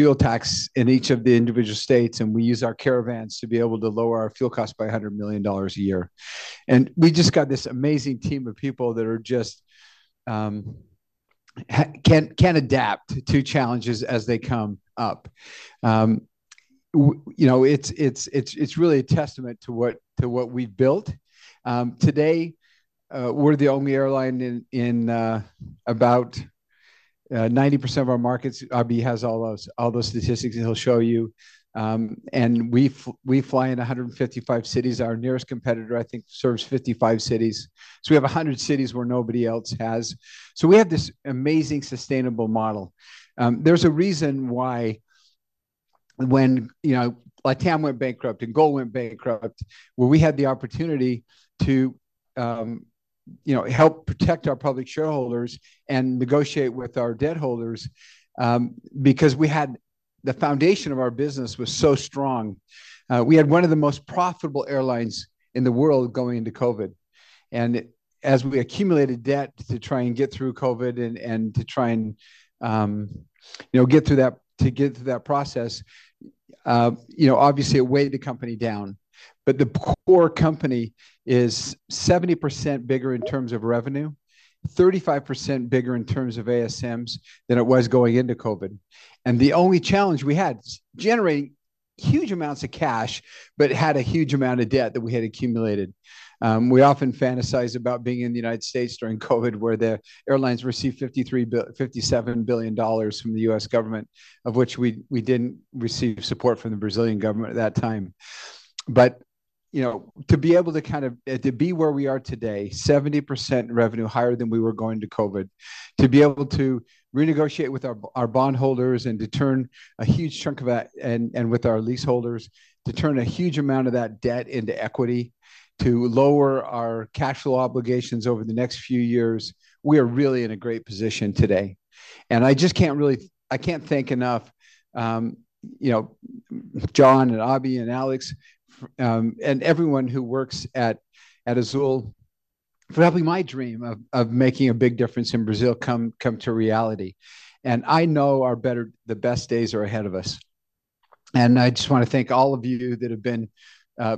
Fuel tax in each of the individual states, and we use our Caravans to be able to lower our fuel costs by $100 million a year. And we just got this amazing team of people that are just, can adapt to challenges as they come up. You know, it's really a testament to what we've built. Today, we're the only airline in about 90% of our markets. Abhi has all those statistics, and he'll show you. And we fly in 155 cities. Our nearest competitor, I think, serves 55 cities. So we have 100 cities where nobody else has. So we have this amazing sustainable model. There's a reason why when, you know, LATAM went bankrupt and Gol went bankrupt, where we had the opportunity to, you know, help protect our public shareholders and negotiate with our debt holders, because we had the foundation of our business was so strong. We had one of the most profitable airlines in the world going into COVID. As we accumulated debt to try and get through COVID and to try and, you know, get through that process, you know, obviously it weighed the company down. But the core company is 70% bigger in terms of revenue, 35% bigger in terms of ASMs than it was going into COVID. And the only challenge we had was generating huge amounts of cash, but had a huge amount of debt that we had accumulated. We often fantasize about being in the United States during COVID, where the airlines received $53 billion-$57 billion from the U.S. government, of which we didn't receive support from the Brazilian government at that time. You know, to be able to kind of be where we are today, 70% revenue higher than we were going into COVID, to be able to renegotiate with our bondholders and determine a huge chunk of that, and with our leaseholders, to turn a huge amount of that debt into equity to lower our cash flow obligations over the next few years, we are really in a great position today. I just can't thank enough, you know, John and Abhi and Alexandre, and everyone who works at Azul for helping my dream of making a big difference in Brazil come to reality. I know our best days are ahead of us. I just want to thank all of you that have been,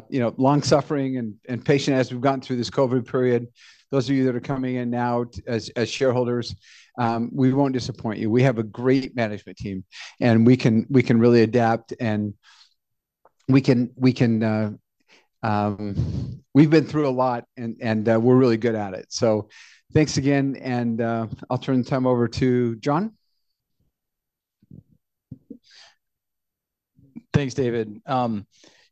you know, long-suffering and patient as we've gone through this COVID period. Those of you that are coming in now as shareholders, we won't disappoint you. We have a great management team, and we can really adapt, and we can. We've been through a lot, and we're really good at it. So thanks again, and I'll turn the time over to John. Thanks, David. You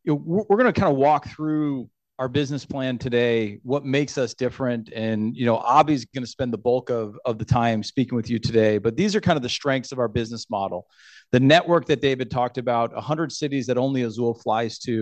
know, we're going to kind of walk through our business plan today, what makes us different, and you know, Abhi's going to spend the bulk of the time speaking with you today. But these are kind of the strengths of our business model. The network that David talked about, 100 cities that only Azul flies to,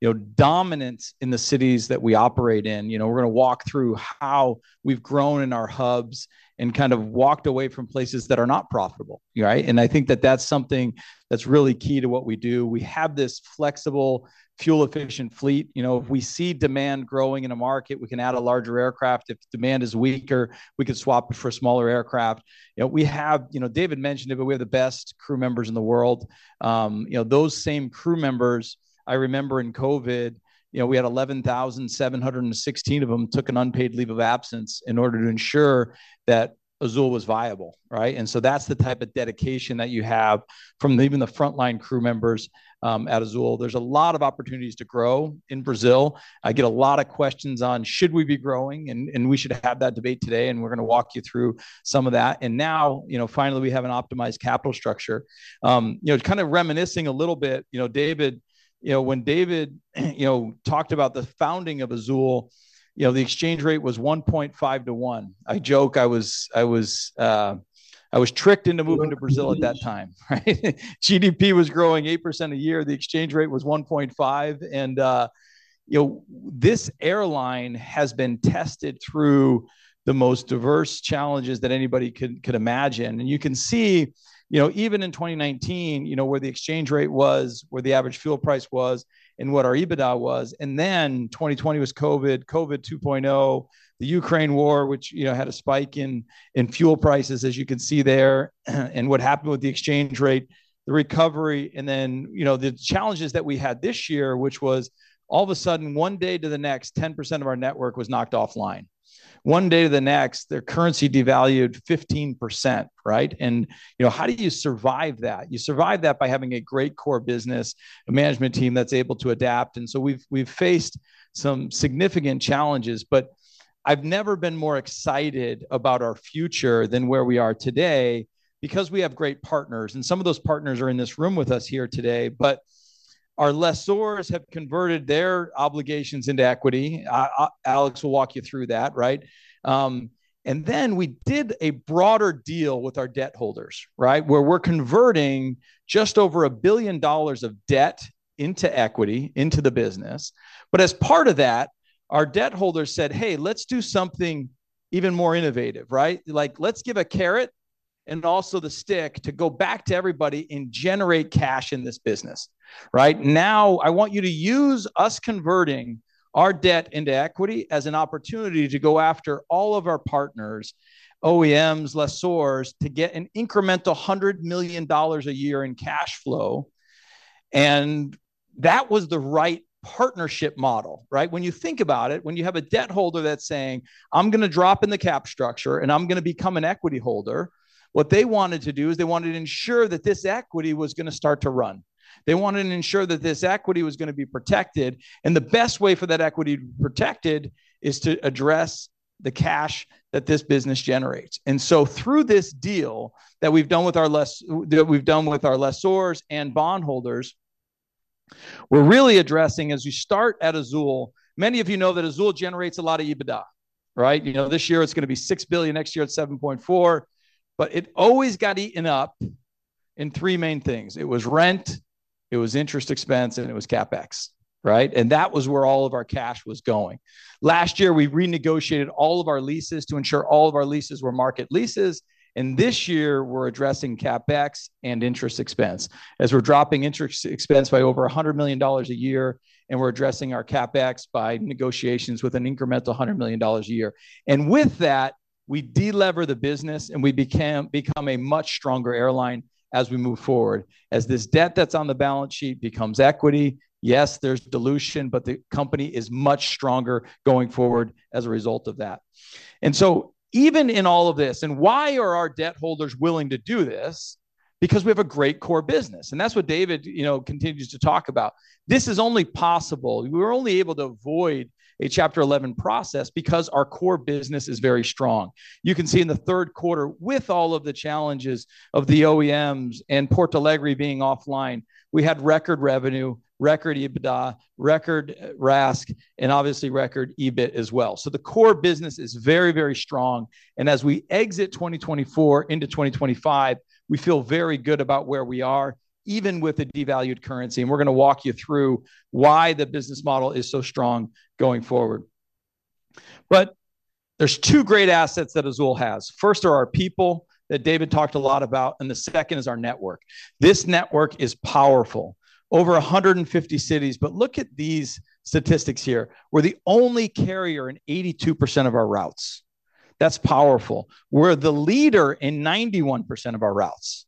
you know, dominance in the cities that we operate in. You know, we're going to walk through how we've grown in our hubs and kind of walked away from places that are not profitable, right, and I think that's something that's really key to what we do. We have this flexible, fuel-efficient fleet. You know, if we see demand growing in a market, we can add a larger aircraft. If demand is weaker, we can swap it for a smaller aircraft. You know, we have, you know, David mentioned it, but we have the best crew members in the world. You know, those same crew members, I remember in COVID, you know, we had 11,716 of them took an unpaid leave of absence in order to ensure that Azul was viable, right? And so that's the type of dedication that you have from even the frontline crew members, at Azul. There's a lot of opportunities to grow in Brazil. I get a lot of questions on, should we be growing? And we should have that debate today, and we're going to walk you through some of that. And now, you know, finally, we have an optimized capital structure. You know, kind of reminiscing a little bit, you know, David, you know, when David, you know, talked about the founding of Azul, you know, the exchange rate was 1.5 to 1. I joke. I was tricked into moving to Brazil at that time, right? GDP was growing 8% a year. The exchange rate was 1.5. And, you know, this airline has been tested through the most diverse challenges that anybody could imagine. And you can see, you know, even in 2019, you know, where the exchange rate was, where the average fuel price was, and what our EBITDA was. And then 2020 was COVID, COVID 2.0, the Ukraine war, which, you know, had a spike in fuel prices, as you can see there, and what happened with the exchange rate, the recovery, and then, you know, the challenges that we had this year, which was all of a sudden, one day to the next, 10% of our network was knocked offline. One day to the next, their currency devalued 15%, right? You know, how do you survive that? You survive that by having a great core business, a management team that's able to adapt. We've faced some significant challenges. I've never been more excited about our future than where we are today because we have great partners. Some of those partners are in this room with us here today, but our lessors have converted their obligations into equity. Alexandre will walk you through that, right? Then we did a broader deal with our debt holders, right, where we're converting just over $1 billion of debt into equity, into the business. As part of that, our debt holders said, "Hey, let's do something even more innovative," right? Like, "Let's give a carrot and also the stick to go back to everybody and generate cash in this business," right? Now, I want you to use us converting our debt into equity as an opportunity to go after all of our partners, OEMs, lessors, to get an incremental $100 million a year in cash flow. And that was the right partnership model, right? When you think about it, when you have a debt holder that's saying, "I'm going to drop in the cap structure, and I'm going to become an equity holder," what they wanted to do is they wanted to ensure that this equity was going to start to run. They wanted to ensure that this equity was going to be protected. And the best way for that equity to be protected is to address the cash that this business generates. Through this deal that we've done with our lessors and bondholders, we're really addressing. As we start at Azul, many of you know that Azul generates a lot of EBITDA, right? You know, this year it's going to be $6 billion. Next year, it's $7.4 billion. But it always got eaten up in three main things. It was rent, it was interest expense, and it was CapEx, right? That was where all of our cash was going. Last year, we renegotiated all of our leases to ensure all of our leases were market leases. This year, we're addressing CapEx and interest expense as we're dropping interest expense by over $100 million a year. We're addressing our CapEx by negotiations with an incremental $100 million a year. And with that, we delever the business, and we become a much stronger airline as we move forward, as this debt that's on the balance sheet becomes equity. Yes, there's dilution, but the company is much stronger going forward as a result of that. And so even in all of this, and why are our debt holders willing to do this? Because we have a great core business. And that's what David, you know, continues to talk about. This is only possible. We were only able to avoid a Chapter 11 process because our core business is very strong. You can see in the third quarter, with all of the challenges of the OEMs and Porto Alegre being offline, we had record revenue, record EBITDA, record RASK, and obviously record EBIT as well. So the core business is very, very strong. As we exit 2024 into 2025, we feel very good about where we are, even with a devalued currency. We're going to walk you through why the business model is so strong going forward. There's two great assets that Azul has. First are our people that David talked a lot about, and the second is our network. This network is powerful. Over 150 cities. Look at these statistics here. We're the only carrier in 82% of our routes. That's powerful. We're the leader in 91% of our routes.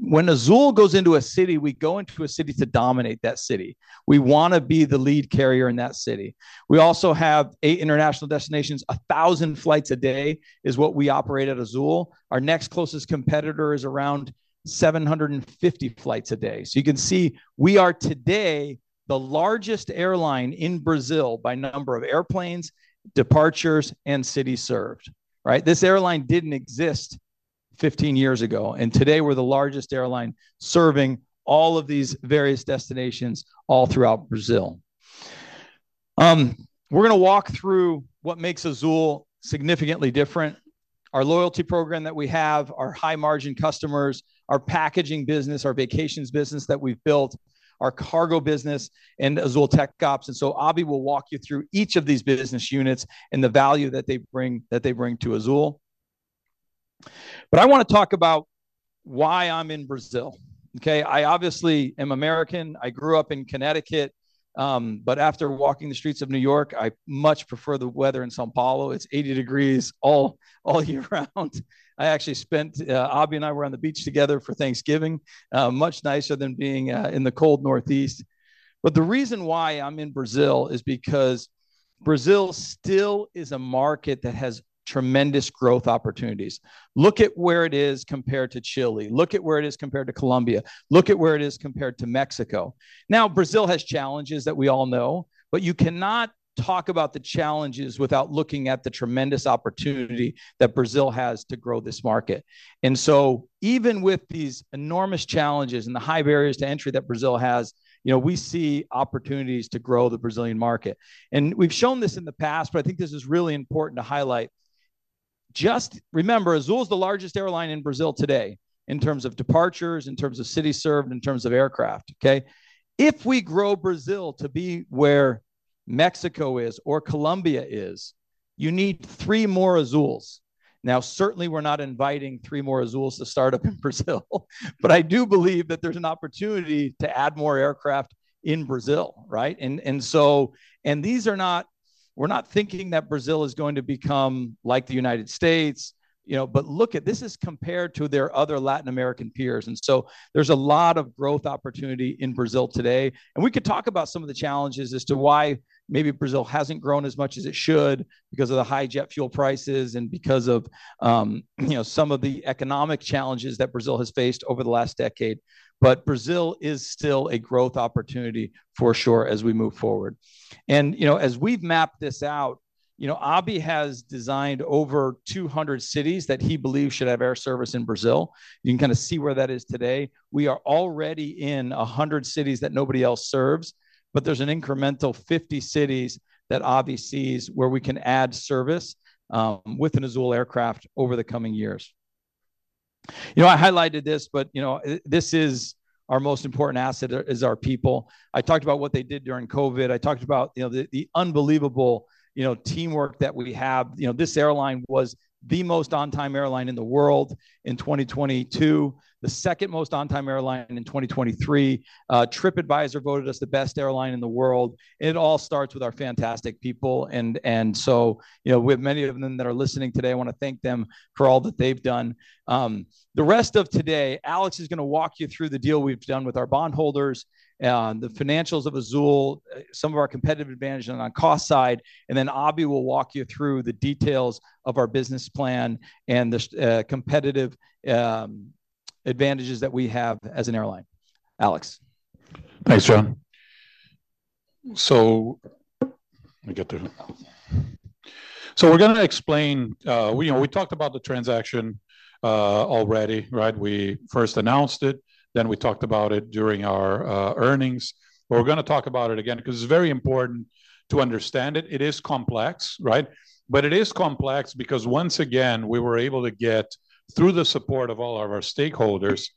When Azul goes into a city, we go into a city to dominate that city. We want to be the lead carrier in that city. We also have eight international destinations. 1,000 flights a day is what we operate at Azul. Our next closest competitor is around 750 flights a day. So you can see we are today the largest airline in Brazil by number of airplanes, departures, and cities served, right? This airline didn't exist 15 years ago. And today, we're the largest airline serving all of these various destinations all throughout Brazil. We're going to walk through what makes Azul significantly different: our loyalty program that we have, our high-margin customers, our packaging business, our vacations business that we've built, our cargo business, and Azul TecOps. And so Abhi will walk you through each of these business units and the value that they bring to Azul. But I want to talk about why I'm in Brazil, okay? I obviously am American. I grew up in Connecticut. But after walking the streets of New York, I much prefer the weather in São Paulo. It's 80 degrees Fahrenheit all year round. I actually spent, Abhi and I were on the beach together for Thanksgiving. Much nicer than being in the cold northeast, but the reason why I'm in Brazil is because Brazil still is a market that has tremendous growth opportunities. Look at where it is compared to Chile. Look at where it is compared to Colombia. Look at where it is compared to Mexico. Now, Brazil has challenges that we all know, but you cannot talk about the challenges without looking at the tremendous opportunity that Brazil has to grow this market, and so even with these enormous challenges and the high barriers to entry that Brazil has, you know, we see opportunities to grow the Brazilian market, and we've shown this in the past, but I think this is really important to highlight. Just remember, Azul is the largest airline in Brazil today in terms of departures, in terms of cities served, in terms of aircraft, okay? If we grow Brazil to be where Mexico is or Colombia is, you need three more Azuls. Now, certainly, we're not inviting three more Azuls to start up in Brazil, but I do believe that there's an opportunity to add more aircraft in Brazil, right? And so these are not. We're not thinking that Brazil is going to become like the United States, you know, but look at this is compared to their other Latin American peers. And so there's a lot of growth opportunity in Brazil today. We could talk about some of the challenges as to why maybe Brazil hasn't grown as much as it should because of the high jet fuel prices and because of, you know, some of the economic challenges that Brazil has faced over the last decade. But Brazil is still a growth opportunity for sure as we move forward. And, you know, as we've mapped this out, you know, Abhi has designed over 200 cities that he believes should have air service in Brazil. You can kind of see where that is today. We are already in 100 cities that nobody else serves, but there's an incremental 50 cities that Abhi sees where we can add service, with an Azul aircraft over the coming years. You know, I highlighted this, but, you know, this is our most important asset is our people. I talked about what they did during COVID. I talked about, you know, the unbelievable, you know, teamwork that we have. You know, this airline was the most on-time airline in the world in 2022, the second most on-time airline in 2023. TripAdvisor voted us the best airline in the world. It all starts with our fantastic people. And so, you know, with many of them that are listening today, I want to thank them for all that they've done. The rest of today, Alexandre is going to walk you through the deal we've done with our bondholders, the financials of Azul, some of our competitive advantage on our cost side, and then Abhi will walk you through the details of our business plan and the competitive advantages that we have as an airline. Alexandre. Thanks, John. So let me get there. So we're going to explain, you know, we talked about the transaction, already, right? We first announced it. Then we talked about it during our earnings. But we're going to talk about it again because it's very important to understand it. It is complex, right? But it is complex because, once again, we were able to get, through the support of all of our stakeholders,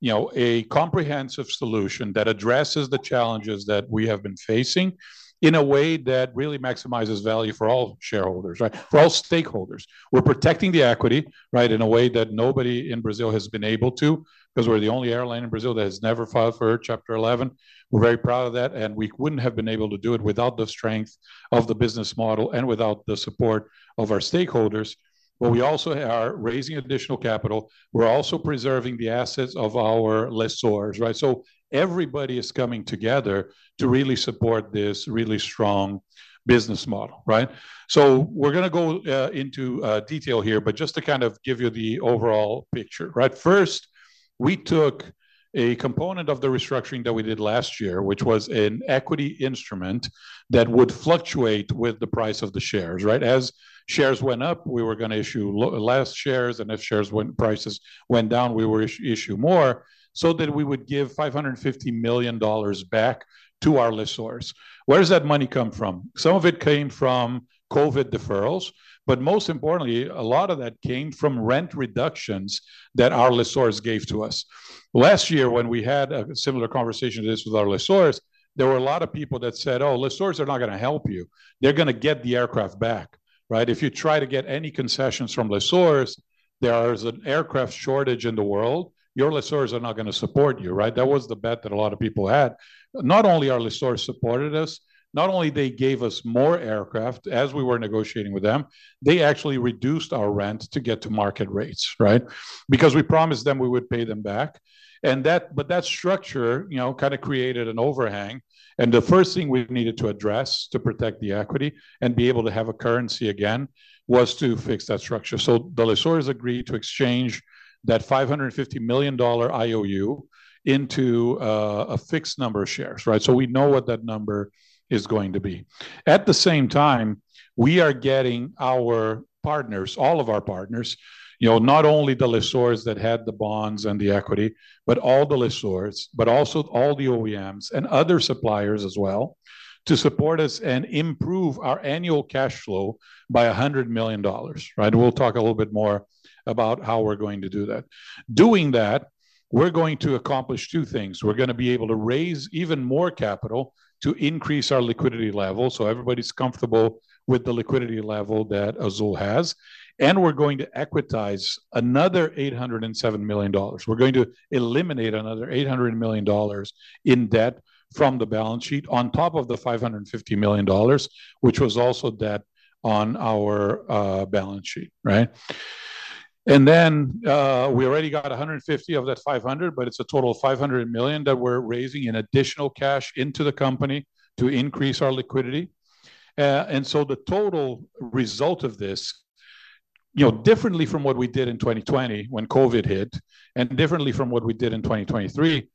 you know, a comprehensive solution that addresses the challenges that we have been facing in a way that really maximizes value for all shareholders, right? For all stakeholders. We're protecting the equity, right, in a way that nobody in Brazil has been able to because we're the only airline in Brazil that has never filed for Chapter 11. We're very proud of that. We wouldn't have been able to do it without the strength of the business model and without the support of our stakeholders. We also are raising additional capital. We're also preserving the assets of our lessors, right? Everybody is coming together to really support this really strong business model, right? We're going to go into detail here, but just to kind of give you the overall picture, right? First, we took a component of the restructuring that we did last year, which was an equity instrument that would fluctuate with the price of the shares, right? As shares went up, we were going to issue less shares. And if share prices went down, we would issue more so that we would give $550 million back to our lessors. Where does that money come from? Some of it came from COVID deferrals. But most importantly, a lot of that came from rent reductions that our lessors gave to us. Last year, when we had a similar conversation to this with our lessors, there were a lot of people that said, "Oh, lessors are not going to help you. They're going to get the aircraft back," right? If you try to get any concessions from lessors, there is an aircraft shortage in the world. Your lessors are not going to support you, right? That was the bet that a lot of people had. Not only our lessors supported us, not only did they give us more aircraft as we were negotiating with them, they actually reduced our rent to get to market rates, right? Because we promised them we would pay them back. And that structure, you know, kind of created an overhang. And the first thing we needed to address to protect the equity and be able to have a currency again was to fix that structure. So the lessors agreed to exchange that $550 million IOU into a fixed number of shares, right? So we know what that number is going to be. At the same time, we are getting our partners, all of our partners, you know, not only the lessors that had the bonds and the equity, but all the lessors, but also all the OEMs and other suppliers as well to support us and improve our annual cash flow by $100 million, right? We'll talk a little bit more about how we're going to do that. Doing that, we're going to accomplish two things. We're going to be able to raise even more capital to increase our liquidity level so everybody's comfortable with the liquidity level that Azul has. And we're going to equitize another $807 million. We're going to eliminate another $800 million in debt from the balance sheet on top of the $550 million, which was also debt on our balance sheet, right? And then, we already got 150 of that 500, but it's a total of 500 million that we're raising in additional cash into the company to increase our liquidity. And so the total result of this, you know, differently from what we did in 2020 when COVID hit and differently from what we did in 2023,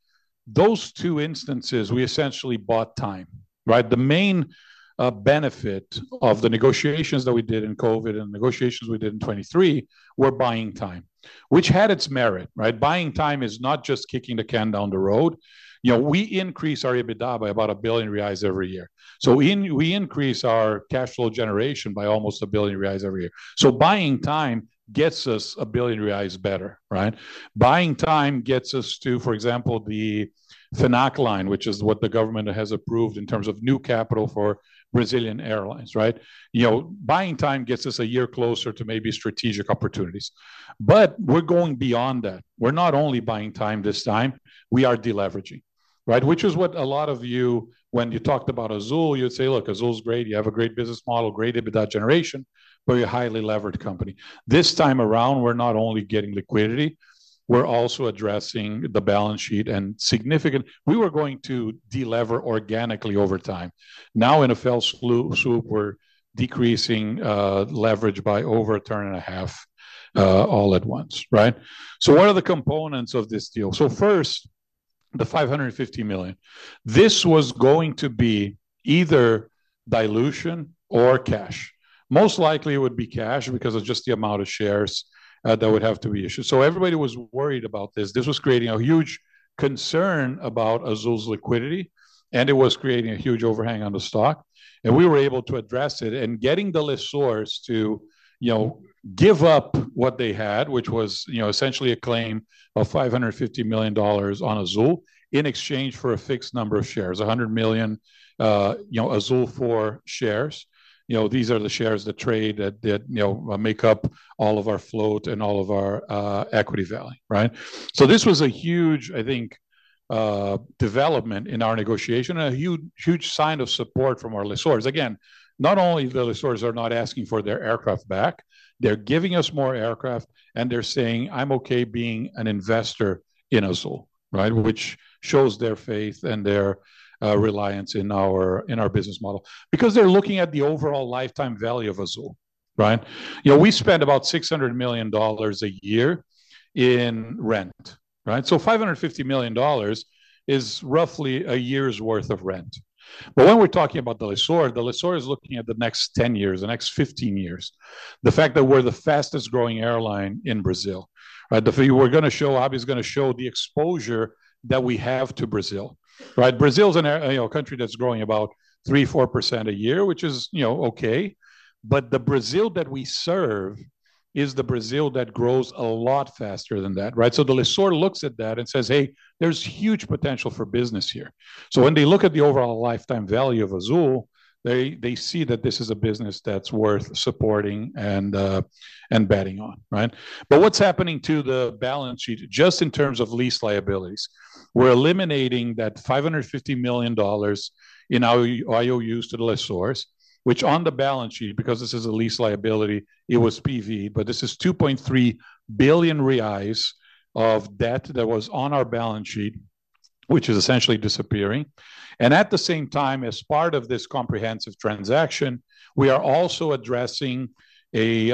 those two instances, we essentially bought time, right? The main benefit of the negotiations that we did in COVID and the negotiations we did in 2023 were buying time, which had its merit, right? Buying time is not just kicking the can down the road. You know, we increase our EBITDA by about 1 billion reais every year. So we increase our cash flow generation by almost 1 billion reais every year. So buying time gets us 1 billion reais better, right? Buying time gets us to, for example, the FNAC line, which is what the government has approved in terms of new capital for Brazilian airlines, right? You know, buying time gets us a year closer to maybe strategic opportunities. But we're going beyond that. We're not only buying time this time. We are deleveraging, right? Which is what a lot of you, when you talked about Azul, you'd say, "Look, Azul is great. You have a great business model, great EBITDA generation, but you're a highly levered company." This time around, we're not only getting liquidity. We're also addressing the balance sheet, and significantly we were going to delever organically over time. Now, in a fell swoop, we're decreasing leverage by over a turn and a half, all at once, right? So what are the components of this deal? So first, the $550 million. This was going to be either dilution or cash. Most likely, it would be cash because of just the amount of shares that would have to be issued. So everybody was worried about this. This was creating a huge concern about Azul's liquidity, and it was creating a huge overhang on the stock. We were able to address it and getting the lessors to, you know, give up what they had, which was, you know, essentially a claim of $550 million on Azul in exchange for a fixed number of shares, 100 million, you know, Azul for shares. You know, these are the shares that trade that, you know, make up all of our float and all of our equity value, right? So this was a huge, I think, development in our negotiation and a huge, huge sign of support from our lessors. Again, not only the lessors are not asking for their aircraft back, they're giving us more aircraft, and they're saying, "I'm okay being an investor in Azul," right? Which shows their faith and their reliance in our business model because they're looking at the overall lifetime value of Azul, right? You know, we spend about $600 million a year in rent, right? So $550 million is roughly a year's worth of rent. But when we're talking about the lessor, the lessor is looking at the next 10 years, the next 15 years, the fact that we're the fastest growing airline in Brazil, right? Abhi is going to show the exposure that we have to Brazil, right? Brazil is a, you know, country that's growing about 3%, 4% a year, which is, you know, okay. But the Brazil that we serve is the Brazil that grows a lot faster than that, right? So the lessor looks at that and says, "Hey, there's huge potential for business here." So when they look at the overall lifetime value of Azul, they see that this is a business that's worth supporting and betting on, right? But what's happening to the balance sheet just in terms of lease liabilities? We're eliminating that $550 million in our IOUs to the lessors, which on the balance sheet, because this is a lease liability, it was PV, but this is 2.3 billion reais of debt that was on our balance sheet, which is essentially disappearing. And at the same time, as part of this comprehensive transaction, we are also addressing a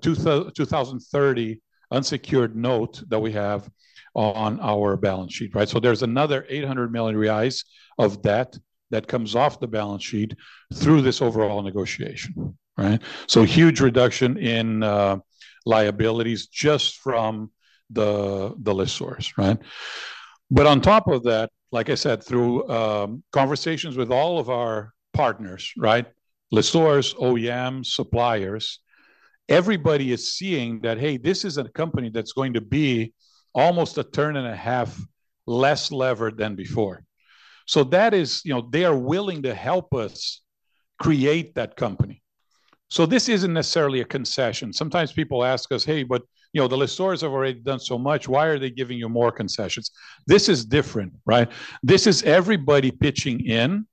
2030 unsecured note that we have on our balance sheet, right? So there's another 800 million reais of debt that comes off the balance sheet through this overall negotiation, right? So huge reduction in liabilities just from the lessors, right? But on top of that, like I said, through conversations with all of our partners, right? Lessors, OEMs, suppliers, everybody is seeing that, "Hey, this is a company that's going to be almost a turn and a half less levered than before." So that is, you know, they are willing to help us create that company. So this isn't necessarily a concession. Sometimes people ask us, "Hey, but, you know, the lessors have already done so much. Why are they giving you more concessions?" This is different, right? This is everybody pitching in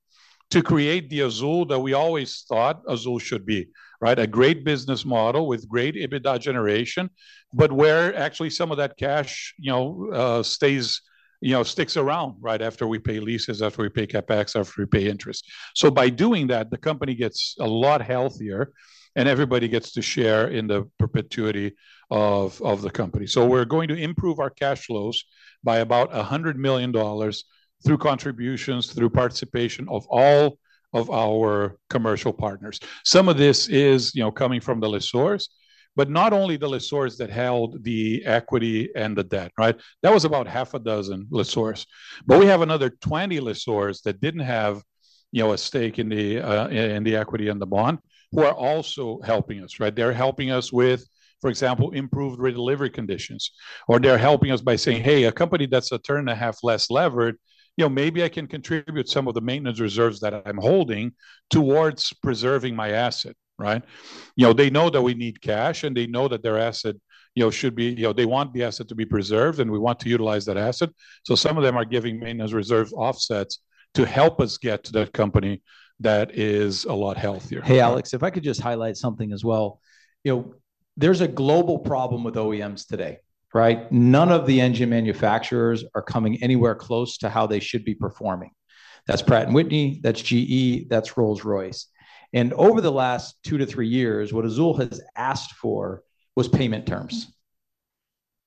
to create the Azul that we always thought Azul should be, right? A great business model with great EBITDA generation, but where actually some of that cash, you know, stays, you know, sticks around right after we pay leases, after we pay CapEx, after we pay interest. So by doing that, the company gets a lot healthier, and everybody gets to share in the perpetuity of the company. So we're going to improve our cash flows by about $100 million through contributions, through participation of all of our commercial partners. Some of this is, you know, coming from the lessors, but not only the lessors that held the equity and the debt, right? That was about half a dozen lessors. But we have another 20 lessors that didn't have, you know, a stake in the, in the equity and the bond who are also helping us, right? They're helping us with, for example, improved delivery conditions, or they're helping us by saying, "Hey, a company that's a turn and a half less levered, you know, maybe I can contribute some of the maintenance reserves that I'm holding towards preserving my asset," right? You know, they know that we need cash, and they know that their asset, you know, should be, you know, they want the asset to be preserved, and we want to utilize that asset. So some of them are giving maintenance reserve offsets to help us get to that company that is a lot healthier. Hey, Alexandre, if I could just highlight something as well, you know, there's a global problem with OEMs today, right? None of the engine manufacturers are coming anywhere close to how they should be performing. That's Pratt & Whitney. That's GE. That's Rolls-Royce. And over the last two to three years, what Azul has asked for was payment terms,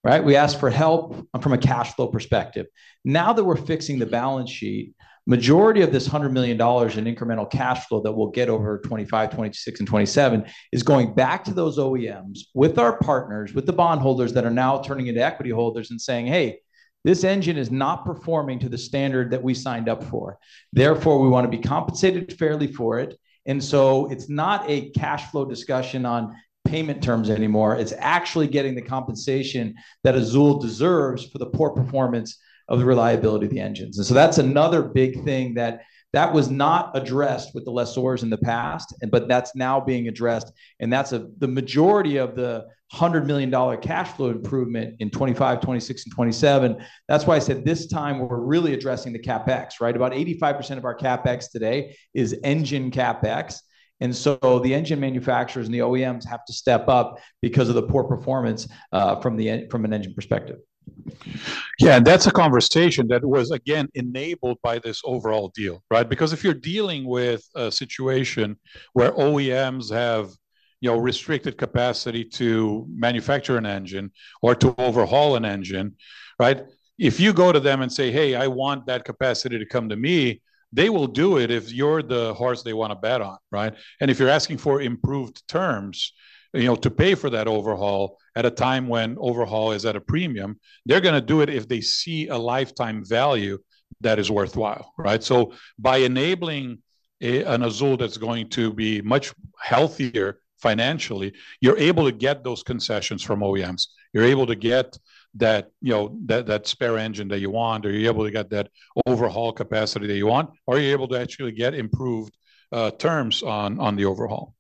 right? We asked for help from a cash flow perspective. Now that we're fixing the balance sheet, the majority of this $100 million in incremental cash flow that we'll get over 2025, 2026, and 2027 is going back to those OEMs with our partners, with the bondholders that are now turning into equity holders and saying, "Hey, this engine is not performing to the standard that we signed up for. Therefore, we want to be compensated fairly for it." And so it's not a cash flow discussion on payment terms anymore. It's actually getting the compensation that Azul deserves for the poor performance of the reliability of the engines. And so that's another big thing that that was not addressed with the lessors in the past, but that's now being addressed. And that's the majority of the $100 million cash flow improvement in 2025, 2026, and 2027. That's why I said this time we're really addressing the CapEx, right? About 85% of our CapEx today is engine CapEx. And so the engine manufacturers and the OEMs have to step up because of the poor performance from an engine perspective. Yeah, and that's a conversation that was, again, enabled by this overall deal, right? Because if you're dealing with a situation where OEMs have, you know, restricted capacity to manufacture an engine or to overhaul an engine, right? If you go to them and say, "Hey, I want that capacity to come to me," they will do it if you're the horse they want to bet on, right? And if you're asking for improved terms, you know, to pay for that overhaul at a time when overhaul is at a premium, they're going to do it if they see a lifetime value that is worthwhile, right? So by enabling an Azul that's going to be much healthier financially, you're able to get those concessions from OEMs. You're able to get that, you know, that spare engine that you want, or you're able to get that overhaul capacity that you want, or you're able to actually get improved terms on the overhaul.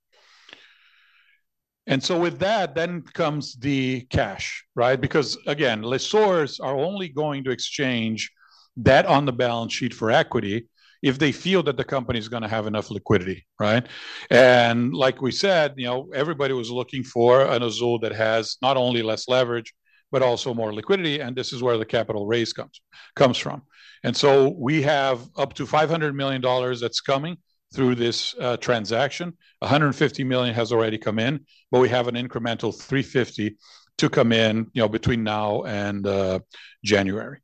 And so with that, then comes the cash, right? Because, again, lessors are only going to exchange that on the balance sheet for equity if they feel that the company is going to have enough liquidity, right? And like we said, you know, everybody was looking for an Azul that has not only less leverage, but also more liquidity. And this is where the capital raise comes from. And so we have up to $500 million that's coming through this transaction. $150 million has already come in, but we have an incremental $350 million to come in, you know, between now and January.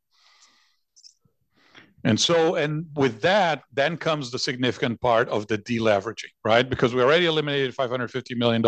And so, and with that, then comes the significant part of the deleveraging, right? Because we already eliminated $550 million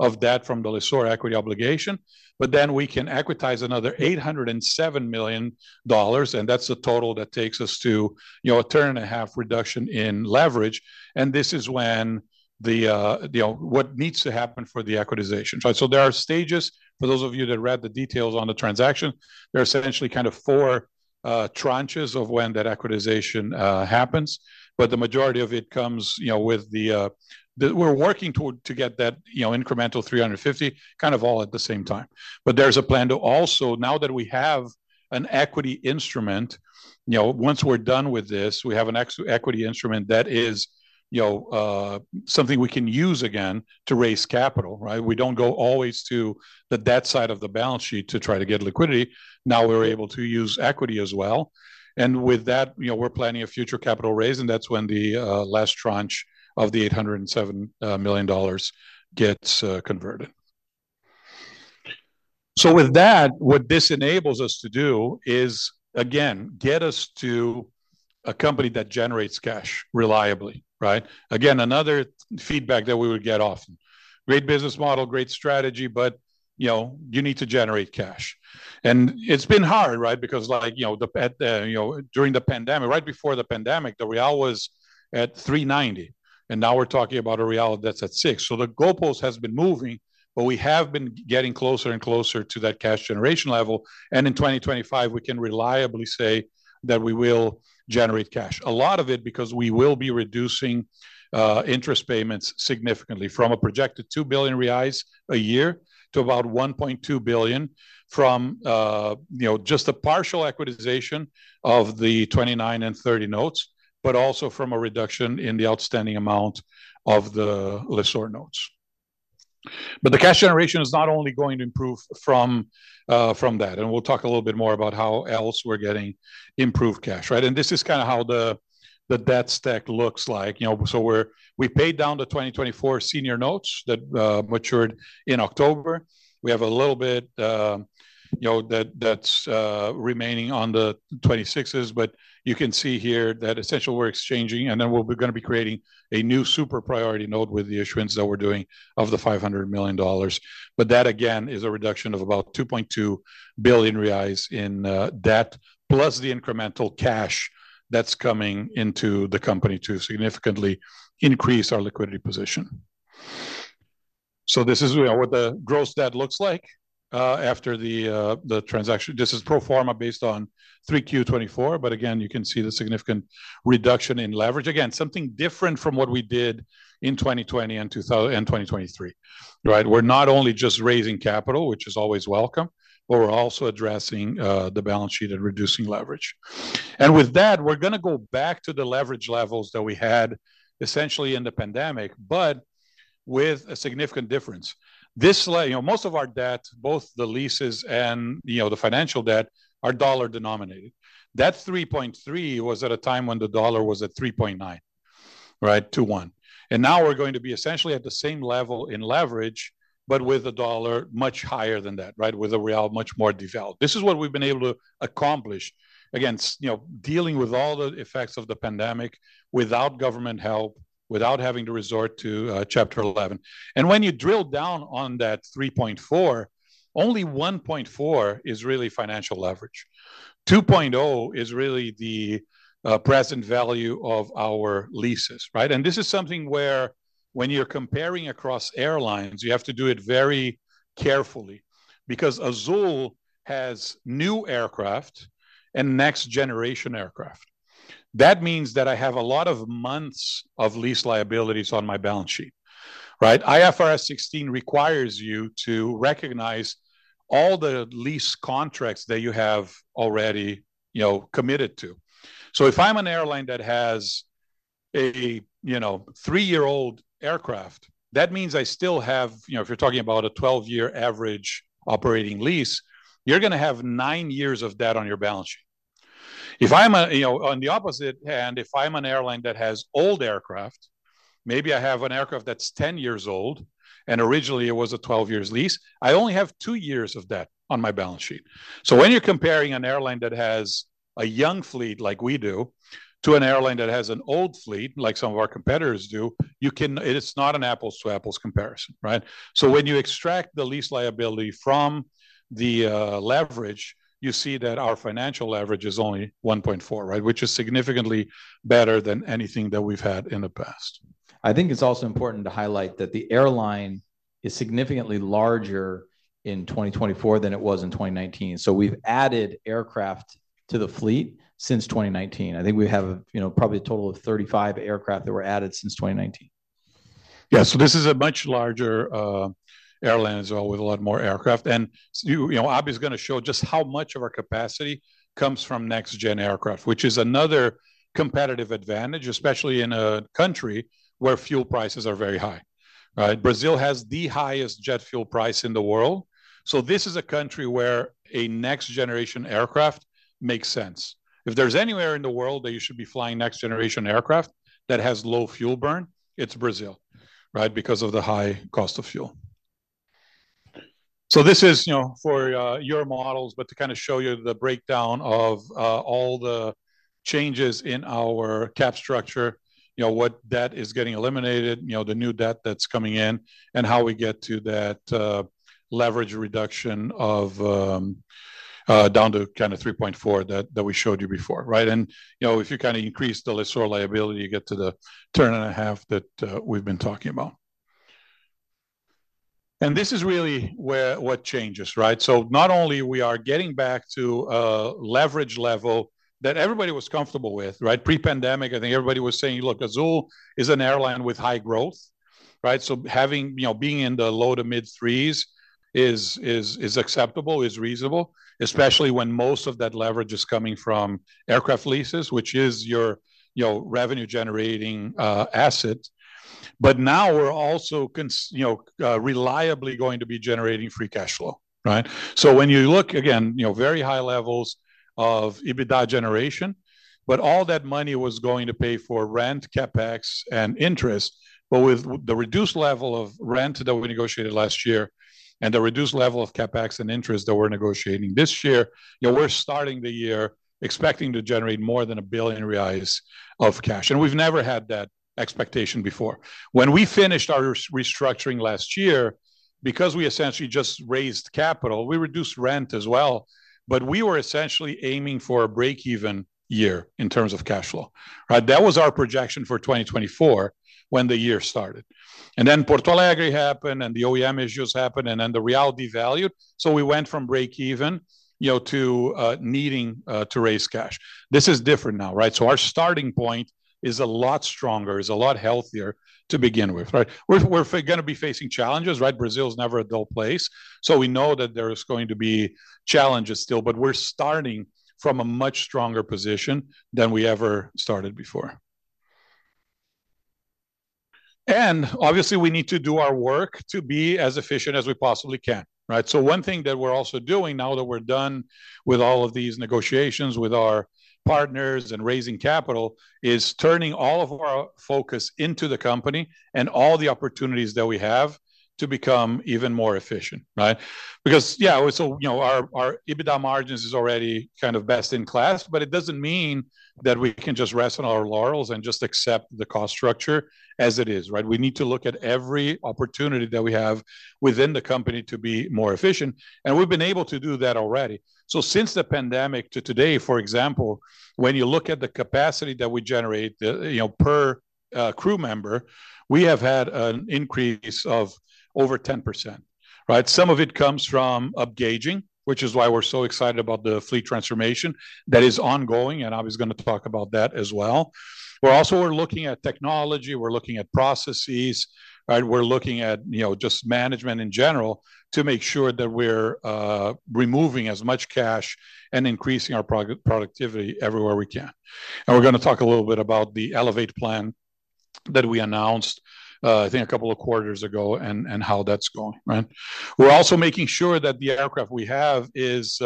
of debt from the lessor equity obligation, but then we can equitize another $807 million, and that's the total that takes us to, you know, a turn and a half reduction in leverage. And this is when the, you know, what needs to happen for the equitization, right? So there are stages, for those of you that read the details on the transaction. There are essentially kind of four tranches of when that equitization happens, but the majority of it comes, you know, with the. We're working toward to get that, you know, incremental $350 million kind of all at the same time. But there's a plan to also, now that we have an equity instrument, you know, once we're done with this, we have an equity instrument that is, you know, something we can use again to raise capital, right? We don't go always to the debt side of the balance sheet to try to get liquidity. Now we're able to use equity as well. And with that, you know, we're planning a future capital raise, and that's when the last tranche of the $807 million gets converted. So with that, what this enables us to do is, again, get us to a company that generates cash reliably, right? Again, another feedback that we would get often, great business model, great strategy, but, you know, you need to generate cash. And it's been hard, right? Because, like, you know, during the pandemic, right before the pandemic, the real was at 3.90, and now we're talking about a real that's at 6.00. So the goalpost has been moving, but we have been getting closer and closer to that cash generation level. In 2025, we can reliably say that we will generate cash, a lot of it because we will be reducing interest payments significantly from a projected $2 billion a year to about $1.2 billion from, you know, just a partial equitization of the 29 and 30 notes, but also from a reduction in the outstanding amount of the lessor notes. The cash generation is not only going to improve from that, and we'll talk a little bit more about how else we're getting improved cash, right? This is kind of how the debt stack looks like, you know. So we're. We paid down the 2024 senior notes that matured in October. We have a little bit, you know, that's remaining on the 26s, but you can see here that essentially we're exchanging, and then we're going to be creating a new super priority note with the issuance that we're doing of the $500 million. But that, again, is a reduction of about $2.2 billion in debt, plus the incremental cash that's coming into the company to significantly increase our liquidity position. So this is what the gross debt looks like after the transaction. This is pro forma based on 3Q24, but again, you can see the significant reduction in leverage. Again, something different from what we did in 2020 and 2023, right? We're not only just raising capital, which is always welcome, but we're also addressing the balance sheet and reducing leverage. And with that, we're going to go back to the leverage levels that we had essentially in the pandemic, but with a significant difference. This, you know, most of our debt, both the leases and, you know, the financial debt are dollar denominated. That 3.3 was at a time when the dollar was at 3.9, right, to 1. And now we're going to be essentially at the same level in leverage, but with the dollar much higher than that, right? With a real much more devalued. This is what we've been able to accomplish against, you know, dealing with all the effects of the pandemic without government help, without having to resort to Chapter 11. And when you drill down on that 3.4, only 1.4 is really financial leverage. 2.0 is really the present value of our leases, right? This is something where when you're comparing across airlines, you have to do it very carefully because Azul has new aircraft and next generation aircraft. That means that I have a lot of months of lease liabilities on my balance sheet, right? IFRS 16 requires you to recognize all the lease contracts that you have already, you know, committed to. So if I'm an airline that has a, you know, three-year-old aircraft, that means I still have, you know, if you're talking about a 12-year average operating lease, you're going to have nine years of debt on your balance sheet. If I'm a, you know, on the opposite hand, if I'm an airline that has old aircraft, maybe I have an aircraft that's 10 years old, and originally it was a 12-year lease, I only have two years of debt on my balance sheet. When you're comparing an airline that has a young fleet like we do to an airline that has an old fleet like some of our competitors do, you can. It's not an apples-to-apples comparison, right? When you extract the lease liability from the leverage, you see that our financial leverage is only 1.4, right? Which is significantly better than anything that we've had in the past. I think it's also important to highlight that the airline is significantly larger in 2024 than it was in 2019. So we've added aircraft to the fleet since 2019. I think we have, you know, probably a total of 35 aircraft that were added since 2019. Yeah, so this is a much larger airline as well with a lot more aircraft. And, you know, Abhi is going to show just how much of our capacity comes from next-gen aircraft, which is another competitive advantage, especially in a country where fuel prices are very high, right? Brazil has the highest jet fuel price in the world. So this is a country where a next-generation aircraft makes sense. If there's anywhere in the world that you should be flying next-generation aircraft that has low fuel burn, it's Brazil, right? Because of the high cost of fuel. So this is, you know, for your models, but to kind of show you the breakdown of all the changes in our cap structure, you know, what debt is getting eliminated, you know, the new debt that's coming in, and how we get to that leverage reduction of down to kind of 3.4 that we showed you before, right? And, you know, if you kind of increase the lessor liability, you get to the turn and a half that we've been talking about. And this is really where what changes, right? So not only we are getting back to a leverage level that everybody was comfortable with, right? Pre-pandemic, I think everybody was saying, look, Azul is an airline with high growth, right? So, having, you know, being in the low to mid-threes is acceptable, is reasonable, especially when most of that leverage is coming from aircraft leases, which is your, you know, revenue-generating asset. But now we're also, you know, reliably going to be generating free cash flow, right? So when you look again, you know, very high levels of EBITDA generation, but all that money was going to pay for rent, CapEx, and interest, but with the reduced level of rent that we negotiated last year and the reduced level of CapEx and interest that we're negotiating this year, you know, we're starting the year expecting to generate more than 1 billion reais of cash. And we've never had that expectation before. When we finished our restructuring last year, because we essentially just raised capital, we reduced rent as well, but we were essentially aiming for a break-even year in terms of cash flow, right? That was our projection for 2024 when the year started. And then Porto Alegre happened and the OEM issues happened and then the real devalued. So we went from break-even, you know, to needing to raise cash. This is different now, right? So our starting point is a lot stronger, is a lot healthier to begin with, right? We're going to be facing challenges, right? Brazil is never a dull place. So we know that there's going to be challenges still, but we're starting from a much stronger position than we ever started before. And obviously we need to do our work to be as efficient as we possibly can, right? One thing that we're also doing now that we're done with all of these negotiations with our partners and raising capital is turning all of our focus into the company and all the opportunities that we have to become even more efficient, right? Because, yeah, so, you know, our EBITDA margins is already kind of best in class, but it doesn't mean that we can just rest on our laurels and just accept the cost structure as it is, right? We need to look at every opportunity that we have within the company to be more efficient. We've been able to do that already. Since the pandemic to today, for example, when you look at the capacity that we generate, you know, per crew member, we have had an increase of over 10%, right? Some of it comes from upgaging, which is why we're so excited about the fleet transformation that is ongoing, and Abhi is going to talk about that as well. We're also, we're looking at technology, we're looking at processes, right? We're looking at, you know, just management in general to make sure that we're removing as much cash and increasing our productivity everywhere we can, and we're going to talk a little bit about the Elevate plan that we announced, I think a couple of quarters ago and how that's going, right? We're also making sure that the aircraft we have is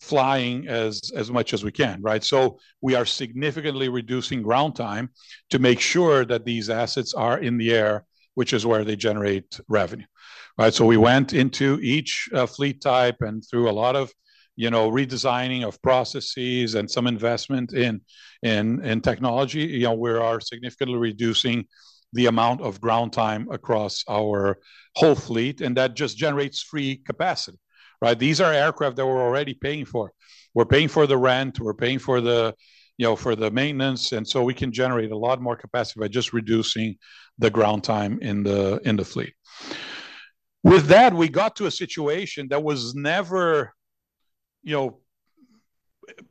flying as much as we can, right? So we are significantly reducing ground time to make sure that these assets are in the air, which is where they generate revenue, right? So we went into each fleet type and through a lot of, you know, redesigning of processes and some investment in technology. You know, we are significantly reducing the amount of ground time across our whole fleet, and that just generates free capacity, right? These are aircraft that we're already paying for. We're paying for the rent. We're paying for the, you know, for the maintenance, and so we can generate a lot more capacity by just reducing the ground time in the fleet. With that, we got to a situation that was never, you know,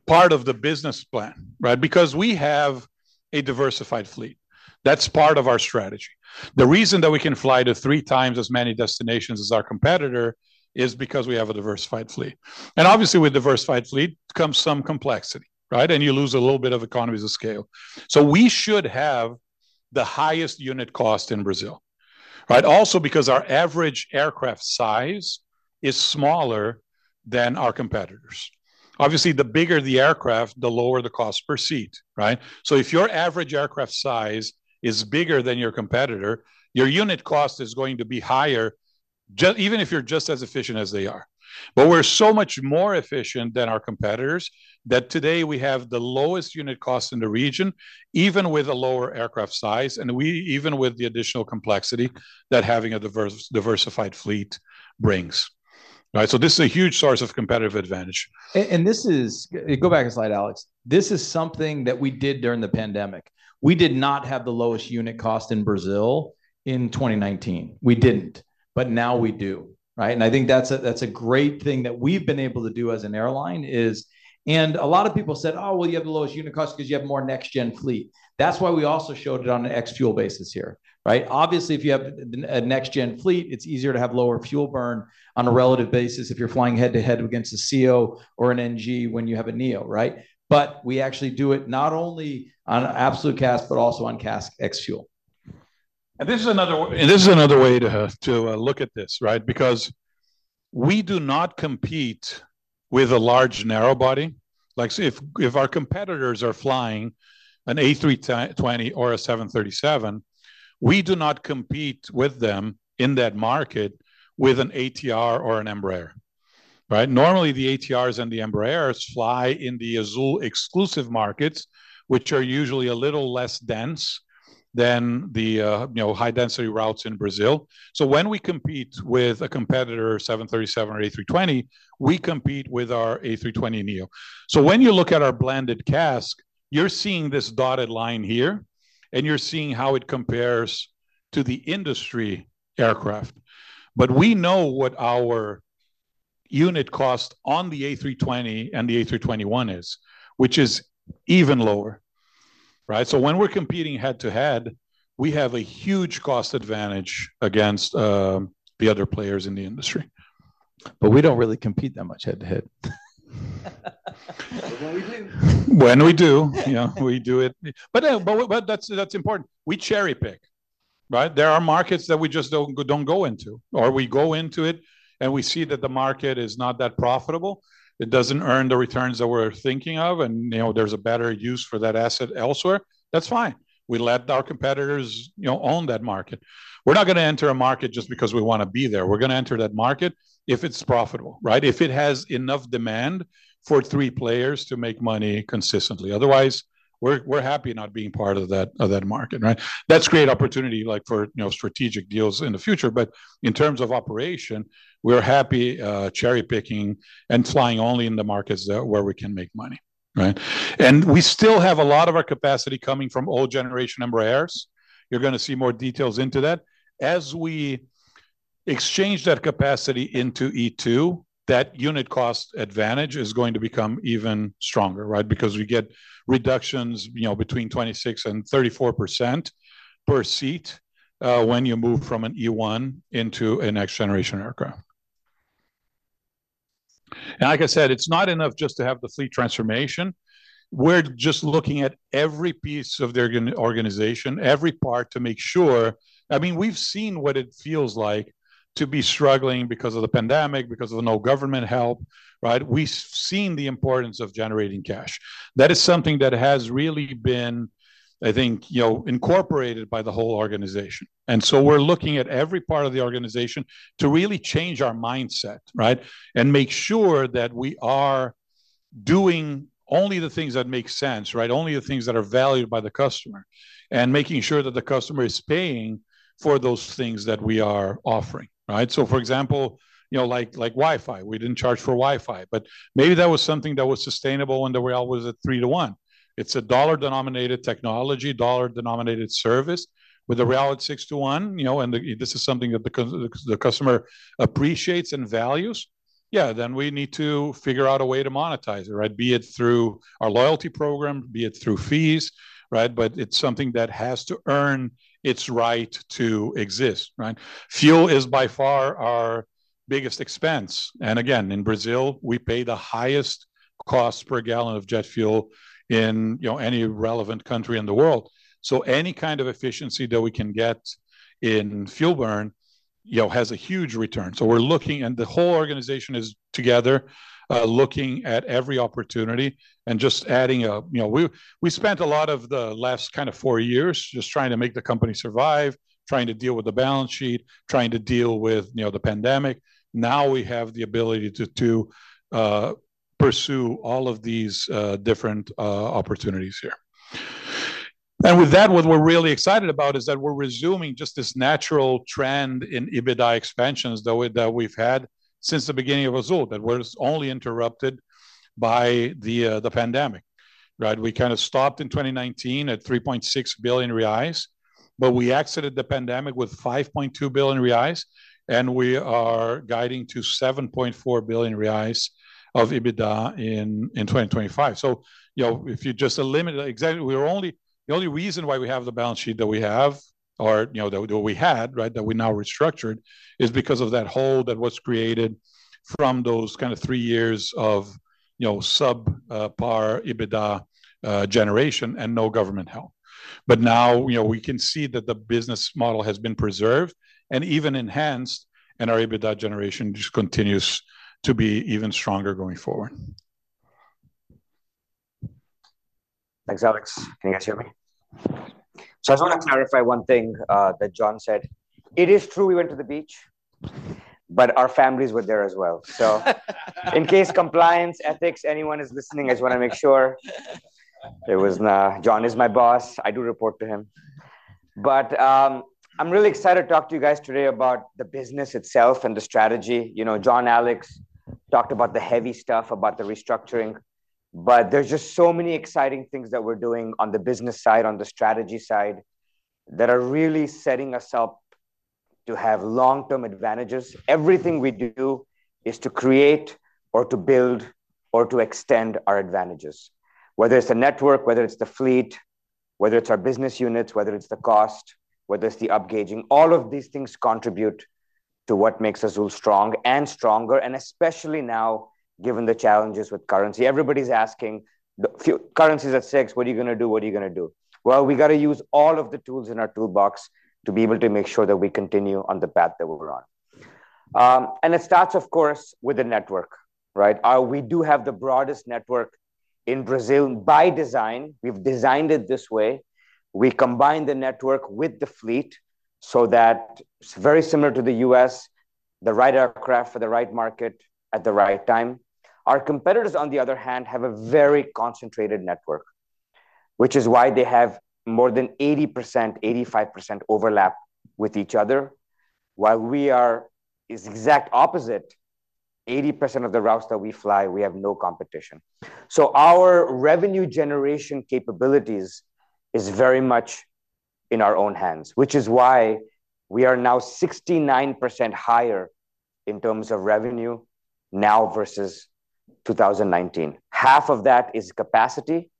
part of the business plan, right? Because we have a diversified fleet. That's part of our strategy. The reason that we can fly to three times as many destinations as our competitor is because we have a diversified fleet. And obviously with diversified fleet comes some complexity, right? You lose a little bit of economies of scale. We should have the highest unit cost in Brazil, right? Also because our average aircraft size is smaller than our competitors. Obviously, the bigger the aircraft, the lower the cost per seat, right? If your average aircraft size is bigger than your competitor, your unit cost is going to be higher just even if you're just as efficient as they are. We're so much more efficient than our competitors that today we have the lowest unit cost in the region, even with a lower aircraft size, and we even with the additional complexity that having a diversified fleet brings, right? This is a huge source of competitive advantage. This is, go back a slide, Alexandre. This is something that we did during the pandemic. We did not have the lowest unit cost in Brazil in 2019. We didn't, but now we do, right? I think that's a great thing that we've been able to do as an airline is, and a lot of people said, "Oh, well, you have the lowest unit cost because you have more next-gen fleet." That's why we also showed it on an ex-fuel basis here, right? Obviously, if you have a next-gen fleet, it's easier to have lower fuel burn on a relative basis if you're flying head-to-head against a CEO or an NG when you have a NEO, right? But we actually do it not only on absolute CASK, but also on CASK ex-fuel. This is another way to look at this, right? Because we do not compete with a large narrow body. Like if our competitors are flying an A320 or a 737, we do not compete with them in that market with an ATR or an Embraer, right? Normally the ATRs and the Embraers fly in the Azul exclusive markets, which are usually a little less dense than the, you know, high-density routes in Brazil. So when we compete with a competitor, 737 or A320, we compete with our A320 NEO. So when you look at our blended CASK, you're seeing this dotted line here and you're seeing how it compares to the industry aircraft. But we know what our unit cost on the A320 and the A321 is, which is even lower, right? So when we're competing head-to-head, we have a huge cost advantage against the other players in the industry. But we don't really compete that much head-to-head. When we do. When we do, yeah, we do it. But that's important. We cherry pick, right? There are markets that we just don't go into, or we go into it and we see that the market is not that profitable. It doesn't earn the returns that we're thinking of, and you know, there's a better use for that asset elsewhere. That's fine. We let our competitors, you know, own that market. We're not going to enter a market just because we want to be there. We're going to enter that market if it's profitable, right? If it has enough demand for three players to make money consistently. Otherwise, we're happy not being part of that market, right? That's great opportunity, like for, you know, strategic deals in the future. But in terms of operation, we're happy cherry picking and flying only in the markets where we can make money, right? We still have a lot of our capacity coming from old generation Embraers. You're going to see more details into that. As we exchange that capacity into E2, that unit cost advantage is going to become even stronger, right? Because we get reductions, you know, between 26%-34% per seat when you move from an E1 into a next-generation aircraft. And like I said, it's not enough just to have the fleet transformation. We're just looking at every piece of their organization, every part to make sure. I mean, we've seen what it feels like to be struggling because of the pandemic, because of no government help, right? We've seen the importance of generating cash. That is something that has really been, I think, you know, incorporated by the whole organization. And so we're looking at every part of the organization to really change our mindset, right? And make sure that we are doing only the things that make sense, right? Only the things that are valued by the customer and making sure that the customer is paying for those things that we are offering, right? So for example, you know, like Wi-Fi, we didn't charge for Wi-Fi, but maybe that was something that was sustainable when the real was at three to one. It's a dollar-denominated technology, dollar-denominated service with a real at six to one, you know, and this is something that the customer appreciates and values. Yeah, then we need to figure out a way to monetize it, right? Be it through our loyalty program, be it through fees, right? But it's something that has to earn its right to exist, right? Fuel is by far our biggest expense. Again, in Brazil, we pay the highest cost per gallon of jet fuel in, you know, any relevant country in the world. Any kind of efficiency that we can get in fuel burn, you know, has a huge return. We are looking and the whole organization is together looking at every opportunity and just adding a, you know, we spent a lot of the last kind of four years just trying to make the company survive, trying to deal with the balance sheet, trying to deal with, you know, the pandemic. Now we have the ability to pursue all of these different opportunities here. With that, what we are really excited about is that we are resuming just this natural trend in EBITDA expansions that we have had since the beginning of Azul that was only interrupted by the pandemic, right? We kind of stopped in 2019 at 3.6 billion reais, but we exited the pandemic with 5.2 billion reais and we are guiding to 7.4 billion reais of EBITDA in 2025. So, you know, if you just eliminate exactly, we're only, the only reason why we have the balance sheet that we have or, you know, that we had, right, that we now restructured is because of that hole that was created from those kind of three years of, you know, subpar EBITDA generation and no government help. But now, you know, we can see that the business model has been preserved and even enhanced and our EBITDA generation just continues to be even stronger going forward. Thanks, Alexandre. Can you guys hear me? So I just want to clarify one thing that John said. It is true we went to the beach, but our families were there as well. So in case compliance, ethics, anyone is listening, I just want to make sure. It was. John is my boss. I do report to him. But I'm really excited to talk to you guys today about the business itself and the strategy. You know, John. Alexandre talked about the heavy stuff about the restructuring, but there's just so many exciting things that we're doing on the business side, on the strategy side that are really setting us up to have long-term advantages. Everything we do is to create or to build or to extend our advantages, whether it's the network, whether it's the fleet, whether it's our business units, whether it's the cost, whether it's the upgauging. All of these things contribute to what makes Azul strong and stronger, and especially now given the challenges with currency. Everybody's asking, currency is at six. What are you going to do? What are you going to do? Well, we got to use all of the tools in our toolbox to be able to make sure that we continue on the path that we're on. And it starts, of course, with the network, right? We do have the broadest network in Brazil by design. We've designed it this way. We combine the network with the fleet so that it's very similar to the U.S., the right aircraft for the right market at the right time. Our competitors, on the other hand, have a very concentrated network, which is why they have more than 80%, 85% overlap with each other. While we are the exact opposite, 80% of the routes that we fly, we have no competition. So our revenue generation capabilities are very much in our own hands, which is why we are now 69% higher in terms of revenue now versus 2019. Half of that is capacity.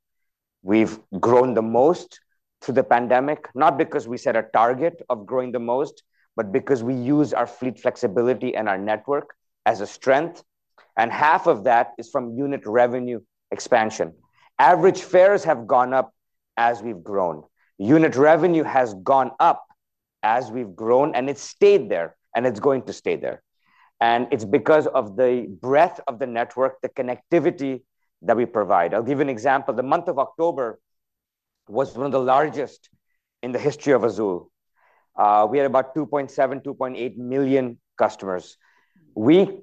We've grown the most through the pandemic, not because we set a target of growing the most, but because we use our fleet flexibility and our network as a strength. And half of that is from unit revenue expansion. Average fares have gone up as we've grown. Unit revenue has gone up as we've grown, and it stayed there, and it's going to stay there. And it's because of the breadth of the network, the connectivity that we provide. I'll give you an example. The month of October was one of the largest in the history of Azul. We had about 2.7-2.8 million customers. We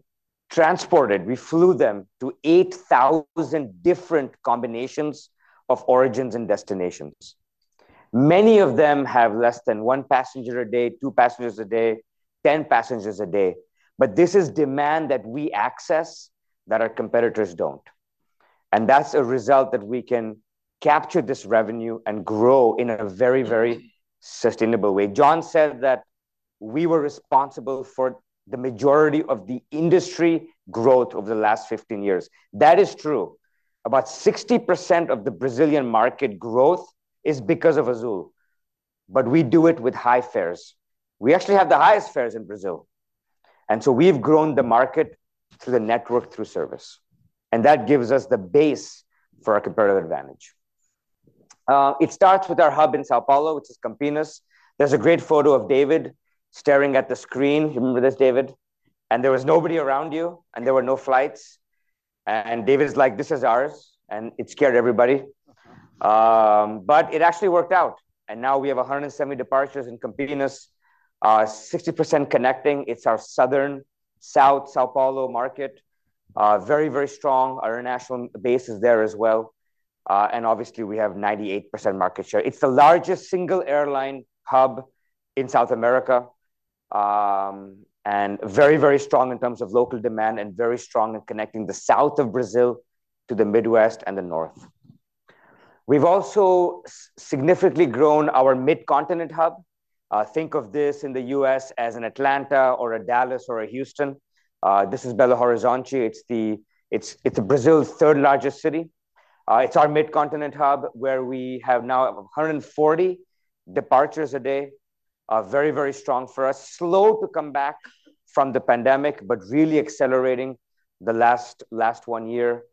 transported, we flew them to 8,000 different combinations of origins and destinations. Many of them have less than one passenger a day, two passengers a day, 10 passengers a day. But this is demand that we access that our competitors don't. And that's a result that we can capture this revenue and grow in a very, very sustainable way. John said that we were responsible for the majority of the industry growth over the last 15 years. That is true. About 60% of the Brazilian market growth is because of Azul, but we do it with high fares. We actually have the highest fares in Brazil. And so we've grown the market through the network, through service. And that gives us the base for our competitive advantage. It starts with our hub in São Paulo, which is Campinas. There's a great photo of David staring at the screen. You remember this, David? And there was nobody around you, and there were no flights. And David's like, "This is ours." And it scared everybody. But it actually worked out. And now we have 170 departures in Campinas, 60% connecting. It's our southern, south São Paulo market. Very, very strong. Our international base is there as well. And obviously, we have 98% market share. It's the largest single airline hub in South America and very, very strong in terms of local demand and very strong in connecting the south of Brazil to the Midwest and the north. We've also significantly grown our mid-continent hub. Think of this in the U.S. as an Atlanta or a Dallas or a Houston. This is Belo Horizonte. It's Brazil's third largest city. It's our mid-continent hub where we have now 140 departures a day. Very, very strong for us. Slow to come back from the pandemic, but really accelerating the last one year,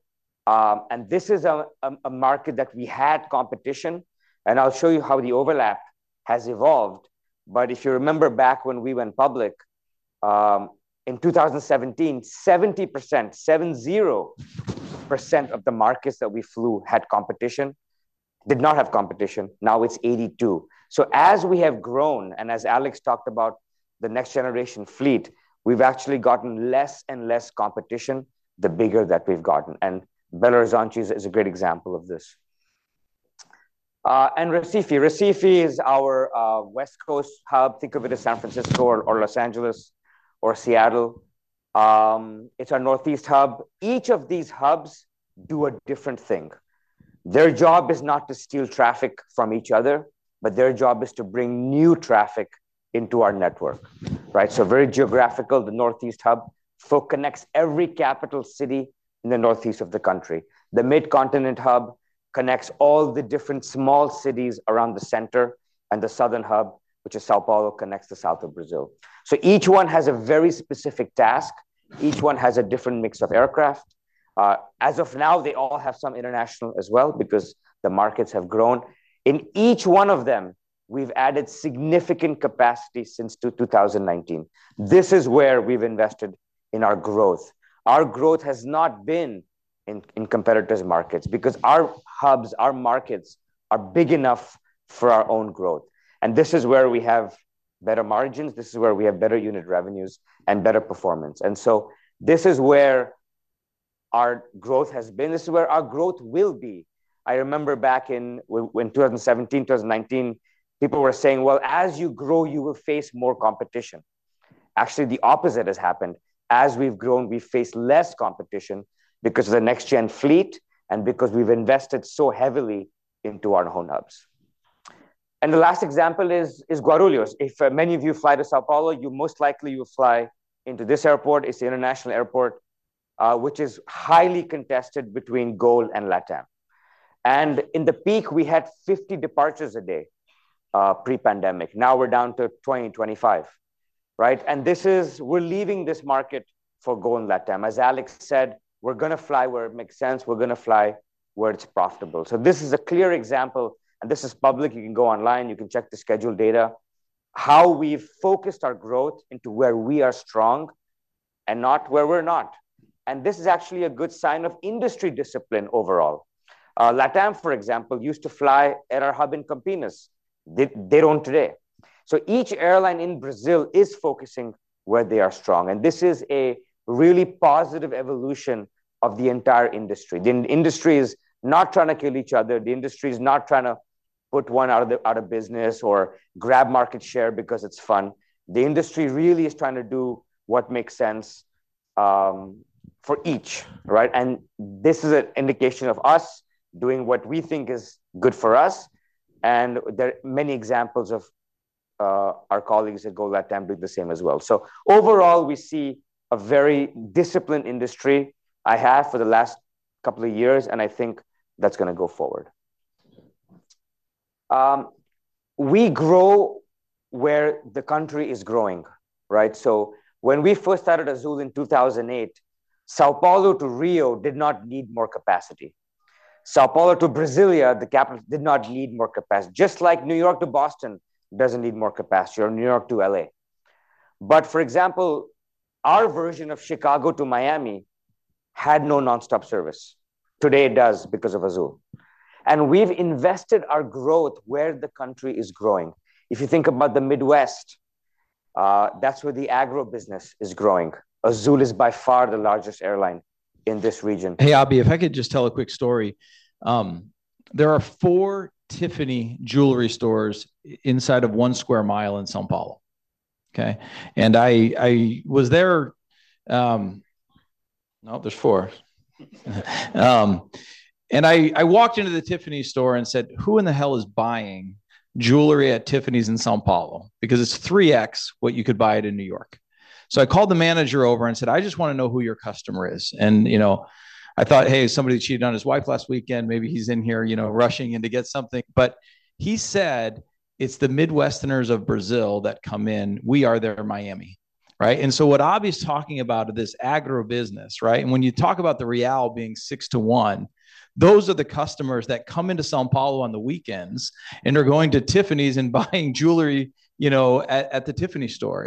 and this is a market that we had competition. I'll show you how the overlap has evolved. If you remember back when we went public in 2017, 70%, 70% of the markets that we flew had competition, did not have competition. Now it's 82%. As we have grown and as Alexandre talked about the next generation fleet, we've actually gotten less and less competition the bigger that we've gotten. Belo Horizonte is a great example of this, and Recife. Recife is our west coast hub. Think of it as San Francisco or Los Angeles or Seattle. It's our northeast hub. Each of these hubs do a different thing. Their job is not to steal traffic from each other, but their job is to bring new traffic into our network, right? So very geographical, the northeast hub. FOC connects every capital city in the northeast of the country. The mid-continent hub connects all the different small cities around the center and the southern hub, which is São Paulo, connects the south of Brazil. So each one has a very specific task. Each one has a different mix of aircraft. As of now, they all have some international as well because the markets have grown. In each one of them, we've added significant capacity since 2019. This is where we've invested in our growth. Our growth has not been in competitors' markets because our hubs, our markets are big enough for our own growth, and this is where we have better margins. This is where we have better unit revenues and better performance. And so this is where our growth has been. This is where our growth will be. I remember back in 2017, 2019, people were saying, "Well, as you grow, you will face more competition." Actually, the opposite has happened. As we've grown, we face less competition because of the next-gen fleet and because we've invested so heavily into our own hubs. And the last example is Guarulhos. If many of you fly to São Paulo, you most likely will fly into this airport. It's the international airport, which is highly contested between Gol and LATAM. And in the peak, we had 50 departures a day pre-pandemic. Now we're down to 20, 25, right? And this is, we're leaving this market for Gol and LATAM. As Alexandre said, we're going to fly where it makes sense. We're going to fly where it's profitable. So this is a clear example, and this is public. You can go online. You can check the schedule data, how we've focused our growth into where we are strong and not where we're not. And this is actually a good sign of industry discipline overall. LATAM, for example, used to fly at our hub in Campinas. They don't today. So each airline in Brazil is focusing where they are strong. And this is a really positive evolution of the entire industry. The industry is not trying to kill each other. The industry is not trying to put one out of business or grab market share because it's fun. The industry really is trying to do what makes sense for each, right? And this is an indication of us doing what we think is good for us. There are many examples of our colleagues at Gol, LATAM doing the same as well. Overall, we see a very disciplined industry. I have for the last couple of years, and I think that's going to go forward. We grow where the country is growing, right? When we first started Azul in 2008, São Paulo to Rio did not need more capacity. São Paulo to Brasília, the capital, did not need more capacity. Just like New York to Boston doesn't need more capacity or New York to LA. For example, our version of Chicago to Miami had no nonstop service. Today it does because of Azul. We've invested our growth where the country is growing. If you think about the Midwest, that's where the agribusiness is growing. Azul is by far the largest airline in this region. Hey, Abhi, if I could just tell a quick story. There are four Tiffany jewelry stores inside of one square mile in São Paulo, okay? And I was there, no, there's four. And I walked into the Tiffany store and said, "Who in the hell is buying jewelry at Tiffany's in São Paulo?" Because it's 3x what you could buy it in New York. So I called the manager over and said, "I just want to know who your customer is." And, you know, I thought, "Hey, somebody cheated on his wife last weekend. Maybe he's in here, you know, rushing in to get something." But he said, "It's the Midwesterners of Brazil that come in. We are their Miami," right? And so what Abhi's talking about is this agro business, right? When you talk about the real being 6-to-1, those are the customers that come into São Paulo on the weekends and are going to Tiffany's and buying jewelry, you know, at the Tiffany store.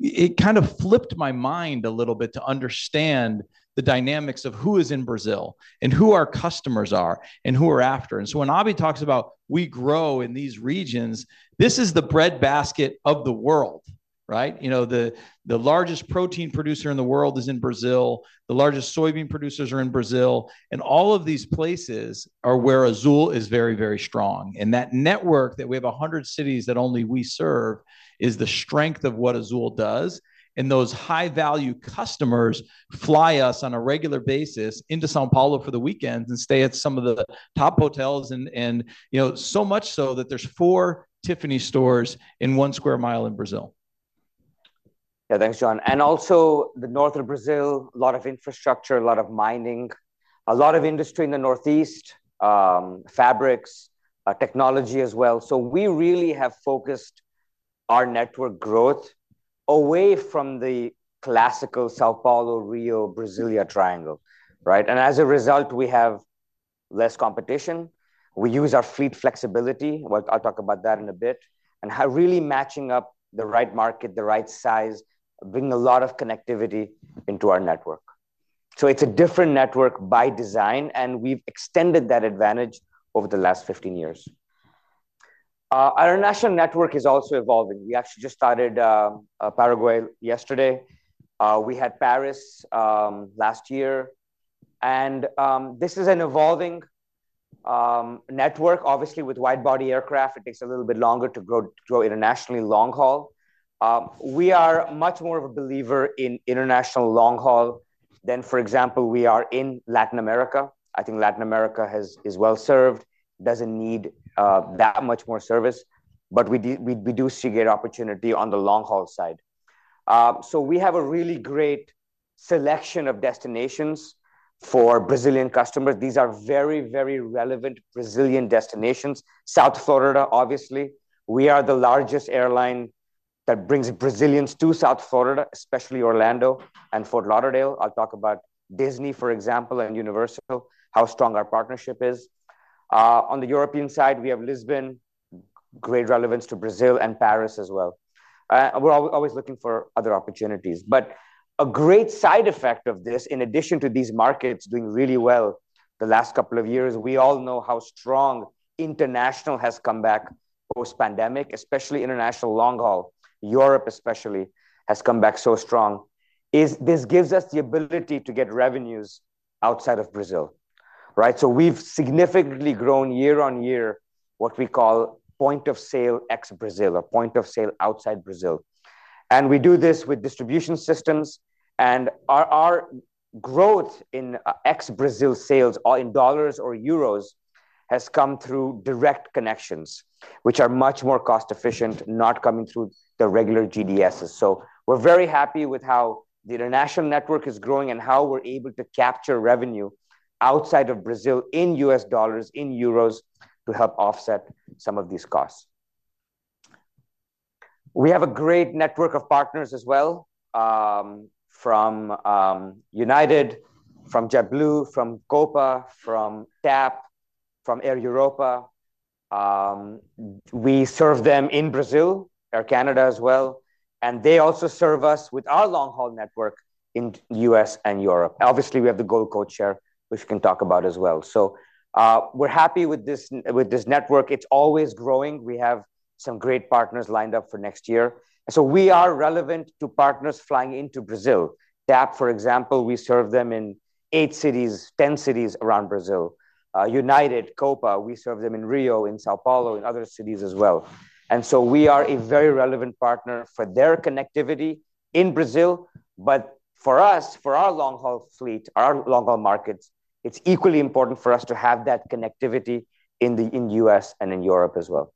It kind of flipped my mind a little bit to understand the dynamics of who is in Brazil and who our customers are and who we're after. So when Abhi talks about we grow in these regions, this is the bread basket of the world, right? You know, the largest protein producer in the world is in Brazil. The largest soybean producers are in Brazil. All of these places are where Azul is very, very strong. That network that we have 100 cities that only we serve is the strength of what Azul does. And those high-value customers fly us on a regular basis into São Paulo for the weekends and stay at some of the top hotels. And, you know, so much so that there's four Tiffany stores in one sq mi in Brazil. Yeah, thanks, John. And also the north of Brazil, a lot of infrastructure, a lot of mining, a lot of industry in the northeast, fabrics, technology as well. So we really have focused our network growth away from the classical São Paulo, Rio, Brasília triangle, right? And as a result, we have less competition. We use our fleet flexibility. I'll talk about that in a bit. And how really matching up the right market, the right size, bringing a lot of connectivity into our network. So it's a different network by design, and we've extended that advantage over the last 15 years. Our international network is also evolving. We actually just started Paraguay yesterday. We had Paris last year. And this is an evolving network, obviously, with wide-body aircraft. It takes a little bit longer to grow internationally long-haul. We are much more of a believer in international long-haul than, for example, we are in Latin America. I think Latin America is well served, doesn't need that much more service. But we do see great opportunity on the long-haul side. So we have a really great selection of destinations for Brazilian customers. These are very, very relevant Brazilian destinations. South Florida, obviously. We are the largest airline that brings Brazilians to South Florida, especially Orlando and Fort Lauderdale. I'll talk about Disney, for example, and Universal, how strong our partnership is. On the European side, we have Lisbon, great relevance to Brazil, and Paris as well. We're always looking for other opportunities. But a great side effect of this, in addition to these markets doing really well the last couple of years, we all know how strong international has come back post-pandemic, especially international long-haul. Europe, especially, has come back so strong. This gives us the ability to get revenues outside of Brazil, right? So we've significantly grown year on year, what we call point of sale ex-Brazil or point of sale outside Brazil. And we do this with distribution systems. And our growth in ex-Brazil sales in dollars or euros has come through direct connections, which are much more cost-efficient, not coming through the regular GDSs. So we're very happy with how the international network is growing and how we're able to capture revenue outside of Brazil in US dollars, in euros, to help offset some of these costs. We have a great network of partners as well from United, from JetBlue, from Copa, from TAP, from Air Europa. We serve them in Brazil, Air Canada as well. And they also serve us with our long-haul network in the US and Europe. Obviously, we have the GOL Gold share, which we can talk about as well. We're happy with this network. It's always growing. We have some great partners lined up for next year. We are relevant to partners flying into Brazil. TAP, for example, we serve them in eight cities, 10 cities around Brazil. United, Copa, we serve them in Rio, in São Paulo, in other cities as well. We are a very relevant partner for their connectivity in Brazil. For us, for our long-haul fleet, our long-haul markets, it's equally important for us to have that connectivity in the U.S. and in Europe as well.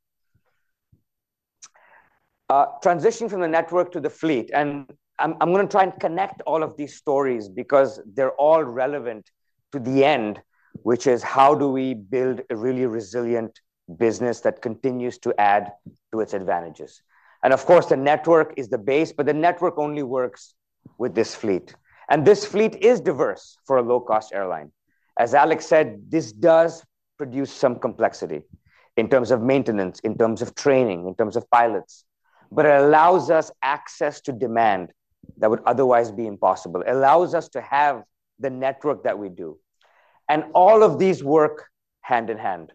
Transitioning from the network to the fleet. I'm going to try and connect all of these stories because they're all relevant to the end, which is how do we build a really resilient business that continues to add to its advantages. And of course, the network is the base, but the network only works with this fleet. And this fleet is diverse for a low-cost airline. As Alexandre said, this does produce some complexity in terms of maintenance, in terms of training, in terms of pilots. But it allows us access to demand that would otherwise be impossible. It allows us to have the network that we do. And all of these work hand in hand.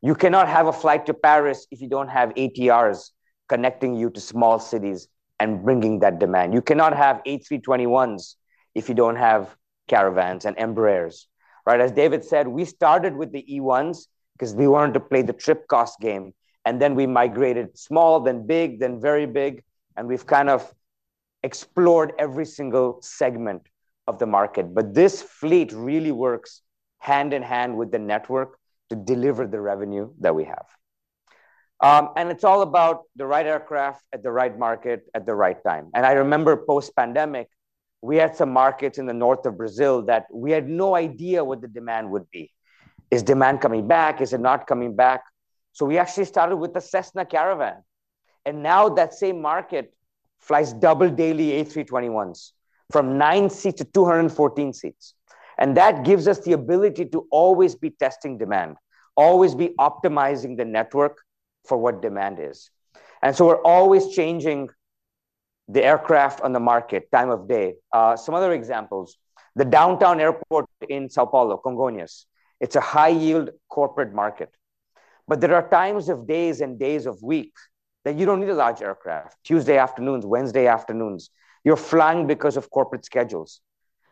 You cannot have a flight to Paris if you don't have ATRs connecting you to small cities and bringing that demand. You cannot have A321s if you don't have Caravans and Embraers, right? As David said, we started with the E1s because we wanted to play the trip cost game. And then we migrated small, then big, then very big. And we've kind of explored every single segment of the market. But this fleet really works hand in hand with the network to deliver the revenue that we have. And it's all about the right aircraft at the right market at the right time. And I remember post-pandemic, we had some markets in the north of Brazil that we had no idea what the demand would be. Is demand coming back? Is it not coming back? So we actually started with the Cessna Caravan. And now that same market flies double daily A321s from nine seats to 214 seats. And that gives us the ability to always be testing demand, always be optimizing the network for what demand is. And so we're always changing the aircraft on the market time of day. Some other examples, the downtown airport in São Paulo, Congonhas. It's a high-yield corporate market. But there are times of days and days of weeks that you don't need a large aircraft. Tuesday afternoons, Wednesday afternoons, you're flying because of corporate schedules.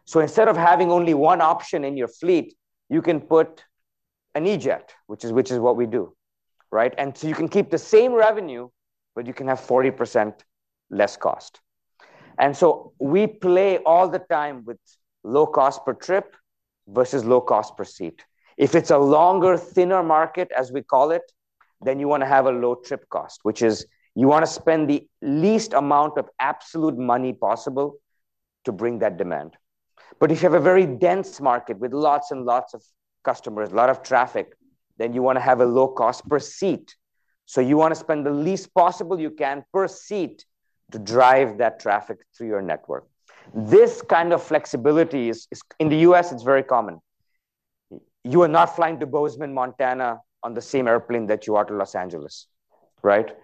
So instead of having only one option in your fleet, you can put an E-Jet, which is what we do, right? And so you can keep the same revenue, but you can have 40% less cost. And so we play all the time with low cost per trip versus low cost per seat. If it's a longer, thinner market, as we call it, then you want to have a low trip cost, which is you want to spend the least amount of absolute money possible to bring that demand. But if you have a very dense market with lots and lots of customers, a lot of traffic, then you want to have a low cost per seat. So you want to spend the least possible you can per seat to drive that traffic through your network. This kind of flexibility is in the U.S., it's very common. You are not flying to Bozeman, Montana on the same airplane that you are to Los Angeles, right?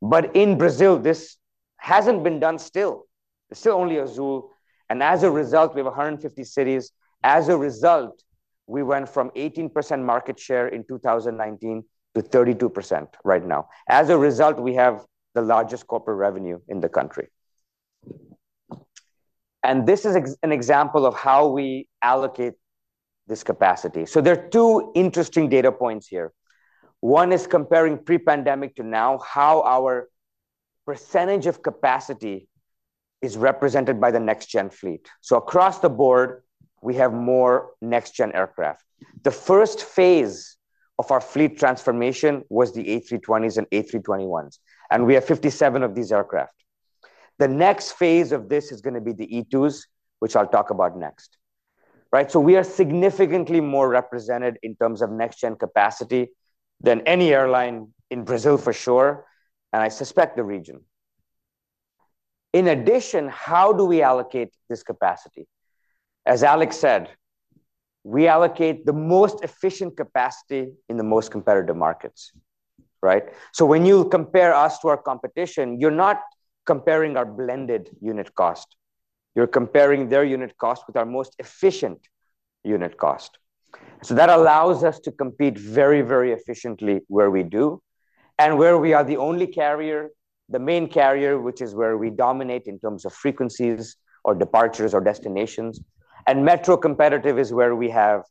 But in Brazil, this hasn't been done still. It's still only Azul. And as a result, we have 150 cities. As a result, we went from 18% market share in 2019 to 32% right now. As a result, we have the largest corporate revenue in the country. And this is an example of how we allocate this capacity. So there are two interesting data points here. One is comparing pre-pandemic to now, how our percentage of capacity is represented by the next-gen fleet. So across the board, we have more next-gen aircraft. The first phase of our fleet transformation was the A320s and A321s. And we have 57 of these aircraft. The next phase of this is going to be the E2s, which I'll talk about next, right? So we are significantly more represented in terms of next-gen capacity than any airline in Brazil, for sure, and I suspect the region. In addition, how do we allocate this capacity? As Alexandre said, we allocate the most efficient capacity in the most competitive markets, right? So when you compare us to our competition, you're not comparing our blended unit cost. You're comparing their unit cost with our most efficient unit cost. So that allows us to compete very, very efficiently where we do. And where we are the only carrier, the main carrier, which is where we dominate in terms of frequencies or departures or destinations. And metro competitive is where we have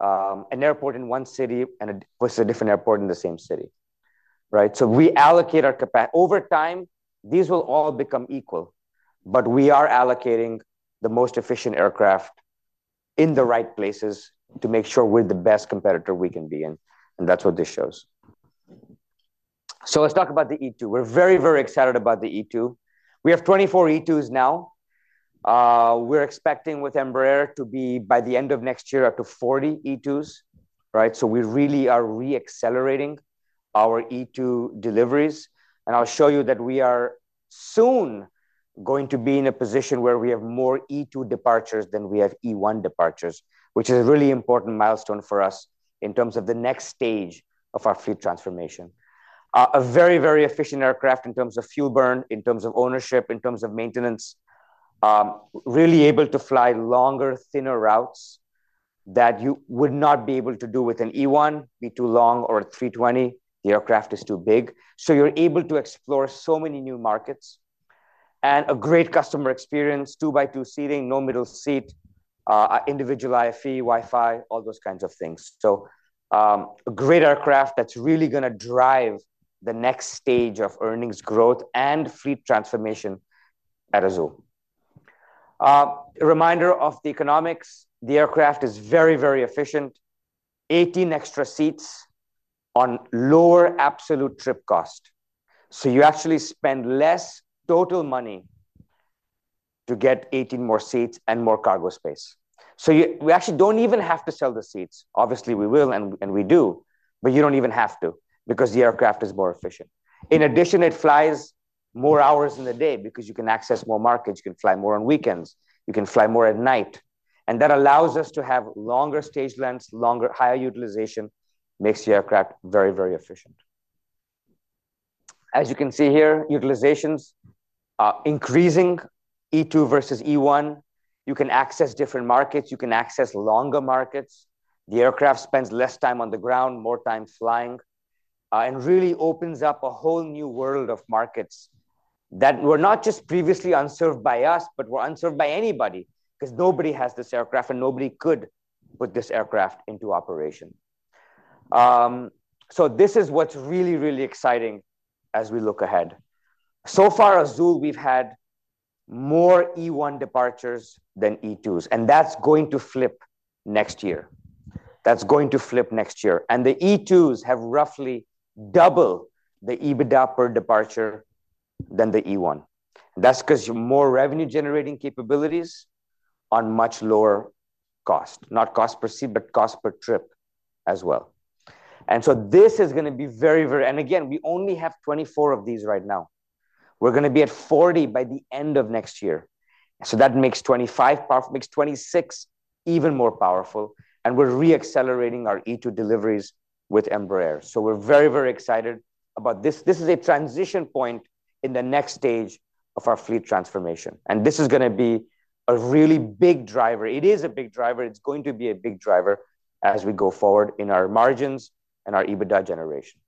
an airport in one city and a different airport in the same city, right? So we allocate our capacity over time. These will all become equal. But we are allocating the most efficient aircraft in the right places to make sure we're the best competitor we can be in. And that's what this shows. So let's talk about the E2. We're very, very excited about the E2. We have 24 E2s now. We're expecting with Embraer to be by the end of next year up to 40 E2s, right? So we really are re-accelerating our E2 deliveries. I'll show you that we are soon going to be in a position where we have more E2 departures than we have E1 departures, which is a really important milestone for us in terms of the next stage of our fleet transformation. A very, very efficient aircraft in terms of fuel burn, in terms of ownership, in terms of maintenance, really able to fly longer, thinner routes that you would not be able to do with an E1, E2 long or a 320. The aircraft is too big. So you're able to explore so many new markets and a great customer experience, two-by-two seating, no middle seat, individual IFE, Wi-Fi, all those kinds of things. So a great aircraft that's really going to drive the next stage of earnings growth and fleet transformation at Azul. A reminder of the economics. The aircraft is very, very efficient. 18 extra seats on lower absolute trip cost. So you actually spend less total money to get 18 more seats and more cargo space. So we actually don't even have to sell the seats. Obviously, we will and we do, but you don't even have to because the aircraft is more efficient. In addition, it flies more hours in the day because you can access more markets. You can fly more on weekends. You can fly more at night. And that allows us to have longer stage lengths, longer higher utilization, makes the aircraft very, very efficient. As you can see here, utilizations are increasing E2 versus E1. You can access different markets. You can access longer markets. The aircraft spends less time on the ground, more time flying, and really opens up a whole new world of markets that were not just previously unserved by us, but were unserved by anybody because nobody has this aircraft and nobody could put this aircraft into operation. So this is what's really, really exciting as we look ahead. So far, Azul, we've had more E1 departures than E2s. And that's going to flip next year. That's going to flip next year. And the E2s have roughly double the EBITDA per departure than the E1. That's because you have more revenue-generating capabilities on much lower cost, not cost per seat, but cost per trip as well. And so this is going to be very, very, and again, we only have 24 of these right now. We're going to be at 40 by the end of next year. So that makes 25 powerful, makes 26 even more powerful. And we're re-accelerating our E2 deliveries with Embraer. So we're very, very excited about this. This is a transition point in the next stage of our fleet transformation. And this is going to be a really big driver. It is a big driver. It's going to be a big driver as we go forward in our margins and our EBITDA generation.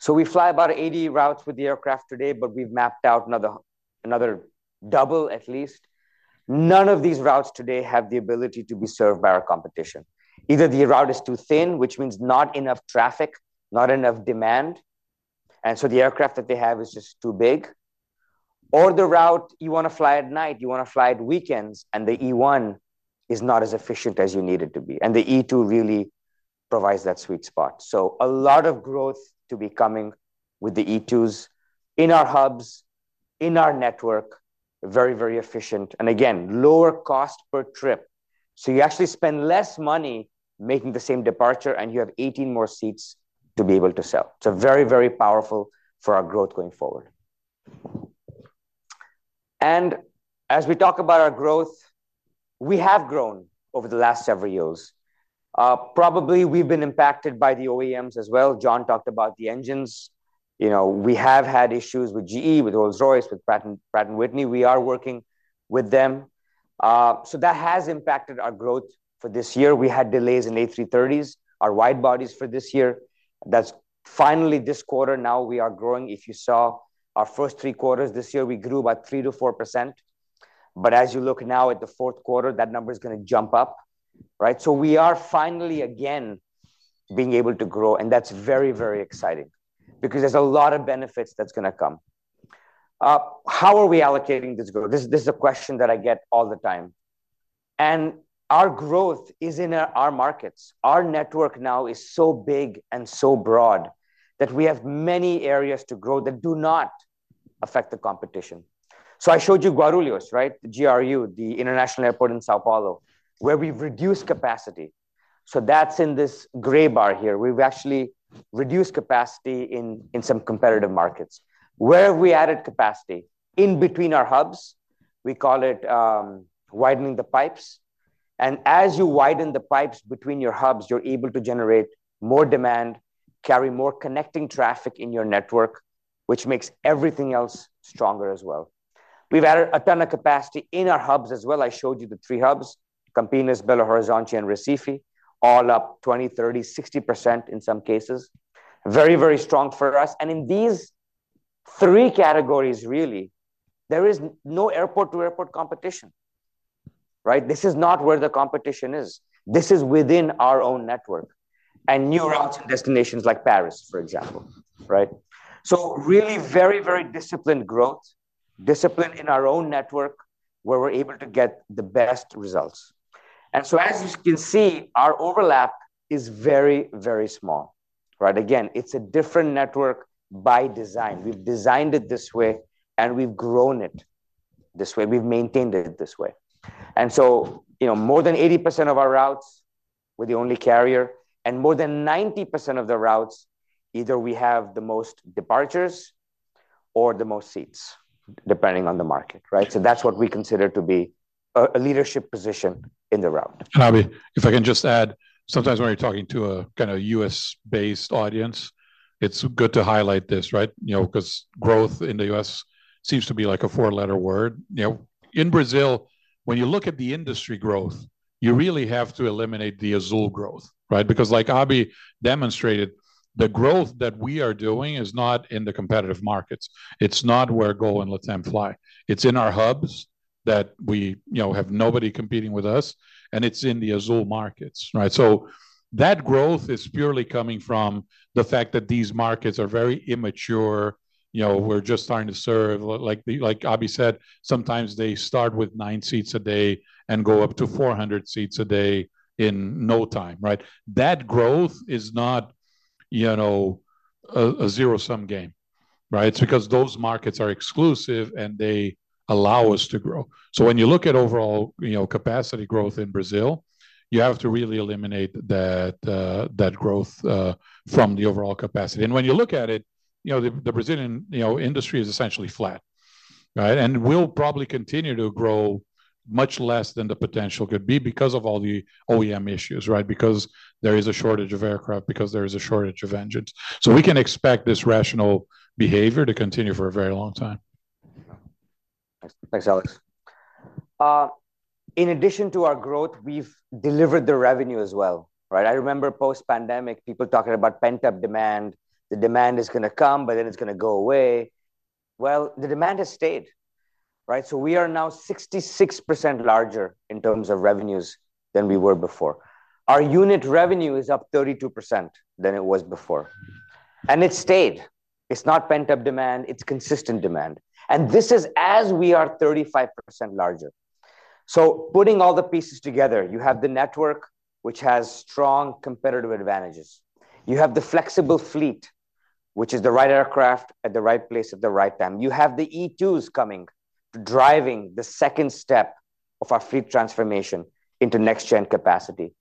So we fly about 80 routes with the aircraft today, but we've mapped out another double at least. None of these routes today have the ability to be served by our competition. Either the route is too thin, which means not enough traffic, not enough demand. And so the aircraft that they have is just too big. Or the route you want to fly at night, you want to fly at weekends, and the E1 is not as efficient as you need it to be. And the E2 really provides that sweet spot. So a lot of growth to be coming with the E2s in our hubs, in our network, very, very efficient. And again, lower cost per trip. So you actually spend less money making the same departure, and you have 18 more seats to be able to sell. It's very, very powerful for our growth going forward. And as we talk about our growth, we have grown over the last several years. Probably we've been impacted by the OEMs as well. John talked about the engines. You know, we have had issues with GE, with Rolls-Royce, with Pratt & Whitney. We are working with them. So that has impacted our growth for this year. We had delays in A330s, our wide bodies for this year. That's finally this quarter. Now we are growing. If you saw our first three quarters this year, we grew about 3%-4%. But as you look now at the fourth quarter, that number is going to jump up, right? So we are finally again being able to grow. And that's very, very exciting because there's a lot of benefits that's going to come. How are we allocating this growth? This is a question that I get all the time. And our growth is in our markets. Our network now is so big and so broad that we have many areas to grow that do not affect the competition. So I showed you Guarulhos, right? The GRU, the International Airport in São Paulo, where we've reduced capacity. So that's in this gray bar here. We've actually reduced capacity in some competitive markets. Where have we added capacity? In between our hubs. We call it widening the pipes and as you widen the pipes between your hubs, you're able to generate more demand, carry more connecting traffic in your network, which makes everything else stronger as well. We've added a ton of capacity in our hubs as well. I showed you the three hubs, Campinas, Belo Horizonte, and Recife, all up 20%, 30%, 60% in some cases. Very, very strong for us and in these three categories, really, there is no airport-to-airport competition, right? This is not where the competition is. This is within our own network and new routes and destinations like Paris, for example, right, so really very, very disciplined growth, discipline in our own network where we're able to get the best results. And so as you can see, our overlap is very, very small, right? Again, it's a different network by design. We've designed it this way, and we've grown it this way. We've maintained it this way. And so, you know, more than 80% of our routes with the only carrier and more than 90% of the routes, either we have the most departures or the most seats, depending on the market, right? So that's what we consider to be a leadership position in the route. Abhi, if I can just add, sometimes when you're talking to a kind of U.S.-based audience, it's good to highlight this, right? You know, because growth in the U.S. seems to be like a four-letter word. You know, in Brazil, when you look at the industry growth, you really have to eliminate the Azul growth, right? Because like Abhi demonstrated, the growth that we are doing is not in the competitive markets. It's not where Gol and LATAM fly. It's in our hubs that we, you know, have nobody competing with us. And it's in the Azul markets, right? So that growth is purely coming from the fact that these markets are very immature. You know, we're just starting to serve. Like Abhi said, sometimes they start with nine seats a day and go up to 400 seats a day in no time, right? That growth is not, you know, a zero-sum game, right? It's because those markets are exclusive and they allow us to grow. So when you look at overall, you know, capacity growth in Brazil, you have to really eliminate that growth from the overall capacity. And when you look at it, you know, the Brazilian industry is essentially flat, right? We'll probably continue to grow much less than the potential could be because of all the OEM issues, right? Because there is a shortage of aircraft, because there is a shortage of engines. We can expect this rational behavior to continue for a very long time. Thanks, Alexandre. In addition to our growth, we've delivered the revenue as well, right? I remember post-pandemic, people talking about pent-up demand. The demand is going to come, but then it's going to go away. The demand has stayed, right? We are now 66% larger in terms of revenues than we were before. Our unit revenue is up 32% than it was before. It stayed. It's not pent-up demand. It's consistent demand. This is as we are 35% larger. Putting all the pieces together, you have the network, which has strong competitive advantages. You have the flexible fleet, which is the right aircraft at the right place at the right time. You have the E2s coming, driving the second step of our fleet transformation into next-gen capacity.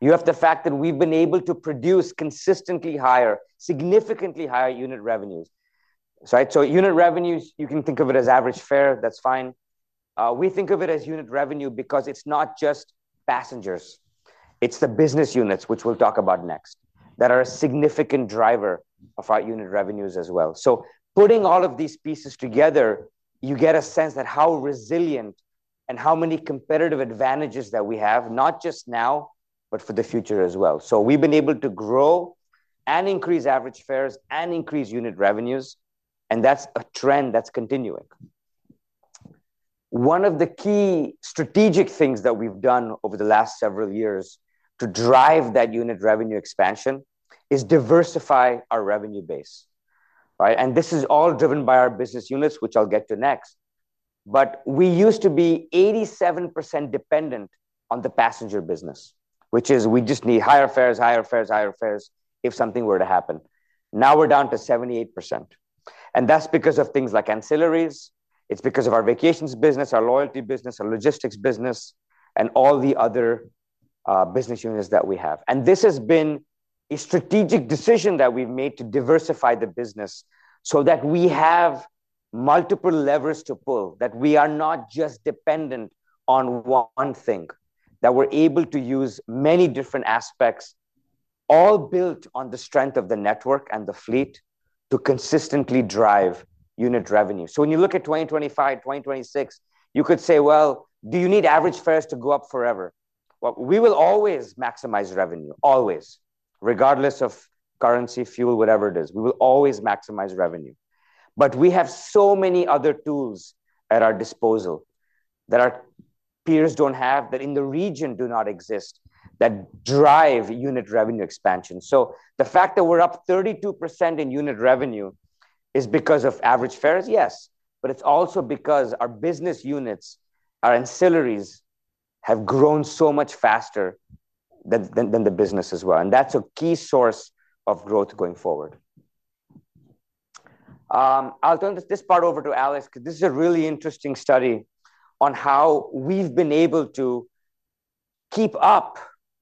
You have the fact that we've been able to produce consistently higher, significantly higher unit revenues. So unit revenues, you can think of it as average fare. That's fine. We think of it as unit revenue because it's not just passengers. It's the business units, which we'll talk about next, that are a significant driver of our unit revenues as well. So putting all of these pieces together, you get a sense that how resilient and how many competitive advantages that we have, not just now, but for the future as well. So we've been able to grow and increase average fares and increase unit revenues. And that's a trend that's continuing. One of the key strategic things that we've done over the last several years to drive that unit revenue expansion is diversify our revenue base, right, and this is all driven by our business units, which I'll get to next, but we used to be 87% dependent on the passenger business, which is we just need higher fares, higher fares, higher fares if something were to happen. Now we're down to 78%, and that's because of things like ancillaries. It's because of our vacations business, our loyalty business, our logistics business, and all the other business units that we have. This has been a strategic decision that we've made to diversify the business so that we have multiple levers to pull, that we are not just dependent on one thing, that we're able to use many different aspects, all built on the strength of the network and the fleet to consistently drive unit revenue. When you look at 2025, 2026, you could say, well, do you need average fares to go up forever? We will always maximize revenue, always, regardless of currency, fuel, whatever it is. We will always maximize revenue. We have so many other tools at our disposal that our peers don't have, that in the region do not exist, that drive unit revenue expansion. The fact that we're up 32% in unit revenue is because of average fares, yes, but it's also because our business units, our ancillaries, have grown so much faster than the business as well. And that's a key source of growth going forward. I'll turn this part over to Alexandre because this is a really interesting study on how we've been able to keep up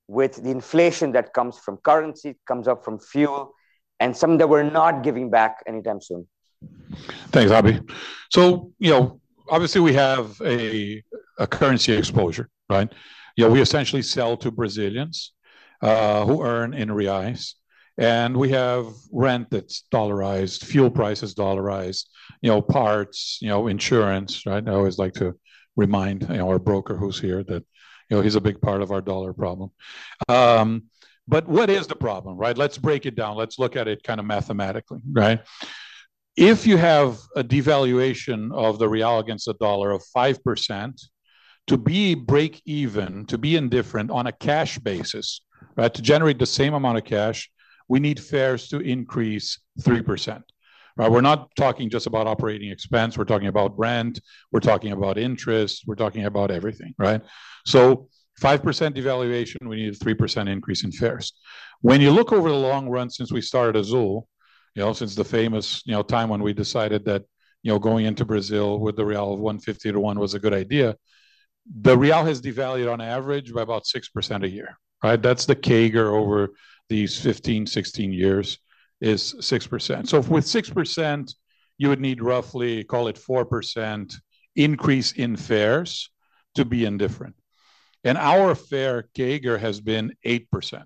with the inflation that comes from currency, comes up from fuel, and some that we're not giving back anytime soon. Thanks, Abhi. So, you know, obviously we have a currency exposure, right? You know, we essentially sell to Brazilians who earn in reais. And we have rent that's dollarized, fuel prices dollarized, you know, parts, you know, insurance, right? I always like to remind our broker who's here that, you know, he's a big part of our dollar problem. But what is the problem, right? Let's break it down. Let's look at it kind of mathematically, right? If you have a devaluation of the real against the dollar of 5%, to be break even, to be indifferent on a cash basis, right, to generate the same amount of cash, we need fares to increase 3%, right? We're not talking just about operating expense. We're talking about rent. We're talking about interest. We're talking about everything, right? So 5% devaluation, we need a 3% increase in fares. When you look over the long run since we started Azul, you know, since the famous, you know, time when we decided that, you know, going into Brazil with the real of 150 to 1 was a good idea, the real has devalued on average by about 6% a year, right? That's the CAGR over these 15, 16 years is 6%. With 6%, you would need roughly, call it 4% increase in fares to be indifferent. And our fare CAGR has been 8%,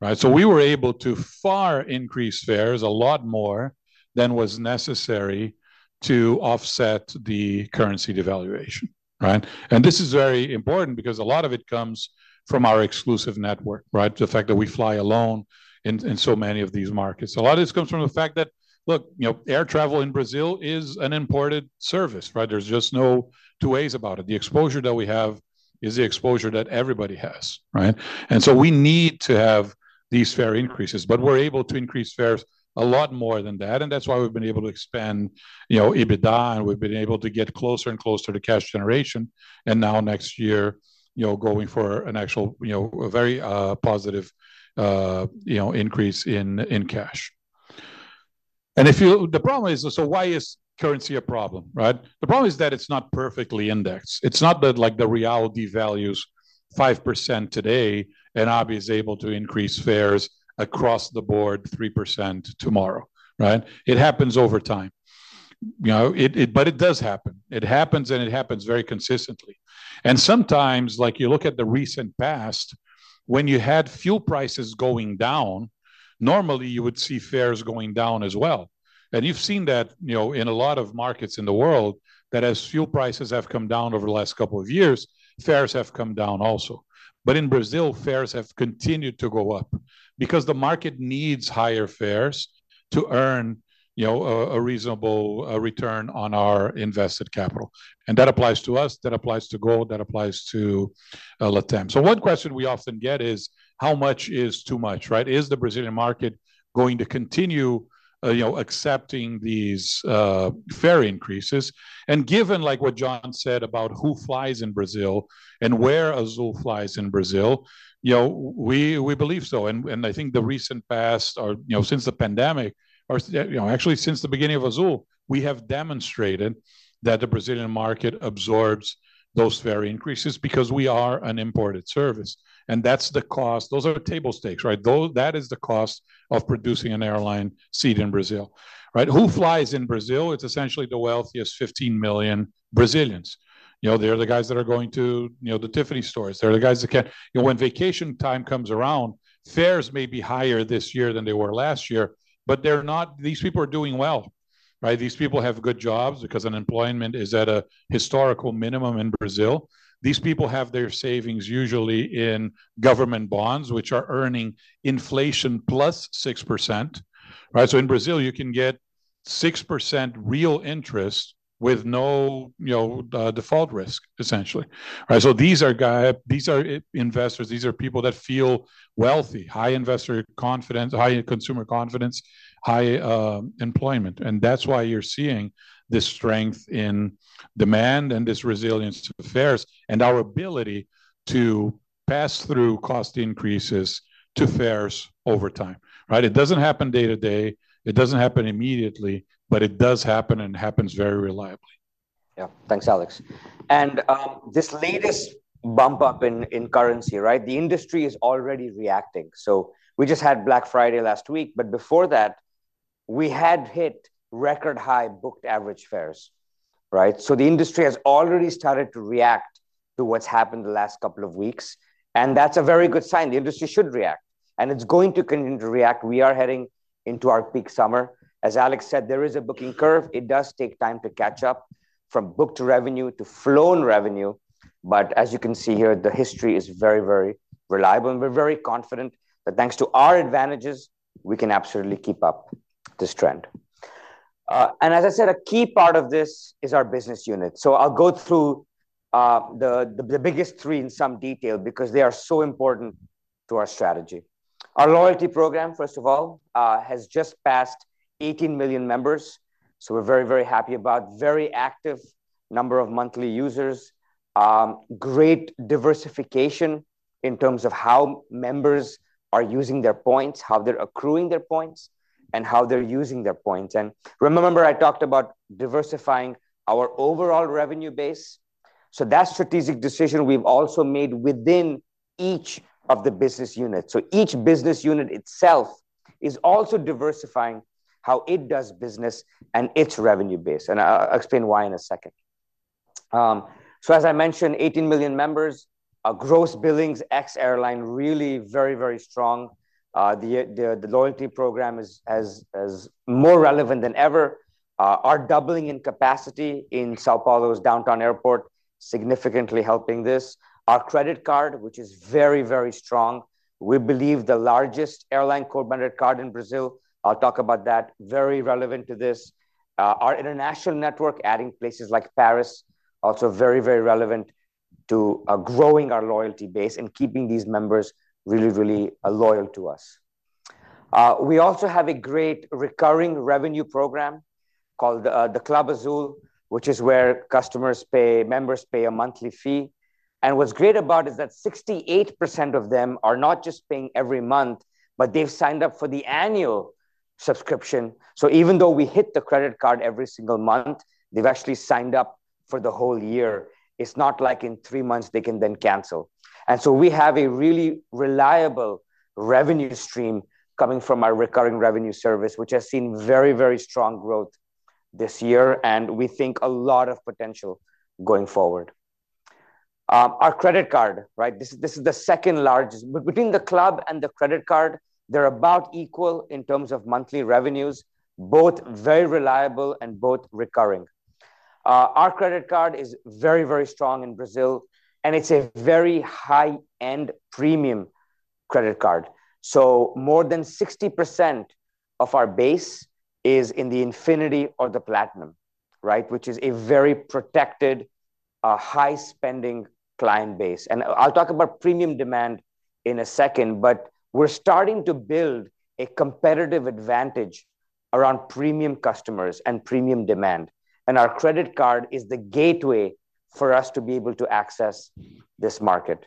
right? So we were able to fare increase fares a lot more than was necessary to offset the currency devaluation, right? And this is very important because a lot of it comes from our exclusive network, right? The fact that we fly alone in so many of these markets. A lot of this comes from the fact that, look, you know, air travel in Brazil is an imported service, right? There's just no two ways about it. The exposure that we have is the exposure that everybody has, right? And so we need to have these fare increases, but we're able to increase fares a lot more than that. And that's why we've been able to expand, you know, EBITDA, and we've been able to get closer and closer to cash generation. And now next year, you know, going for an actual, you know, a very positive, you know, increase in cash. And if you, the problem is, so why is currency a problem, right? The problem is that it's not perfectly indexed. It's not that like the real devalues 5% today and Azul is able to increase fares across the board 3% tomorrow, right? It happens over time, you know, but it does happen. It happens and it happens very consistently. And sometimes, like you look at the recent past, when you had fuel prices going down, normally you would see fares going down as well. You've seen that, you know, in a lot of markets in the world that as fuel prices have come down over the last couple of years, fares have come down also. In Brazil, fares have continued to go up because the market needs higher fares to earn, you know, a reasonable return on our invested capital. That applies to us. That applies to Gol. That applies to LATAM. One question we often get is how much is too much, right? Is the Brazilian market going to continue, you know, accepting these fare increases? Given like what John said about who flies in Brazil and where Azul flies in Brazil, you know, we believe so. I think the recent past, or, you know, since the pandemic, or, you know, actually since the beginning of Azul, we have demonstrated that the Brazilian market absorbs those fare increases because we are an imported service. That's the cost. Those are table stakes, right? That is the cost of producing an airline seat in Brazil, right? Who flies in Brazil? It's essentially the wealthiest 15 million Brazilians. You know, they're the guys that are going to, you know, the Tiffany stores. They're the guys that can, you know, when vacation time comes around, fares may be higher this year than they were last year, but they're not, these people are doing well, right? These people have good jobs because unemployment is at a historical minimum in Brazil. These people have their savings usually in government bonds, which are earning inflation plus 6%, right? In Brazil, you can get 6% real interest with no, you know, default risk, essentially, right? So these are guys, these are investors. These are people that feel wealthy, high investor confidence, high consumer confidence, high employment. And that's why you're seeing this strength in demand and this resilience to fares and our ability to pass through cost increases to fares over time, right? It doesn't happen day to day. It doesn't happen immediately, but it does happen and it happens very reliably. Yeah. Thanks, Alexandre. And this latest bump up in currency, right? The industry is already reacting. So we just had Black Friday last week, but before that, we had hit record high booked average fares, right? So the industry has already started to react to what's happened the last couple of weeks. And that's a very good sign. The industry should react. It's going to continue to react. We are heading into our peak summer. As Alexandre said, there is a booking curve. It does take time to catch up from booked revenue to flown revenue. But as you can see here, the history is very, very reliable. And we're very confident that thanks to our advantages, we can absolutely keep up this trend. And as I said, a key part of this is our business unit. So I'll go through the biggest three in some detail because they are so important to our strategy. Our loyalty program, first of all, has just passed 18 million members. So we're very, very happy about a very active number of monthly users, great diversification in terms of how members are using their points, how they're accruing their points, and how they're using their points. And remember, I talked about diversifying our overall revenue base. So that strategic decision we've also made within each of the business units. So each business unit itself is also diversifying how it does business and its revenue base. And I'll explain why in a second. So as I mentioned, 18 million members, a gross billings ex-airline, really very, very strong. The loyalty program is more relevant than ever. Our doubling in capacity in São Paulo's downtown airport significantly helping this. Our credit card, which is very, very strong. We believe the largest airline co-branded card in Brazil. I'll talk about that. Very relevant to this. Our international network adding places like Paris also very, very relevant to growing our loyalty base and keeping these members really, really loyal to us. We also have a great recurring revenue program called the Club Azul, which is where customers pay, members pay a monthly fee. What's great about it is that 68% of them are not just paying every month, but they've signed up for the annual subscription. Even though we hit the credit card every single month, they've actually signed up for the whole year. It's not like in three months they can then cancel. We have a really reliable revenue stream coming from our recurring revenue service, which has seen very, very strong growth this year. We think a lot of potential going forward. Our credit card, right? This is the second largest, but between the club and the credit card, they're about equal in terms of monthly revenues, both very reliable and both recurring. Our credit card is very, very strong in Brazil, and it's a very high-end premium credit card. So more than 60% of our base is in the Infinity or the Platinum, right? Which is a very protected, high-spending client base. And I'll talk about premium demand in a second, but we're starting to build a competitive advantage around premium customers and premium demand. And our credit card is the gateway for us to be able to access this market.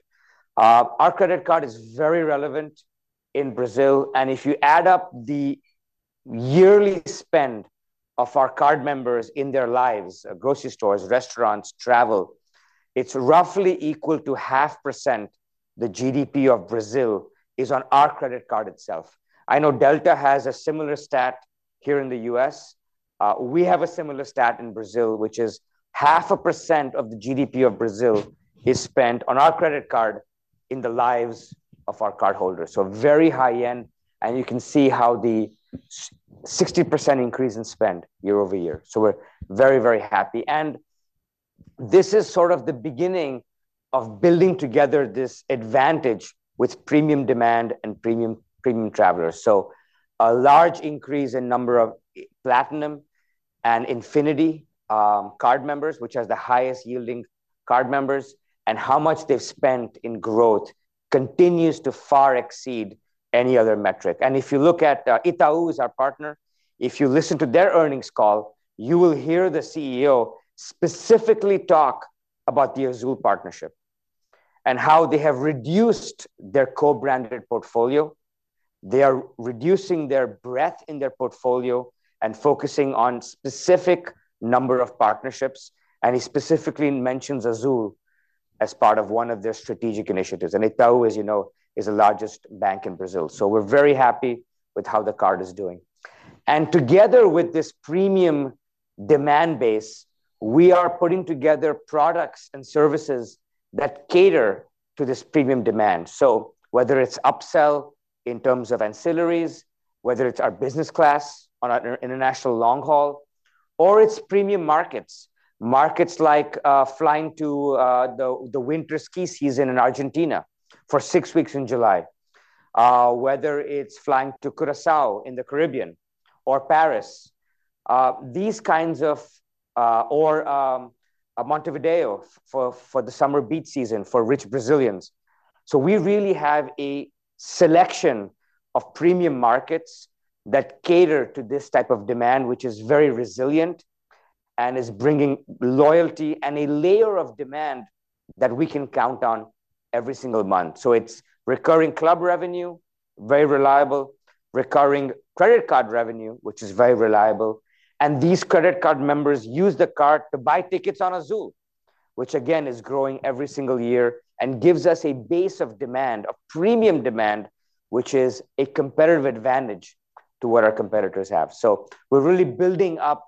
Our credit card is very relevant in Brazil. And if you add up the yearly spend of our card members in their lives, grocery stores, restaurants, travel, it's roughly equal to 0.5% the GDP of Brazil is on our credit card itself. I know Delta has a similar stat here in the US. We have a similar stat in Brazil, which is 0.5% of the GDP of Brazil is spent on our credit card in the lives of our cardholders. So very high-end, and you can see how the 60% increase in spend year over year. So we're very, very happy, and this is sort of the beginning of building together this advantage with premium demand and premium travelers, so a large increase in number of platinum and infinity card members, which has the highest yielding card members, and how much they've spent in growth continues to far exceed any other metric, and if you look at Itaú's, our partner, if you listen to their earnings call, you will hear the CEO specifically talk about the Azul partnership and how they have reduced their co-branded portfolio. They are reducing their breadth in their portfolio and focusing on a specific number of partnerships. And he specifically mentions Azul as part of one of their strategic initiatives. And Itaú, you know, is the largest bank in Brazil. So we're very happy with how the card is doing. And together with this premium demand base, we are putting together products and services that cater to this premium demand. So whether it's upsell in terms of ancillaries, whether it's our business class on our international long haul, or it's premium markets, markets like flying to the winter ski season in Argentina for six weeks in July, whether it's flying to Curaçao in the Caribbean or Paris, these kinds of, or Montevideo for the summer beach season for rich Brazilians. So we really have a selection of premium markets that cater to this type of demand, which is very resilient and is bringing loyalty and a layer of demand that we can count on every single month, so it's recurring club revenue, very reliable, recurring credit card revenue, which is very reliable, and these credit card members use the card to buy tickets on Azul, which again is growing every single year and gives us a base of demand, a premium demand, which is a competitive advantage to what our competitors have, so we're really building up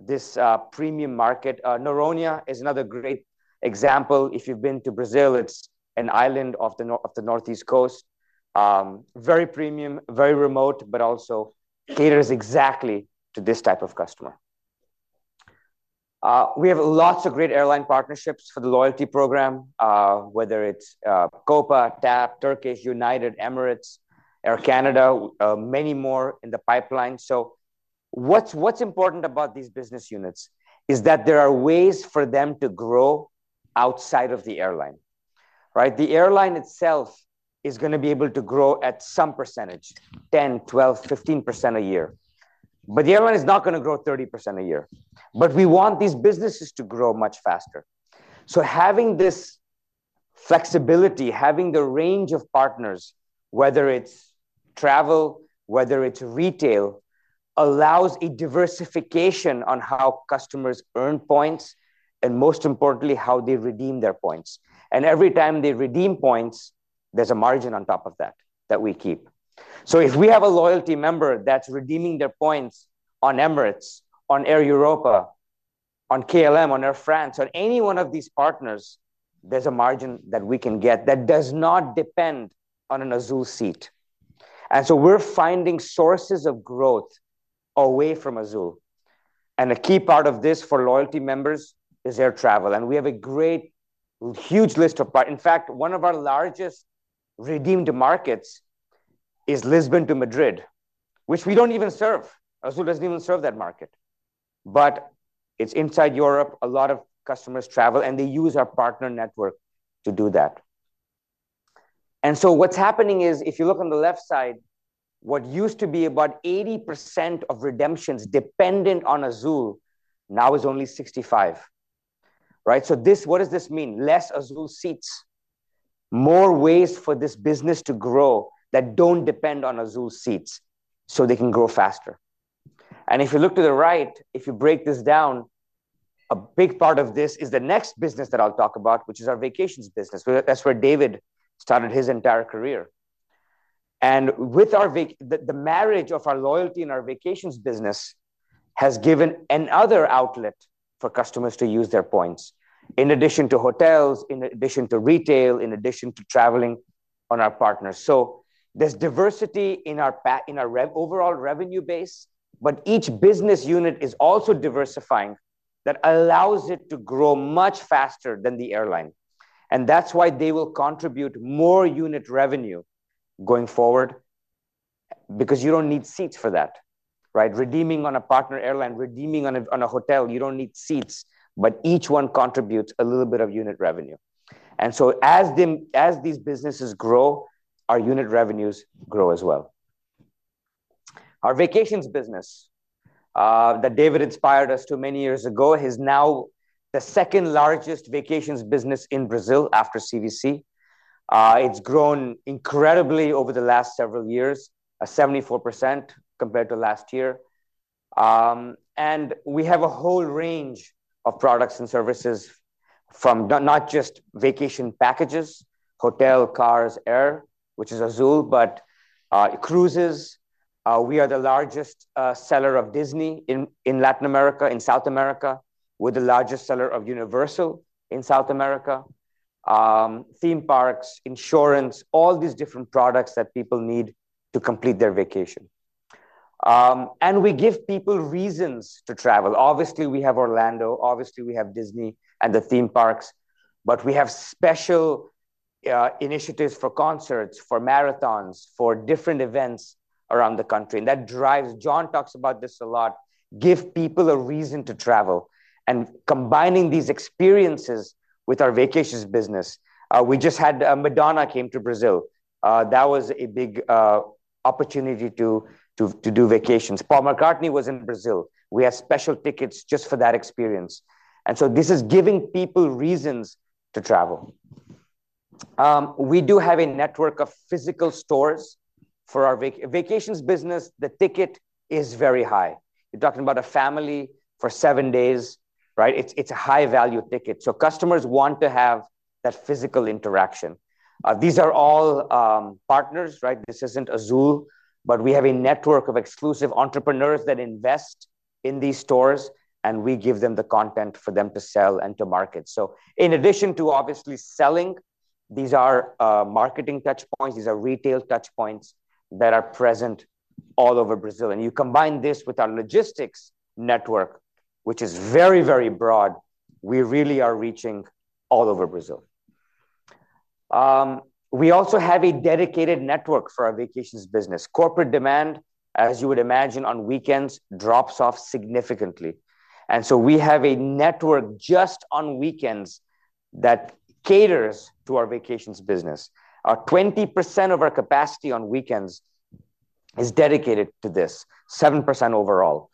this premium market. Noronha is another great example. If you've been to Brazil, it's an island off the northeast coast, very premium, very remote, but also caters exactly to this type of customer. We have lots of great airline partnerships for the loyalty program, whether it's Copa, TAP, Turkish, United, Emirates, Air Canada, many more in the pipeline, so what's important about these business units is that there are ways for them to grow outside of the airline, right? The airline itself is going to be able to grow at some percentage, 10%, 12%, 15% a year, but the airline is not going to grow 30% a year, but we want these businesses to grow much faster, so having this flexibility, having the range of partners, whether it's travel, whether it's retail, allows a diversification on how customers earn points and most importantly, how they redeem their points, and every time they redeem points, there's a margin on top of that that we keep. So if we have a loyalty member that's redeeming their points on Emirates, on Air Europa, on KLM, on Air France, on any one of these partners, there's a margin that we can get that does not depend on an Azul seat. And so we're finding sources of growth away from Azul. And a key part of this for loyalty members is air travel. And we have a great, huge list of partners. In fact, one of our largest redeemed markets is Lisbon to Madrid, which we don't even serve. Azul doesn't even serve that market. But it's inside Europe. A lot of customers travel and they use our partner network to do that. And so what's happening is if you look on the left side, what used to be about 80% of redemptions dependent on Azul now is only 65%, right? So this, what does this mean? Less Azul seats, more ways for this business to grow that don't depend on Azul seats so they can grow faster, and if you look to the right, if you break this down, a big part of this is the next business that I'll talk about, which is our vacations business. That's where David started his entire career, and with our marriage of our loyalty and our vacations business has given another outlet for customers to use their points in addition to hotels, in addition to retail, in addition to traveling on our partners, so there's diversity in our overall revenue base, but each business unit is also diversifying that allows it to grow much faster than the airline, and that's why they will contribute more unit revenue going forward because you don't need seats for that, right? Redeeming on a partner airline, redeeming on a hotel, you don't need seats, but each one contributes a little bit of unit revenue. And so as these businesses grow, our unit revenues grow as well. Our vacations business that David inspired us to many years ago is now the second largest vacations business in Brazil after CVC. It's grown incredibly over the last several years, 74% compared to last year. And we have a whole range of products and services from not just vacation packages, hotel, cars, air, which is Azul, but cruises. We are the largest seller of Disney in Latin America, in South America. We're the largest seller of Universal in South America, theme parks, insurance, all these different products that people need to complete their vacation. And we give people reasons to travel. Obviously, we have Orlando. Obviously, we have Disney and the theme parks, but we have special initiatives for concerts, for marathons, for different events around the country, and that drives, John talks about this a lot, give people a reason to travel, and combining these experiences with our vacations business, we just had Madonna came to Brazil. That was a big opportunity to do vacations. Paul McCartney was in Brazil. We have special tickets just for that experience, and so this is giving people reasons to travel. We do have a network of physical stores for our vacations business. The ticket is very high. You're talking about a family for seven days, right? It's a high-value ticket, so customers want to have that physical interaction. These are all partners, right? This isn't Azul, but we have a network of exclusive entrepreneurs that invest in these stores, and we give them the content for them to sell and to market. So in addition to obviously selling, these are marketing touchpoints. These are retail touchpoints that are present all over Brazil, and you combine this with our logistics network, which is very, very broad. We really are reaching all over Brazil. We also have a dedicated network for our vacations business. Corporate demand, as you would imagine, on weekends drops off significantly, and so we have a network just on weekends that caters to our vacations business. 20% of our capacity on weekends is dedicated to this, 7% overall,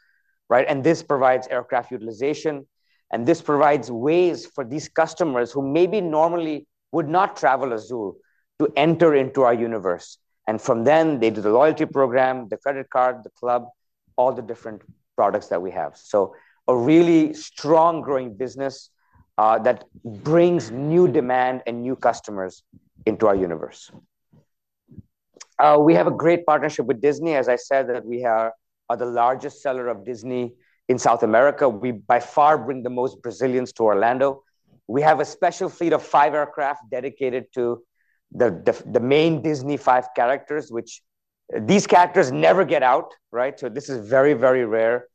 right, and this provides aircraft utilization, and this provides ways for these customers who maybe normally would not travel Azul to enter into our universe. From then, they do the loyalty program, the credit card, the club, all the different products that we have. So a really strong growing business that brings new demand and new customers into our universe. We have a great partnership with Disney. As I said, we are the largest seller of Disney in South America. We by far bring the most Brazilians to Orlando. We have a special fleet of five aircraft dedicated to the main Disney five characters, which these characters never get out, right? So this is very, very rare.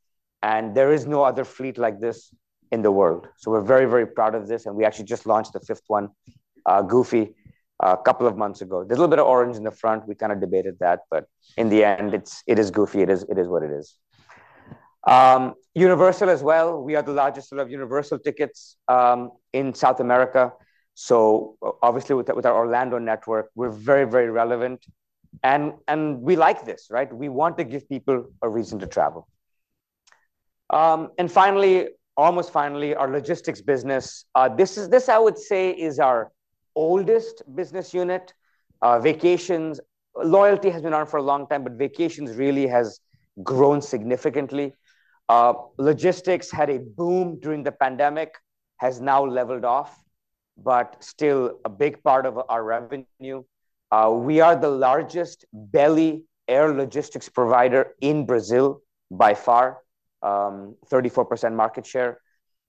And there is no other fleet like this in the world. So we're very, very proud of this. And we actually just launched the fifth one, Goofy, a couple of months ago. There's a little bit of orange in the front. We kind of debated that, but in the end, it is Goofy. It is what it is. Universal as well. We are the largest seller of Universal tickets in South America, so obviously, with our Orlando network, we're very, very relevant, and we like this, right? We want to give people a reason to travel, and finally, almost finally, our logistics business. This is, I would say, our oldest business unit. Vacations, loyalty has been on for a long time, but vacations really has grown significantly. Logistics had a boom during the pandemic, has now leveled off, but still a big part of our revenue. We are the largest belly air logistics provider in Brazil by far, 34% market share.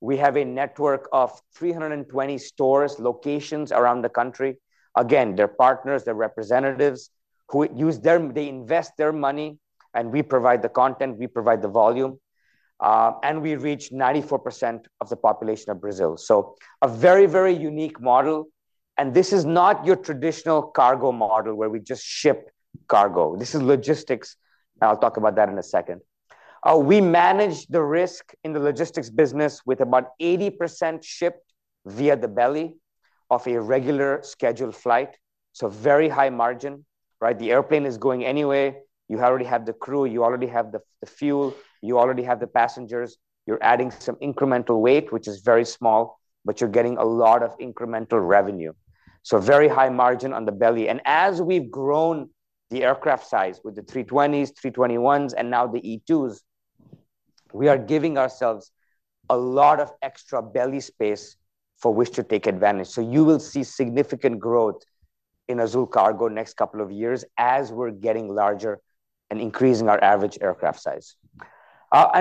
We have a network of 320 stores, locations around the country. Again, they're partners, they're representatives who use their, they invest their money, and we provide the content, we provide the volume, and we reach 94% of the population of Brazil. So a very, very unique model. And this is not your traditional cargo model where we just ship cargo. This is logistics. I'll talk about that in a second. We manage the risk in the logistics business with about 80% shipped via the belly of a regular scheduled flight. So very high margin, right? The airplane is going anyway. You already have the crew, you already have the fuel, you already have the passengers. You're adding some incremental weight, which is very small, but you're getting a lot of incremental revenue. So very high margin on the belly. And as we've grown the aircraft size with the 320s, 321s, and now the E2s, we are giving ourselves a lot of extra belly space for which to take advantage. You will see significant growth in Azul Cargo next couple of years as we're getting larger and increasing our average aircraft size.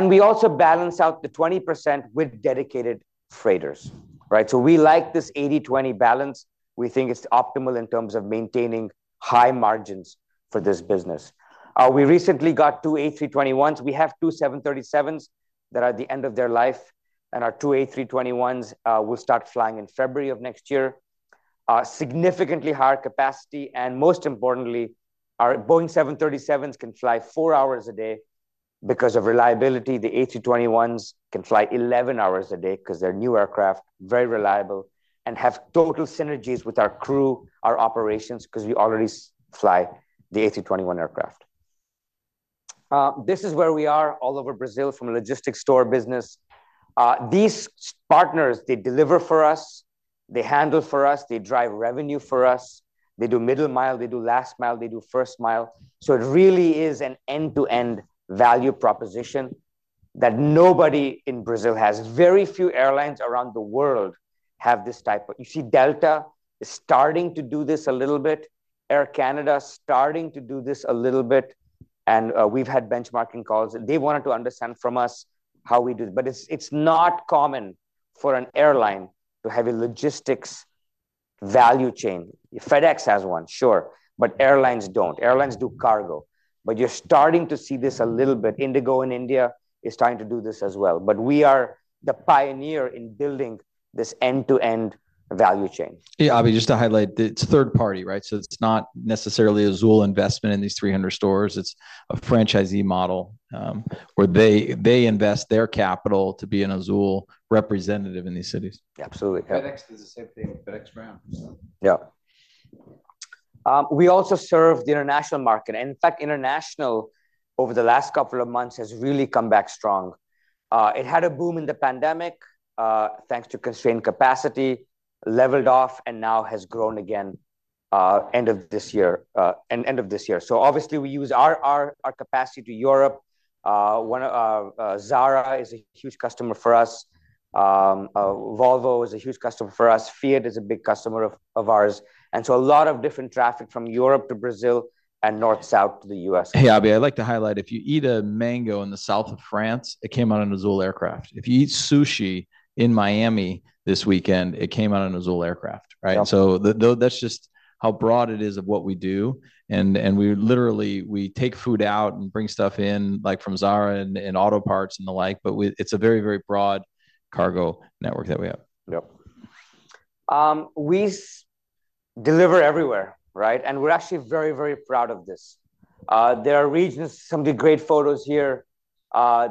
We also balance out the 20% with dedicated freighters, right? We like this 80-20 balance. We think it's optimal in terms of maintaining high margins for this business. We recently got two A321s. We have two 737s that are at the end of their life. Our two A321s will start flying in February of next year. Significantly higher capacity. Most importantly, our Boeing 737s can fly four hours a day because of reliability. The A321s can fly 11 hours a day because they're new aircraft, very reliable, and have total synergies with our crew, our operations, because we already fly the A321 aircraft. This is where we are all over Brazil from a logistics sort business. These partners, they deliver for us, they handle for us, they drive revenue for us. They do middle mile, they do last mile, they do first mile. So it really is an end-to-end value proposition that nobody in Brazil has. Very few airlines around the world have this type of, you see, Delta is starting to do this a little bit. Air Canada is starting to do this a little bit. And we've had benchmarking calls. They wanted to understand from us how we do it. But it's not common for an airline to have a logistics value chain. FedEx has one, sure, but airlines don't. Airlines do cargo. But you're starting to see this a little bit. IndiGo in India is starting to do this as well. But we are the pioneer in building this end-to-end value chain. Yeah, Abhi, just to highlight, it's third party, right? So it's not necessarily a Azul investment in these 300 stores. It's a franchisee model where they invest their capital to be an Azul representative in these cities. Absolutely. FedEx does the same thing. FedEx Ground. Yeah. We also serve the international market. And in fact, international over the last couple of months has really come back strong. It had a boom in the pandemic thanks to constrained capacity, leveled off, and now has grown again end of this year, end of this year. So obviously, we use our capacity to Europe. Zara is a huge customer for us. Volvo is a huge customer for us. Fiat is a big customer of ours. And so a lot of different traffic from Europe to Brazil and north-south to the U.S. Hey, Abhi, I'd like to highlight, if you eat a mango in the south of France, it came out on an Azul aircraft. If you eat sushi in Miami this weekend, it came out on an Azul aircraft, right? So that's just how broad it is of what we do, and we literally, we take food out and bring stuff in, like from Zara and auto parts and the like, but it's a very, very broad cargo network that we have. Yep. We deliver everywhere, right, and we're actually very, very proud of this. There are regions, some of the great photos here.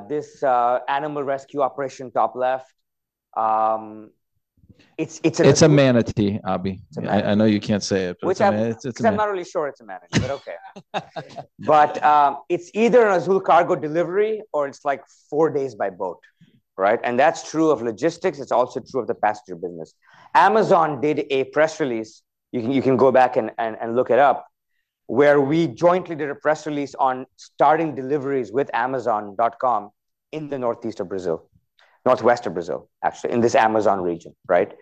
This animal rescue operation, top left. It's a manatee, Abhi. I know you can't say it, but it's a manatee. I'm not really sure it's a manatee, but okay, but it's either an Azul cargo delivery or it's like four days by boat, right? And that's true of logistics. It's also true of the passenger business. Amazon did a press release. You can go back and look it up where we jointly did a press release on starting deliveries with Amazon.com in the northeast of Brazil, northwest of Brazil, actually, in this Amazon region, right?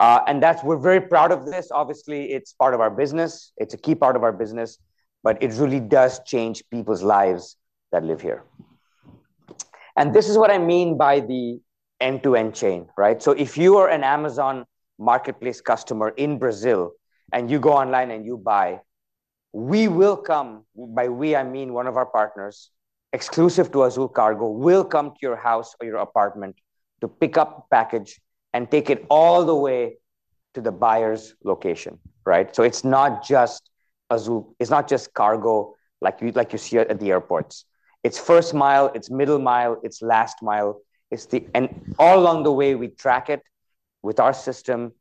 And we're very proud of this. Obviously, it's part of our business. It's a key part of our business, but it really does change people's lives that live here. And this is what I mean by the end-to-end chain, right? So if you are an Amazon Marketplace customer in Brazil and you go online and you buy, we will come, by we I mean one of our partners, exclusive to Azul Cargo, will come to your house or your apartment to pick up the package and take it all the way to the buyer's location, right? It's not just Azul. It's not just cargo like you see at the airports. It's first mile, it's middle mile, it's last mile. And all along the way, we track it with our system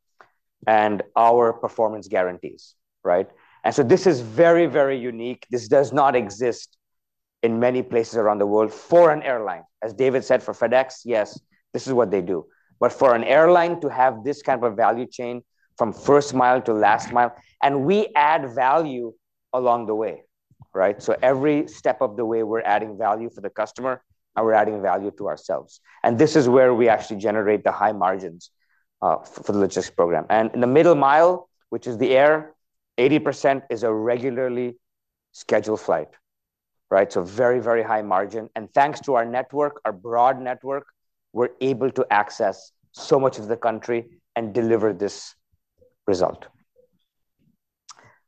and our performance guarantees, right? And so this is very, very unique. This does not exist in many places around the world for an airline. As David said, for FedEx, yes, this is what they do. But for an airline to have this kind of a value chain from first mile to last mile, and we add value along the way, right? So every step of the way, we're adding value for the customer, and we're adding value to ourselves. And this is where we actually generate the high margins for the logistics program. And in the middle mile, which is the air, 80% is a regularly scheduled flight, right? So very, very high margin. Thanks to our network, our broad network, we're able to access so much of the country and deliver this result.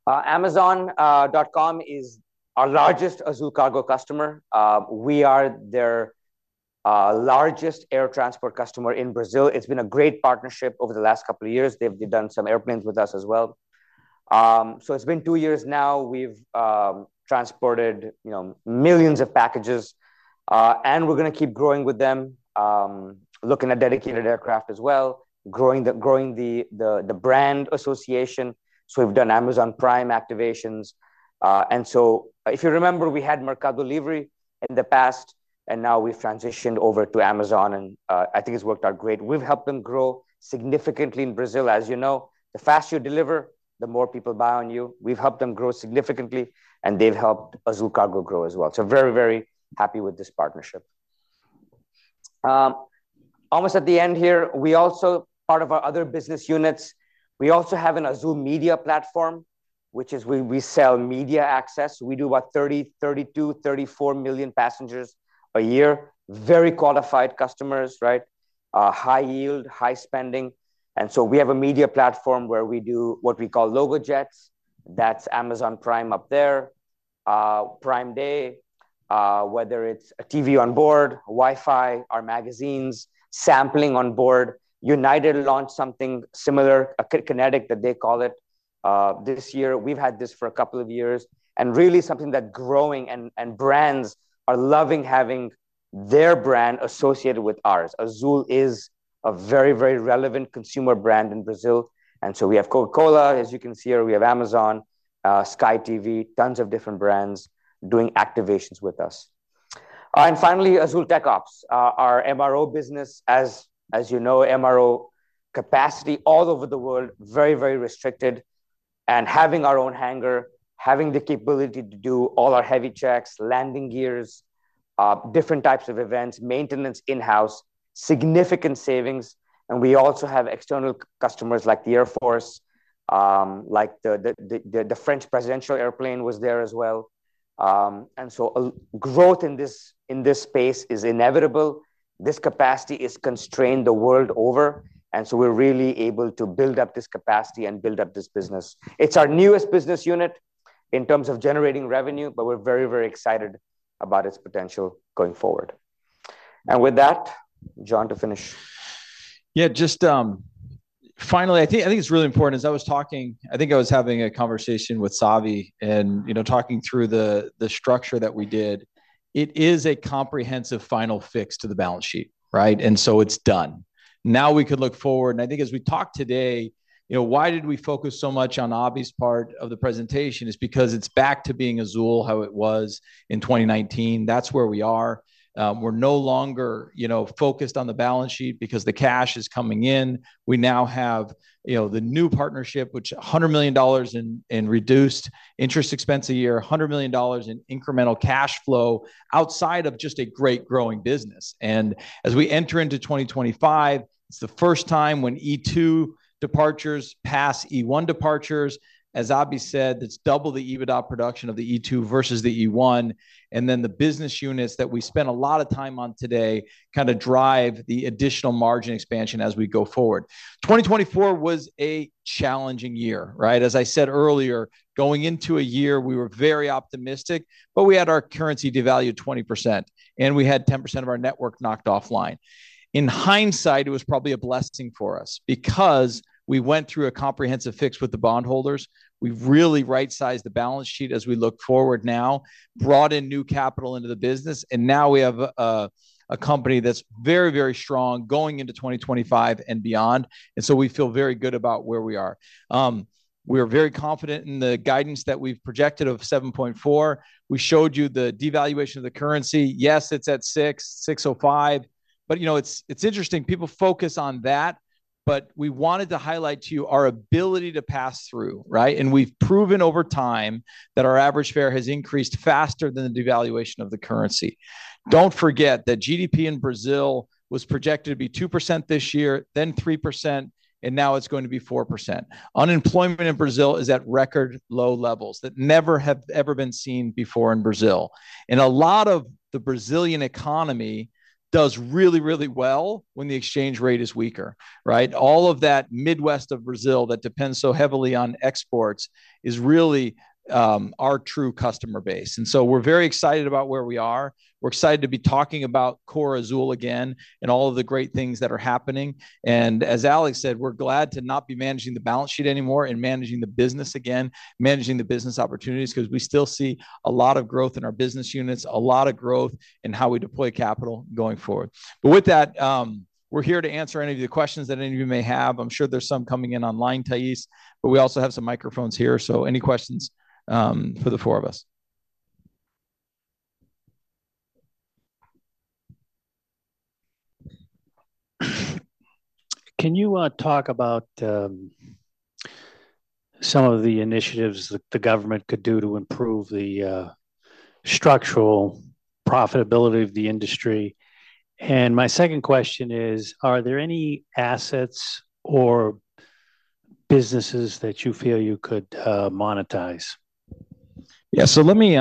Amazon.com is our largest Azul Cargo customer. We are their largest air transport customer in Brazil. It's been a great partnership over the last couple of years. They've done some airplanes with us as well. So it's been two years now. We've transported millions of packages, and we're going to keep growing with them, looking at dedicated aircraft as well, growing the brand association. So we've done Amazon Prime activations. And so if you remember, we had Mercado Livre in the past, and now we've transitioned over to Amazon, and I think it's worked out great. We've helped them grow significantly in Brazil. As you know, the faster you deliver, the more people buy on you. We've helped them grow significantly, and they've helped Azul Cargo grow as well. So very, very happy with this partnership. Almost at the end here, we are also part of our other business units. We also have an Azul media platform, which is where we sell media access. We do about 30, 32, 34 million passengers a year. Very qualified customers, right? High yield, high spending. And so we have a media platform where we do what we call LogoJets. That's Amazon Prime up there, Prime Day, whether it's a TV on board, Wi-Fi, our magazines, sampling on board. United launched something similar, a Kinective that they call it this year. We've had this for a couple of years. And really something that's growing and brands are loving having their brand associated with ours. Azul is a very, very relevant consumer brand in Brazil. And so we have Coca-Cola, as you can see here. We have Amazon, Sky TV, tons of different brands doing activations with us. And finally, Azul TecOps, our MRO business, as you know, MRO capacity all over the world, very, very restricted. And having our own hangar, having the capability to do all our heavy checks, landing gears, different types of events, maintenance in-house, significant savings. And we also have external customers like the Air Force, like the French presidential airplane was there as well. And so growth in this space is inevitable. This capacity is constrained the world over. And so we're really able to build up this capacity and build up this business. It's our newest business unit in terms of generating revenue, but we're very, very excited about its potential going forward. And with that, John, to finish. Yeah, just finally, I think it's really important. As I was talking, I think I was having a conversation with Savi and talking through the structure that we did. It is a comprehensive final fix to the balance sheet, right, and so it's done. Now we could look forward, and I think as we talk today, why did we focus so much on Abhi's part of the presentation? It's because it's back to being Azul how it was in 2019. That's where we are. We're no longer focused on the balance sheet because the cash is coming in. We now have the new partnership, which is $100 million in reduced interest expense a year, $100 million in incremental cash flow outside of just a great growing business, and as we enter into 2025, it's the first time when E2 departures pass E1 departures. As Abhi said, it's double the EBITDA production of the E2 versus the E1. And then the business units that we spent a lot of time on today kind of drive the additional margin expansion as we go forward. 2024 was a challenging year, right? As I said earlier, going into a year, we were very optimistic, but we had our currency devalued 20%, and we had 10% of our network knocked offline. In hindsight, it was probably a blessing for us because we went through a comprehensive fix with the bondholders. We've really right-sized the balance sheet as we look forward now, brought in new capital into the business, and now we have a company that's very, very strong going into 2025 and beyond. And so we feel very good about where we are. We are very confident in the guidance that we've projected of 7.4. We showed you the devaluation of the currency. Yes, it's at 6.605. But it's interesting. People focus on that, but we wanted to highlight to you our ability to pass through, right? And we've proven over time that our average fare has increased faster than the devaluation of the currency. Don't forget that GDP in Brazil was projected to be 2% this year, then 3%, and now it's going to be 4%. Unemployment in Brazil is at record low levels that never have ever been seen before in Brazil. And a lot of the Brazilian economy does really, really well when the exchange rate is weaker, right? All of that Midwest of Brazil that depends so heavily on exports is really our true customer base. And so we're very excited about where we are. We're excited to be talking about Core Azul again and all of the great things that are happening. And as Alexandre said, we're glad to not be managing the balance sheet anymore and managing the business again, managing the business opportunities because we still see a lot of growth in our business units, a lot of growth in how we deploy capital going forward. But with that, we're here to answer any of the questions that any of you may have. I'm sure there's some coming in online, Thaís, but we also have some microphones here. So any questions for the four of us? Can you talk about some of the initiatives the government could do to improve the structural profitability of the industry? And my second question is, are there any assets or businesses that you feel you could monetize? Yeah, so let me.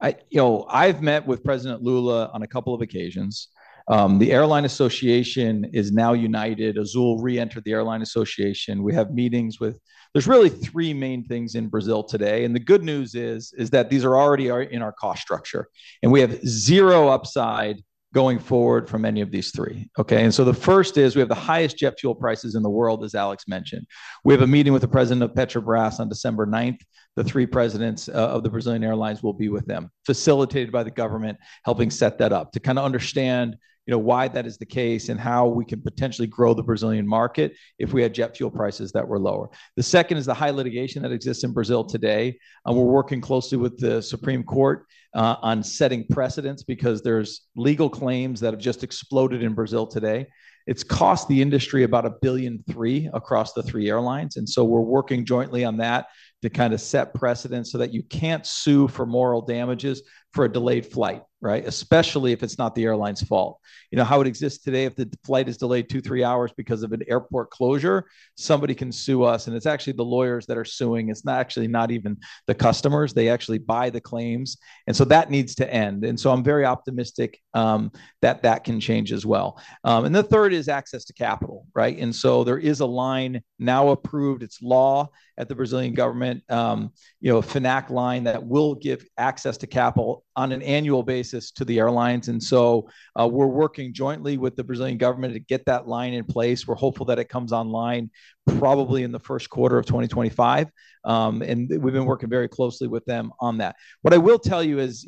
I've met with President Lula on a couple of occasions. The airline association is now united. Azul re-entered the airline association. We have meetings with. There's really three main things in Brazil today, and the good news is that these are already in our cost structure, and we have zero upside going forward from any of these three, okay, and so the first is we have the highest jet fuel prices in the world, as Alexandre mentioned. We have a meeting with the president of Petrobras on December 9th. The three presidents of the Brazilian airlines will be with them, facilitated by the government, helping set that up to kind of understand why that is the case and how we can potentially grow the Brazilian market if we had jet fuel prices that were lower. The second is the high litigation that exists in Brazil today. We're working closely with the Supreme Court on setting precedents because there's legal claims that have just exploded in Brazil today. It's cost the industry about 1.3 billion across the three airlines. And so we're working jointly on that to kind of set precedents so that you can't sue for moral damages for a delayed flight, right? Especially if it's not the airline's fault. You know how it exists today? If the flight is delayed two, three hours because of an airport closure, somebody can sue us. And it's actually the lawyers that are suing. It's actually not even the customers. They actually buy the claims. And so that needs to end. And so I'm very optimistic that that can change as well. And the third is access to capital, right? And so there is a line now approved. It's law at the Brazilian government, a FNAC line that will give access to capital on an annual basis to the airlines. And so we're working jointly with the Brazilian government to get that line in place. We're hopeful that it comes online probably in the first quarter of 2025. And we've been working very closely with them on that. What I will tell you is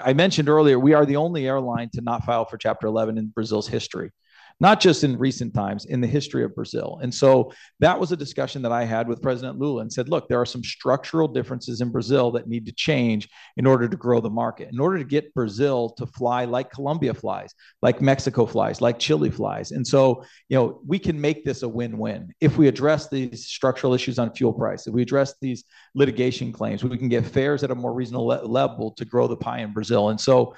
I mentioned earlier, we are the only airline to not file for Chapter 11 in Brazil's history, not just in recent times, in the history of Brazil. And so that was a discussion that I had with President Lula and said, "Look, there are some structural differences in Brazil that need to change in order to grow the market, in order to get Brazil to fly like Colombia flies, like Mexico flies, like Chile flies." And so we can make this a win-win if we address these structural issues on fuel prices. If we address these litigation claims, we can get fares at a more reasonable level to grow the pie in Brazil. And so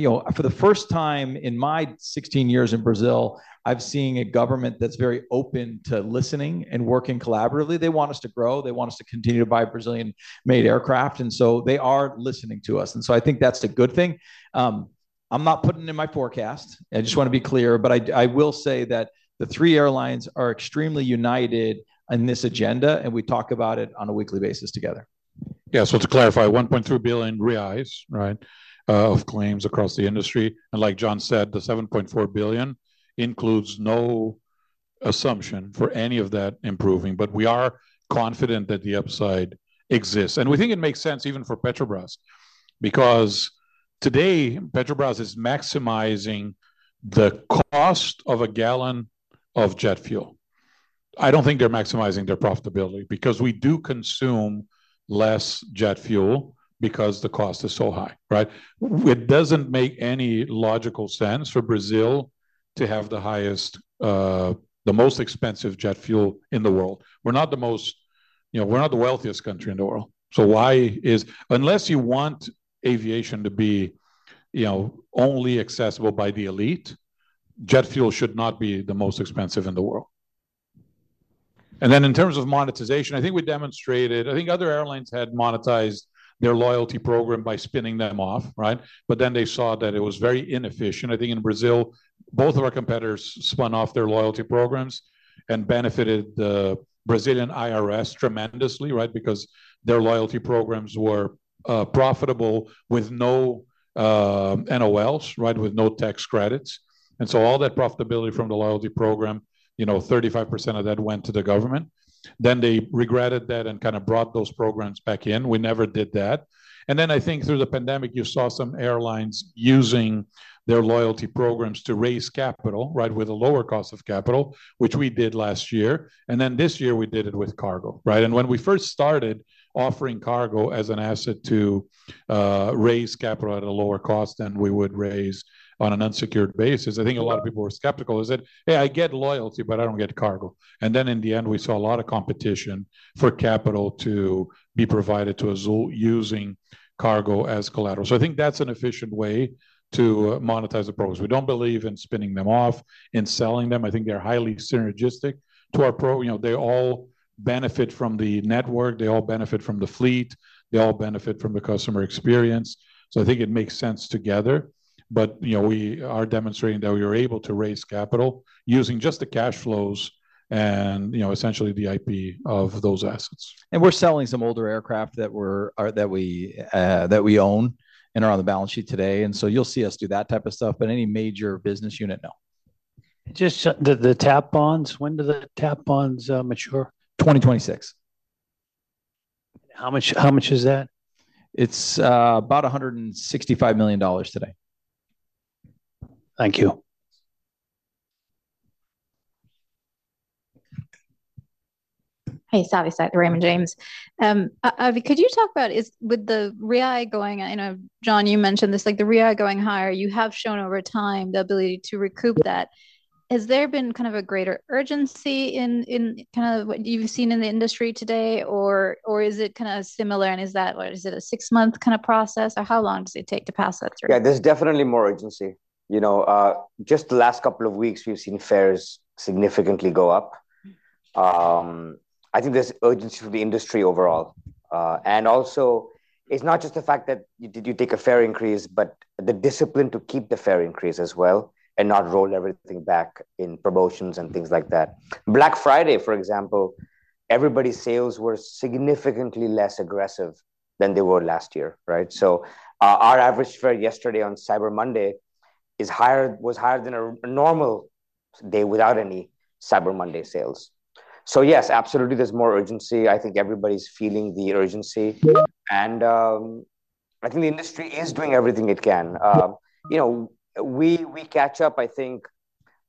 for the first time in my 16 years in Brazil, I've seen a government that's very open to listening and working collaboratively. They want us to grow. They want us to continue to buy Brazilian-made aircraft. And so they are listening to us. And so I think that's a good thing. I'm not putting it in my forecast. I just want to be clear, but I will say that the three airlines are extremely united in this agenda, and we talk about it on a weekly basis together. Yeah, so to clarify, 1.3 billion reais, right, of claims across the industry. And like John said, the 7.4 billion includes no assumption for any of that improving, but we are confident that the upside exists. And we think it makes sense even for Petrobras because today, Petrobras is maximizing the cost of a gallon of jet fuel. I don't think they're maximizing their profitability because we do consume less jet fuel because the cost is so high, right? It doesn't make any logical sense for Brazil to have the most expensive jet fuel in the world. We're not the most, we're not the wealthiest country in the world. So why is, unless you want aviation to be only accessible by the elite, jet fuel should not be the most expensive in the world. And then in terms of monetization, I think we demonstrated, I think other airlines had monetized their loyalty program by spinning them off, right? But then they saw that it was very inefficient. I think in Brazil, both of our competitors spun off their loyalty programs and benefited the Brazilian IRS tremendously, right? Because their loyalty programs were profitable with no NOLs, right? With no tax credits. And so all that profitability from the loyalty program, 35% of that went to the government. Then they regretted that and kind of brought those programs back in. We never did that. And then I think through the pandemic, you saw some airlines using their loyalty programs to raise capital, right, with a lower cost of capital, which we did last year. And then this year, we did it with cargo, right? And when we first started offering cargo as an asset to raise capital at a lower cost than we would raise on an unsecured basis, I think a lot of people were skeptical. I said, "Hey, I get loyalty, but I don't get cargo." And then, in the end, we saw a lot of competition for capital to be provided to Azul using cargo as collateral. So, I think that's an efficient way to monetize the programs. We don't believe in spinning them off, in selling them. I think they're highly synergistic to our program. They all benefit from the network. They all benefit from the fleet. They all benefit from the customer experience. So, I think it makes sense together. But we are demonstrating that we are able to raise capital using just the cash flows and essentially the IP of those assets. And we're selling some older aircraft that we own and are on the balance sheet today. And so you'll see us do that type of stuff. But any major business unit, no. Just the TAP bonds. When do the TAP bonds mature? 2026. How much is that? It's about $165 million today. Thank you. Hey, Savi's at the Raymond James.Abhi, could you talk about with the real going, I know John, you mentioned this, like the real going higher, you have shown over time the ability to recoup that. Has there been kind of a greater urgency in kind of what you've seen in the industry today, or is it kind of similar? And is that, is it a six-month kind of process, or how long does it take to pass that through? Yeah, there's definitely more urgency. Just the last couple of weeks, we've seen fares significantly go up. I think there's urgency for the industry overall. And also, it's not just the fact that you take a fare increase, but the discipline to keep the fare increase as well and not roll everything back in promotions and things like that. Black Friday, for example, everybody's sales were significantly less aggressive than they were last year, right? So our average fare yesterday on Cyber Monday was higher than a normal day without any Cyber Monday sales. So yes, absolutely, there's more urgency. I think everybody's feeling the urgency. And I think the industry is doing everything it can. We catch up, I think,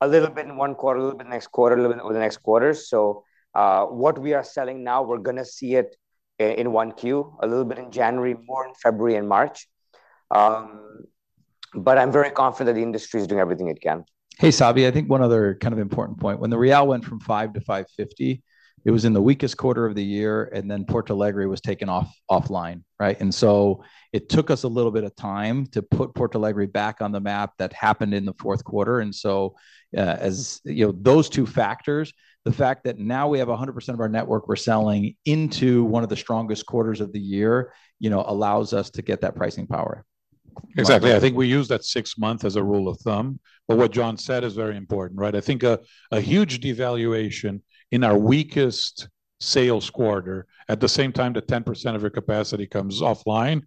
a little bit in one quarter, a little bit next quarter, a little bit over the next quarter. So what we are selling now, we're going to see it in one Q, a little bit in January, more in February and March. But I'm very confident that the industry is doing everything it can. Hey, Savi, I think one other kind of important point. When the real went from 5 to 5.50, it was in the weakest quarter of the year, and then Porto Alegre was taken offline, right? And so it took us a little bit of time to put Porto Alegre back on the map. That happened in the fourth quarter. And so those two factors, the fact that now we have 100% of our network we're selling into one of the strongest quarters of the year allows us to get that pricing power. Exactly. I think we use that six months as a rule of thumb. But what John said is very imp ortant, right? I think a huge devaluation in our weakest sales quarter at the same time that 10% of your capacity comes offline,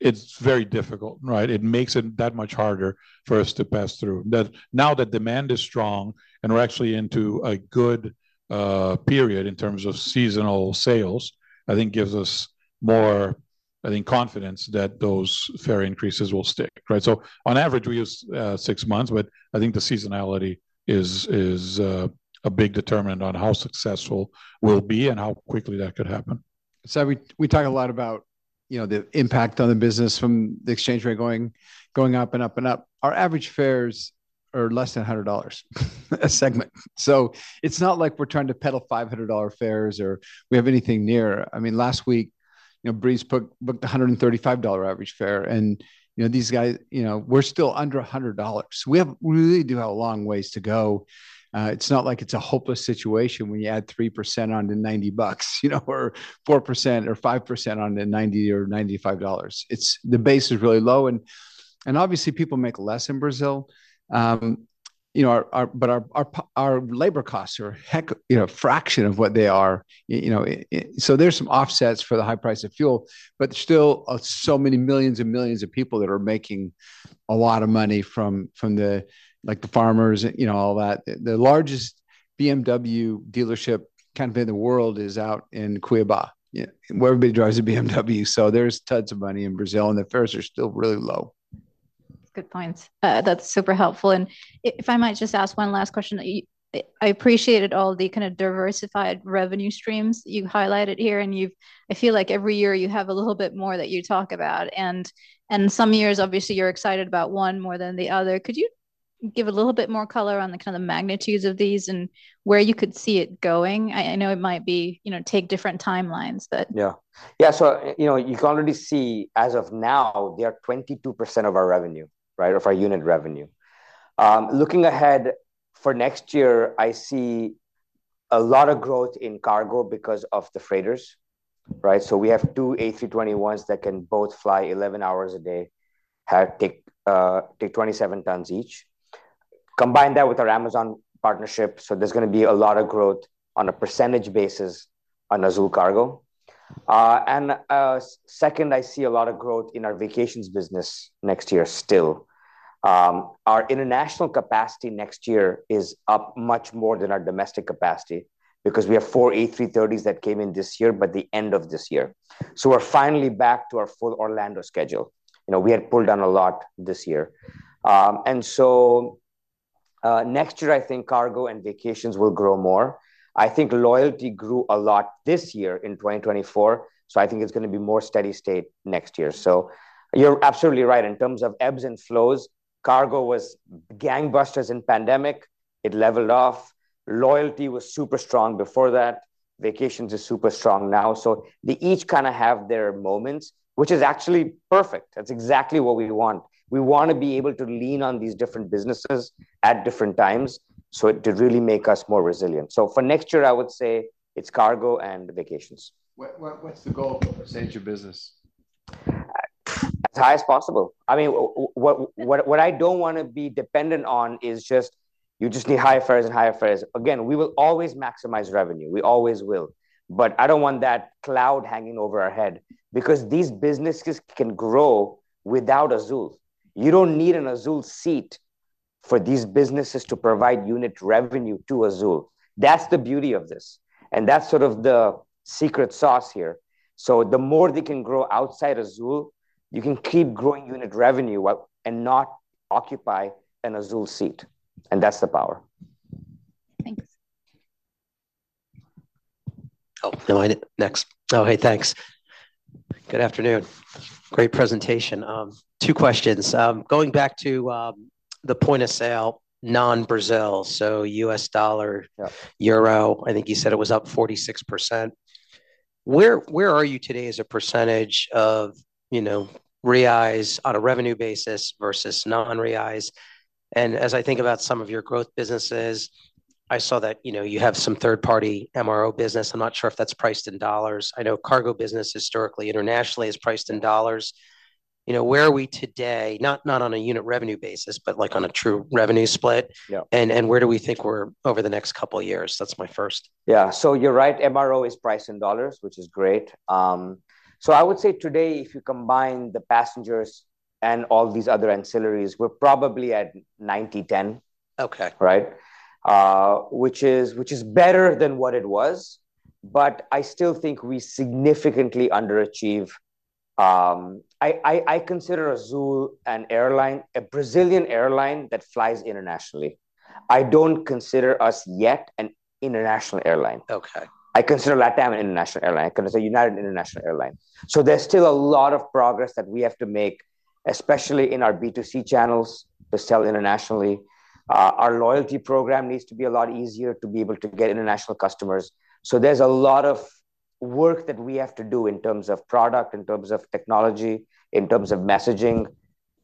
it's very difficult, right? It makes it that much harder for us to pass through. Now that demand is strong and we're actually into a good period in terms of seasonal sales, I think gives us more, I think, confidence that those fare increases will stick, right? So on average, we use six months, but I think the seasonality is a big determinant on how successful we'll be and how quickly that could happen. Savi, we talk a lot about the impact on the business from the exchange rate going up and up and up. Our average fares are less than $100 a segment. So it's not like we're trying to peddle $500 fares or we have anything near. I mean, last week, Breeze booked a $135 average fare. And these guys, we're still under $100. We really do have a long ways to go. It's not like it's a hopeless situation when you add 3% on to $90 or 4% or 5% on to $90 or $95. The base is really low. And obviously, people make less in Brazil. But our labor costs are a fraction of what they are. So there's some offsets for the high price of fuel, but still so many millions and millions of people that are making a lot of money from the farmers and all that. The largest BMW dealership kind of in the world is out in Cuiabá, where everybody drives a BMW. So there's tons of money in Brazil, and the fares are still really low. Good points. That's super helpful. And if I might just ask one last question. I appreciated all the kind of diversified revenue streams that you've highlighted here. I feel like every year you have a little bit more that you talk about. Some years, obviously, you're excited about one more than the other. Could you give a little bit more color on the kind of the magnitudes of these and where you could see it going? I know it might take different timelines, but. Yeah. Yeah. You can already see as of now, they are 22% of our revenue, right, of our unit revenue. Looking ahead for next year, I see a lot of growth in cargo because of the freighters, right? We have two A321s that can both fly 11 hours a day, take 27 tons each. Combine that with our Amazon partnership, so there's going to be a lot of growth on a percentage basis on Azul Cargo. And second, I see a lot of growth in our vacations business next year still. Our international capacity next year is up much more than our domestic capacity because we have four A330s that came in this year by the end of this year. So we're finally back to our full Orlando schedule. We had pulled down a lot this year. And so next year, I think cargo and vacations will grow more. I think loyalty grew a lot this year in 2024. So I think it's going to be more steady state next year. So you're absolutely right. In terms of ebbs and flows, cargo was gangbusters in pandemic. It leveled off. Loyalty was super strong before that. Vacations is super strong now. So they each kind of have their moments, which is actually perfect. That's exactly what we want. We want to be able to lean on these different businesses at different times to really make us more resilient, so for next year, I would say it's cargo and vacations. What's the goal for your business? As high as possible. I mean, what I don't want to be dependent on is just you just need higher fares and higher fares. Again, we will always maximize revenue. We always will, but I don't want that cloud hanging over our head because these businesses can grow without Azul. You don't need an Azul seat for these businesses to provide unit revenue to Azul. That's the beauty of this, and that's sort of the secret sauce here, so the more they can grow outside Azul, you can keep growing unit revenue and not occupy an Azul seat, and that's the power. Thanks. Oh, next. Oh, hey, thanks. Good afternoon. Great presentation. Two questions. Going back to the point of sale, non-Brazil, so U.S. dollar, euro, I think you said it was up 46%. Where are you today as a percentage of reais on a revenue basis versus non-reais? And as I think about some of your growth businesses, I saw that you have some third-party MRO business. I'm not sure if that's priced in dollars. I know cargo business historically internationally is priced in dollars. Where are we today, not on a unit revenue basis, but on a true revenue split? And where do we think we're over the next couple of years? That's my first. Yeah. So you're right. MRO is priced in dollars, which is great. So I would say today, if you combine the passengers and all these other ancillaries, we're probably at 90-10, right? Which is better than what it was. But I still think we significantly underachieve. I consider Azul a Brazilian airline that flies internationally. I don't consider us yet an international airline. I consider LATAM an international airline. I consider United Airlines. So there's still a lot of progress that we have to make, especially in our B2C channels to sell internationally. Our loyalty program needs to be a lot easier to be able to get international customers. So there's a lot of work that we have to do in terms of product, in terms of technology, in terms of messaging,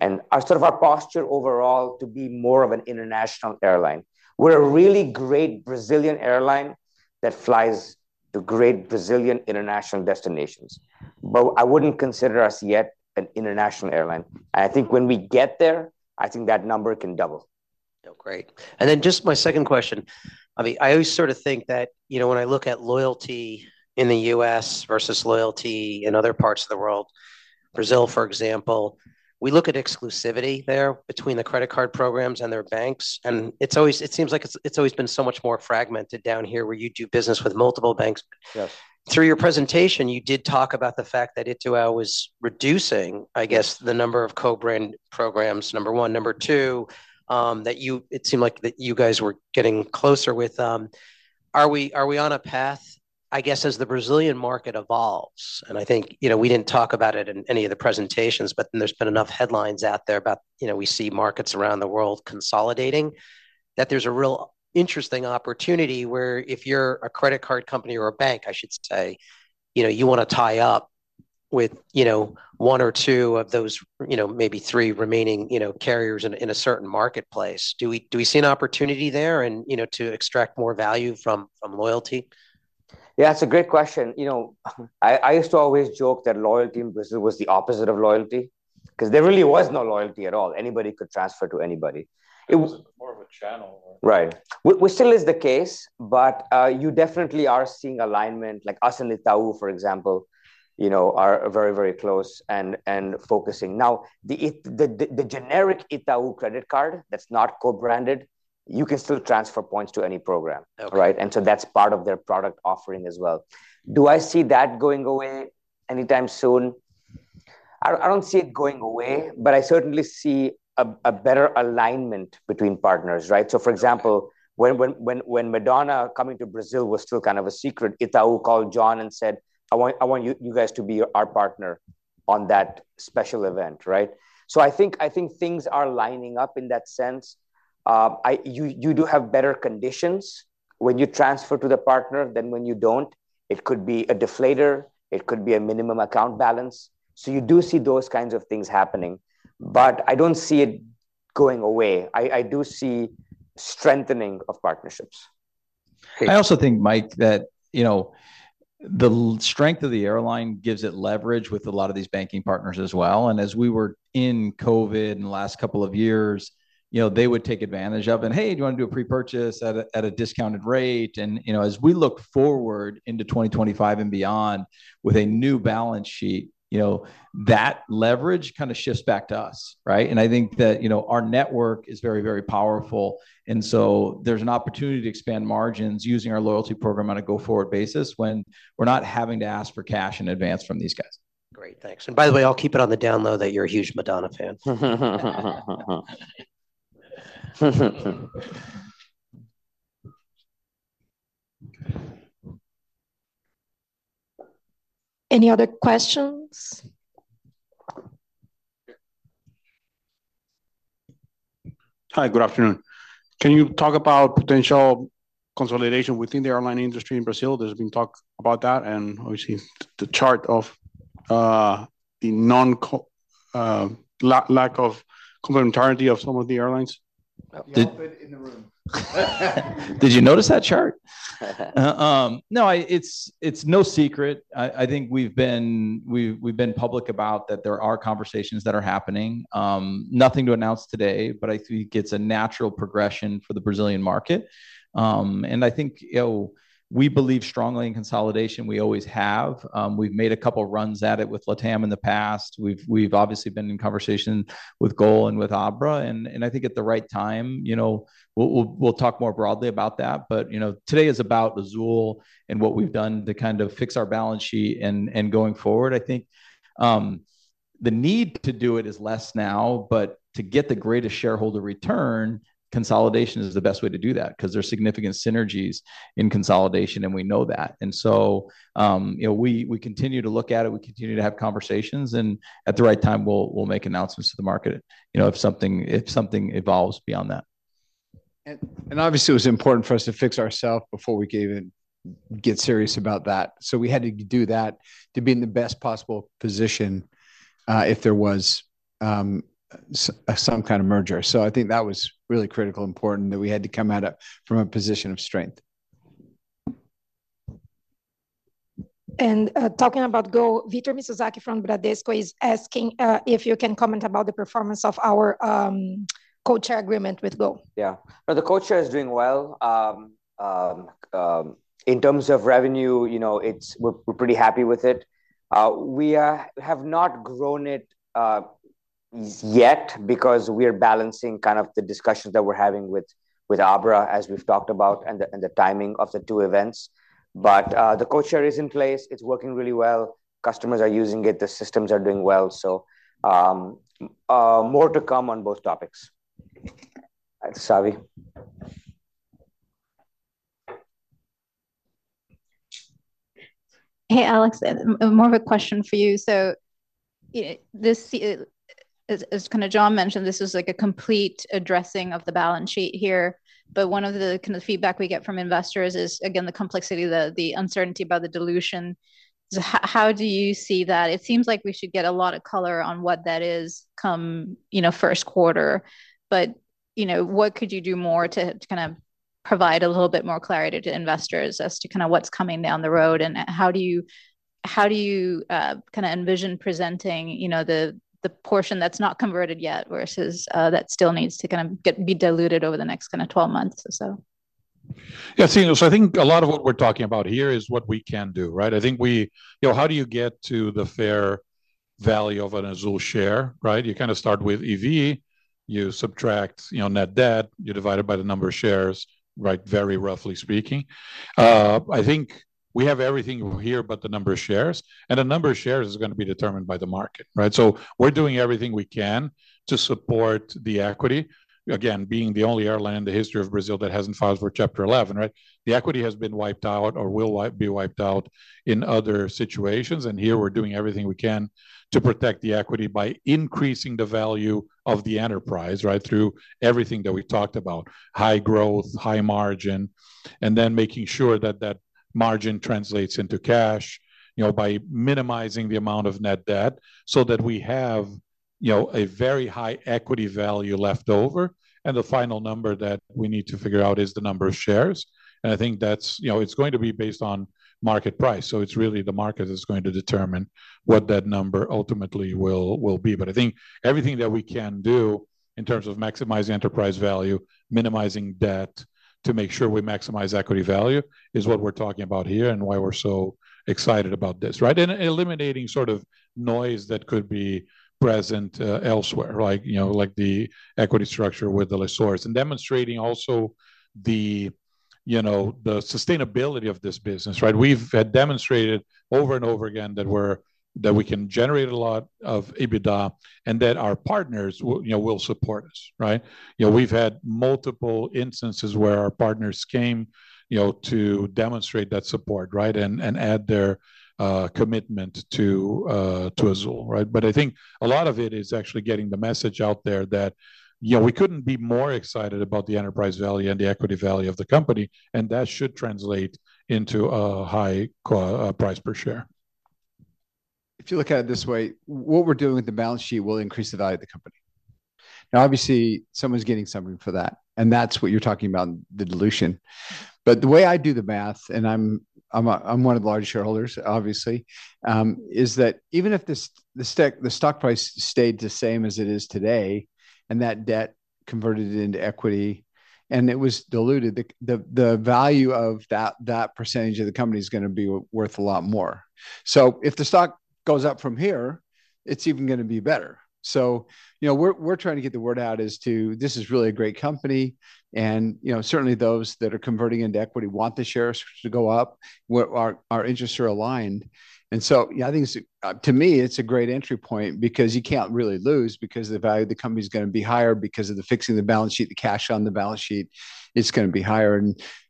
and sort of our posture overall to be more of an international airline. We're a really great Brazilian airline that flies to great Brazilian international destinations. But I wouldn't consider us yet an international airline. And I think when we get there, I think that number can double. Great. And then just my second question. I always sort of think that when I look at loyalty in the U.S. versus loyalty in other parts of the world, Brazil, for example, we look at exclusivity there between the credit card programs and their banks. And it seems like it's always been so much more fragmented down here where you do business with multiple banks. Through your presentation, you did talk about the fact that Itaú was reducing, I guess, the number of co-brand programs, number one. Number two, it seemed like that you guys were getting closer with them. Are we on a path, I guess, as the Brazilian market evolves? I think we didn't talk about it in any of the presentations, but there's been enough headlines out there about we see markets around the world consolidating, that there's a real interesting opportunity where if you're a credit card company or a bank, I should say, you want to tie up with one or two of those maybe three remaining carriers in a certain marketplace. Do we see an opportunity there to extract more value from loyalty? Yeah, that's a great question. I used to always joke that loyalty in Brazil was the opposite of loyalty because there really was no loyalty at all. Anybody could transfer to anybody. It was more of a channel. Right. Which still is the case, but you definitely are seeing alignment. Like us and Itaú, for example, are very, very close and focusing. Now, the generic Itaú credit card that's not co-branded, you can still transfer points to any program, right? And so that's part of their product offering as well. Do I see that going away anytime soon? I don't see it going away, but I certainly see a better alignment between partners, right? So for example, when Madonna coming to Brazil was still kind of a secret, Itaú called John and said, "I want you guys to be our partner on that special event," right? So I think things are lining up in that sense. You do have better conditions when you transfer to the partner than when you don't. It could be a deflator. It could be a minimum account balance. So you do see those kinds of things happening. But I don't see it going away. I do see strengthening of partnerships. I also think, Mike, that the strength of the airline gives it leverage with a lot of these banking partners as well. And as we were in COVID in the last couple of years, they would take advantage of it. "Hey, do you want to do a pre-purchase at a discounted rate?" And as we look forward into 2025 and beyond with a new balance sheet, that leverage kind of shifts back to us, right? And I think that our network is very, very powerful. And so there's an opportunity to expand margins using our loyalty program on a go-forward basis when we're not having to ask for cash inadvance from these guys. Great. Thanks. And by the way, I'll keep it on the down low that you're a huge Madonna fan. Any other questions? Hi, good afternoon. Can you talk about potential consolidation within the airline industry in Brazil? There's been talk about that and obviously the chart of the lack of complementarity of some of the airlines. Not good in the room. Did you notice that chart? No, it's no secret. I think we've been public about that there are conversations that are happening. Nothing to announce today, but I think it's a natural progression for the Brazilian market. I think we believe strongly in consolidation. We always have. We've made a couple of runs at it with LATAM in the past. We've obviously been in conversation with Gol and with Abra. I think at the right time, we'll talk more broadly about that. Today is about Azul and what we've done to kind of fix our balance sheet and going forward. I think the need to do it is less now, but to get the greatest shareholder return, consolidation is the best way to do that because there's significant synergies in consolidation, and we know that, and so we continue to look at it. We continue to have conversations, and at the right time, we'll make announcements to the market if some thing evolves beyond that. Obviously, it was important for us to fix ourself before we get serious about that. We had to do that to be in the best possible position if there was some kind of merger. I think that was really critical, important that we had to come out from a position of strength. Talking about Gol, Victor Mizusaki from Bradesco is asking if you can comment about the performance of our codeshare agreement with Gol. Yeah. The codeshare is doing well. In terms of revenue, we're pretty happy with it. We have not grown it yet because we are balancing kind of the discussions that we're having with Abra, as we've talked about, and the timing of the two events. But the codeshare is in place. It's working really well. Customers are using it. The systems are doing well. So more to come on both topics. Savi. Hey, Alexandre, more of a question for you. So as kind of John mentioned, this is a complete addressing of the balance sheet here. But one of the kind of feedback we get from investors is, again, the complexity, the uncertainty about the dilution. So how do you see that? It seems like we should get a lot of color on what that is come first quarter. But what could you do more to kind of provide a little bit more clarity to investors as to kind of what's coming down the road? And how do you kind of envision presenting the portion that's not converted yet versus that still needs to kind of be diluted over the next kind of 12 months or so? Yeah. So I think a lot of what we're talking about here is what we can do, right? I think how do you get to the fair value of an Azul share, right? You kind of start with EV. You subtract net debt. You divide it by the number of shares, right? Very roughly speaking. I think we have everything here but the number of shares. And the number of shares is going to be determined by the market, right? So we're doing everything we can to support the equity. Again, being the only airline in the history of Brazil that hasn't filed for Chapter 11, right? The equity has been wiped out or will be wiped out in other situations. And here we're doing everything we can to protect the equity by increasing the value of the enterprise, right? Through everything that we talked about, high growth, high margin, and then making sure that that margin translates into cash by minimizing the amount of net debt so that we have a very high equity value left over. And the final number that we need to figure out is the number of shares. And I think it's going to be based on market price. So it's really the market that's going to determine what that number ultimately will be. But I think everything that we can do in terms of maximizing enterprise value, minimizing debt to make sure we maximize equity value is what we're talking about here and why we're so excited about this, right? And eliminating sort of noise that could be present elsewhere, like the equity structure with the lessors, and demonstrating also the sustainability of this business, right? We've demonstrated over and over again that we can generate a lot of EBITDA and that our partners will support us, right? We've had multiple instances where our partners came to demonstrate that support, right? And add their commitment to Azul, right? But I think a lot of it is actually getting the message out there that we couldn't be more excited about the enterprise value and the equity value of the company. And that should translate into a high price per share. If you look at it this way, what we're doing with the balance sheet will increase the value of the company. Now, obviously, someone's getting something for that, and that's what you're talking about, the dilution, but the way I do the math, and I'm one of the large shareholders, obviously, is that even if the stock price stayed the same as it is today and that debt converted into equity and it was diluted, the value of that percentage of the company is going to be worth a lot more, so if the stock goes up from here, it's even going to be better, so we're trying to get the word out as to, "This is really a great company," and certainly, those that are converting into equity want the shares to go up, our interests are aligned. I think, to me, it's a great entry point because you can't really lose because the value of the company is going to be higher because of the fixing of the balance sheet. The cash on the balance sheet is going to be higher.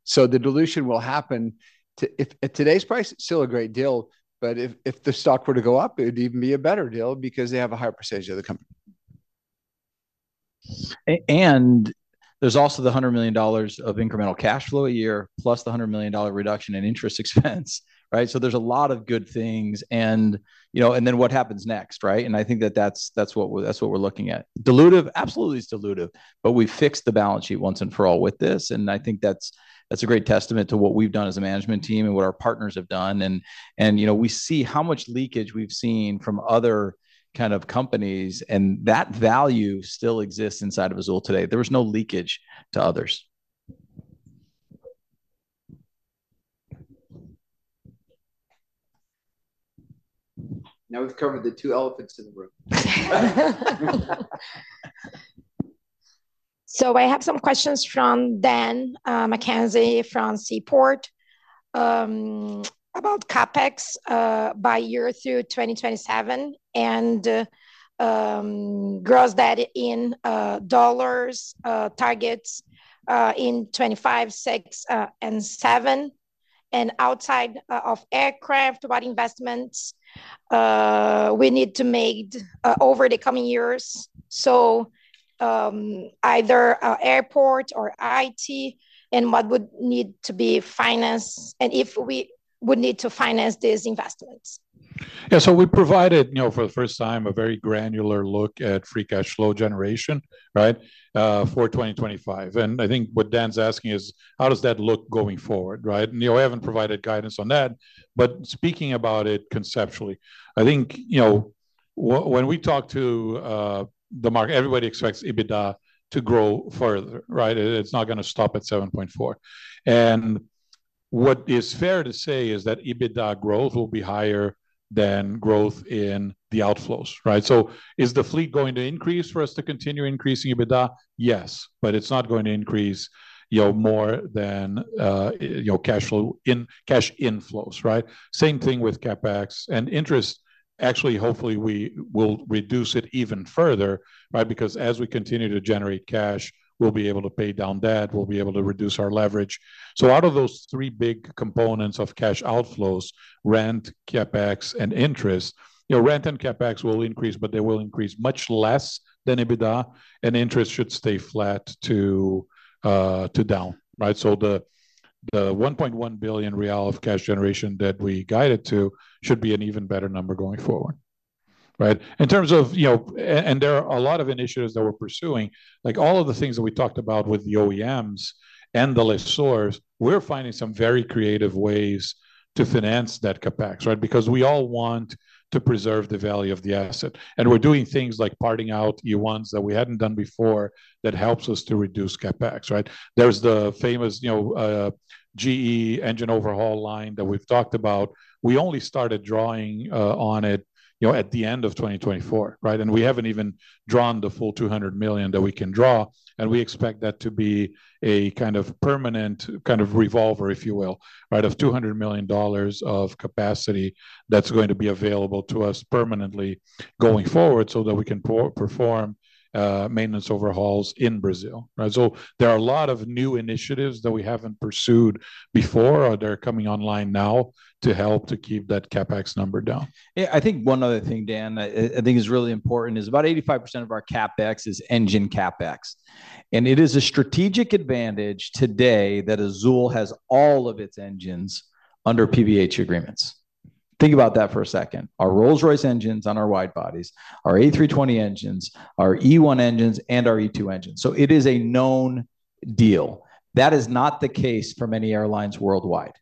So the dilution will happen. At today's price, it's still a great deal. But if the stock were to go up, it would even be a better deal because they have a higher percentage of the company. And there's also the $100 million of incremental cash flow a year plus the $100 million reduction in interest expense, right? So there's a lot of good things. And then what happens next, right? I think that that's what we're looking at. Dilutive? Absolutely is dilutive. But we fixed the balance sheet once and for all with this. I think that's a great testament to what we've done as a management team and what our partners have done. We see how much leakage we've seen from other kind of companies. That value still exists inside of Azul today. There was no leakage to others. Now we've covered the two elephants in the room. I have some questions from Dan McKenzie from Seaport about CapEx by year through 2027 and gross debt in dollars targets in 2025, 2026, and 2027. Outside of aircraft, what investments we need to make over the coming years? Either airport or IT and what would need to be financed and if we would need to finance these investments. Yeah. We provided for the first time a very granular look at free cash flow generation, right, for 2025. I think what Dan's asking is, how does that look going forward, right? I haven't provided guidance on that. But speaking about it conceptually, I think when we talk to the market, everybody expects EBITDA to grow further, right? It's not going to stop at 7.4. What is fair to say is that EBITDA growth will be higher than growth in the outflows, right? Is the fleet going to increase for us to continue increasing EBITDA? Yes. But it's not going to increase more than cash inflows, right? Same thing with CapEx. And interest, actually, hopefully, we will reduce it even further, right? Because as we continue to generate cash, we'll be able to pay down debt. We'll be able to reduce our leverage. So out of those three big components of cash outflows, rent, CapEx, and interest, rent and CapEx will increase, but they will increase much less than EBITDA. And interest should stay flat to down, right? So the 1.1 billion real of cash generation that we guided to should be an even better number going forward, right? In terms of, and there are a lot of initiatives that we're pursuing, like all of the things that we talked about with the OEMs and the lessors, we're finding some very creative ways to finance that CapEx, right? Because we all want to preserve the value of the asset. And we're doing things like parting out E1s that we hadn't done before that helps us to reduce CapEx, right? There's the famous GE engine overhaul line that we've talked about. We only started drawing on it at the end of 2024, right? And we haven't even drawn the full $200 million that we can draw. And we expect that to be a kind of permanent kind of revolver, if you will, right, of $200 million of capacity that's going to be available to us permanently going forward so that we can perform maintenance overhauls in Brazil, right? So there are a lot of new initiatives that we haven't pursued before. They're coming online now to help to keep that CapEx number down. I think one other thing, Dan, I think is really important is about 85% of our CapEx is engine CapEx. And it is a strategic advantage today that Azul has all of its engines under PBH agreements. Think about that for a second. Our Rolls-Royce engines on our widebodies, our A320 engines, our E1 engines, and our E2 engines. So it is a known deal. That is not the case for many airlines worldwide.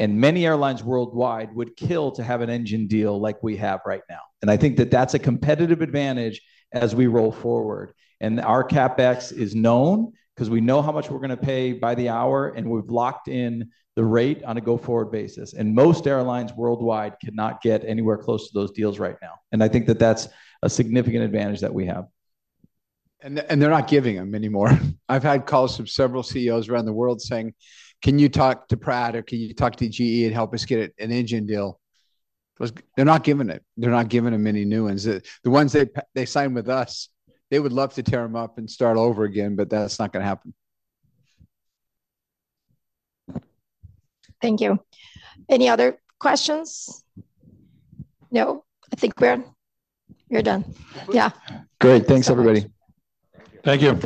And many airlines worldwide would kill to have an engine deal like we have right now. And I think that that's a competitive advantage as we roll forward. And our CapEx is known because we know how much we're going to pay by the hour, and we've locked in the rate on a go-forward basis. And most airlines worldwide cannot get anywhere close to those deals right now. And I think that that's a significant advantage that we have. And they're not giving them anymore. I've had calls from several CEOs around the world saying, "Can you talk to Pratt or can you talk to GE and help us get an engine deal?" They're not giving it. They're not giving them any new ones. The ones they signed with us, they would love to tear them up and start over again, but that's not going to happen. Thank you. Any other questions? No? I think we're done. Yeah. Great. Thanks, everybody. Thank you.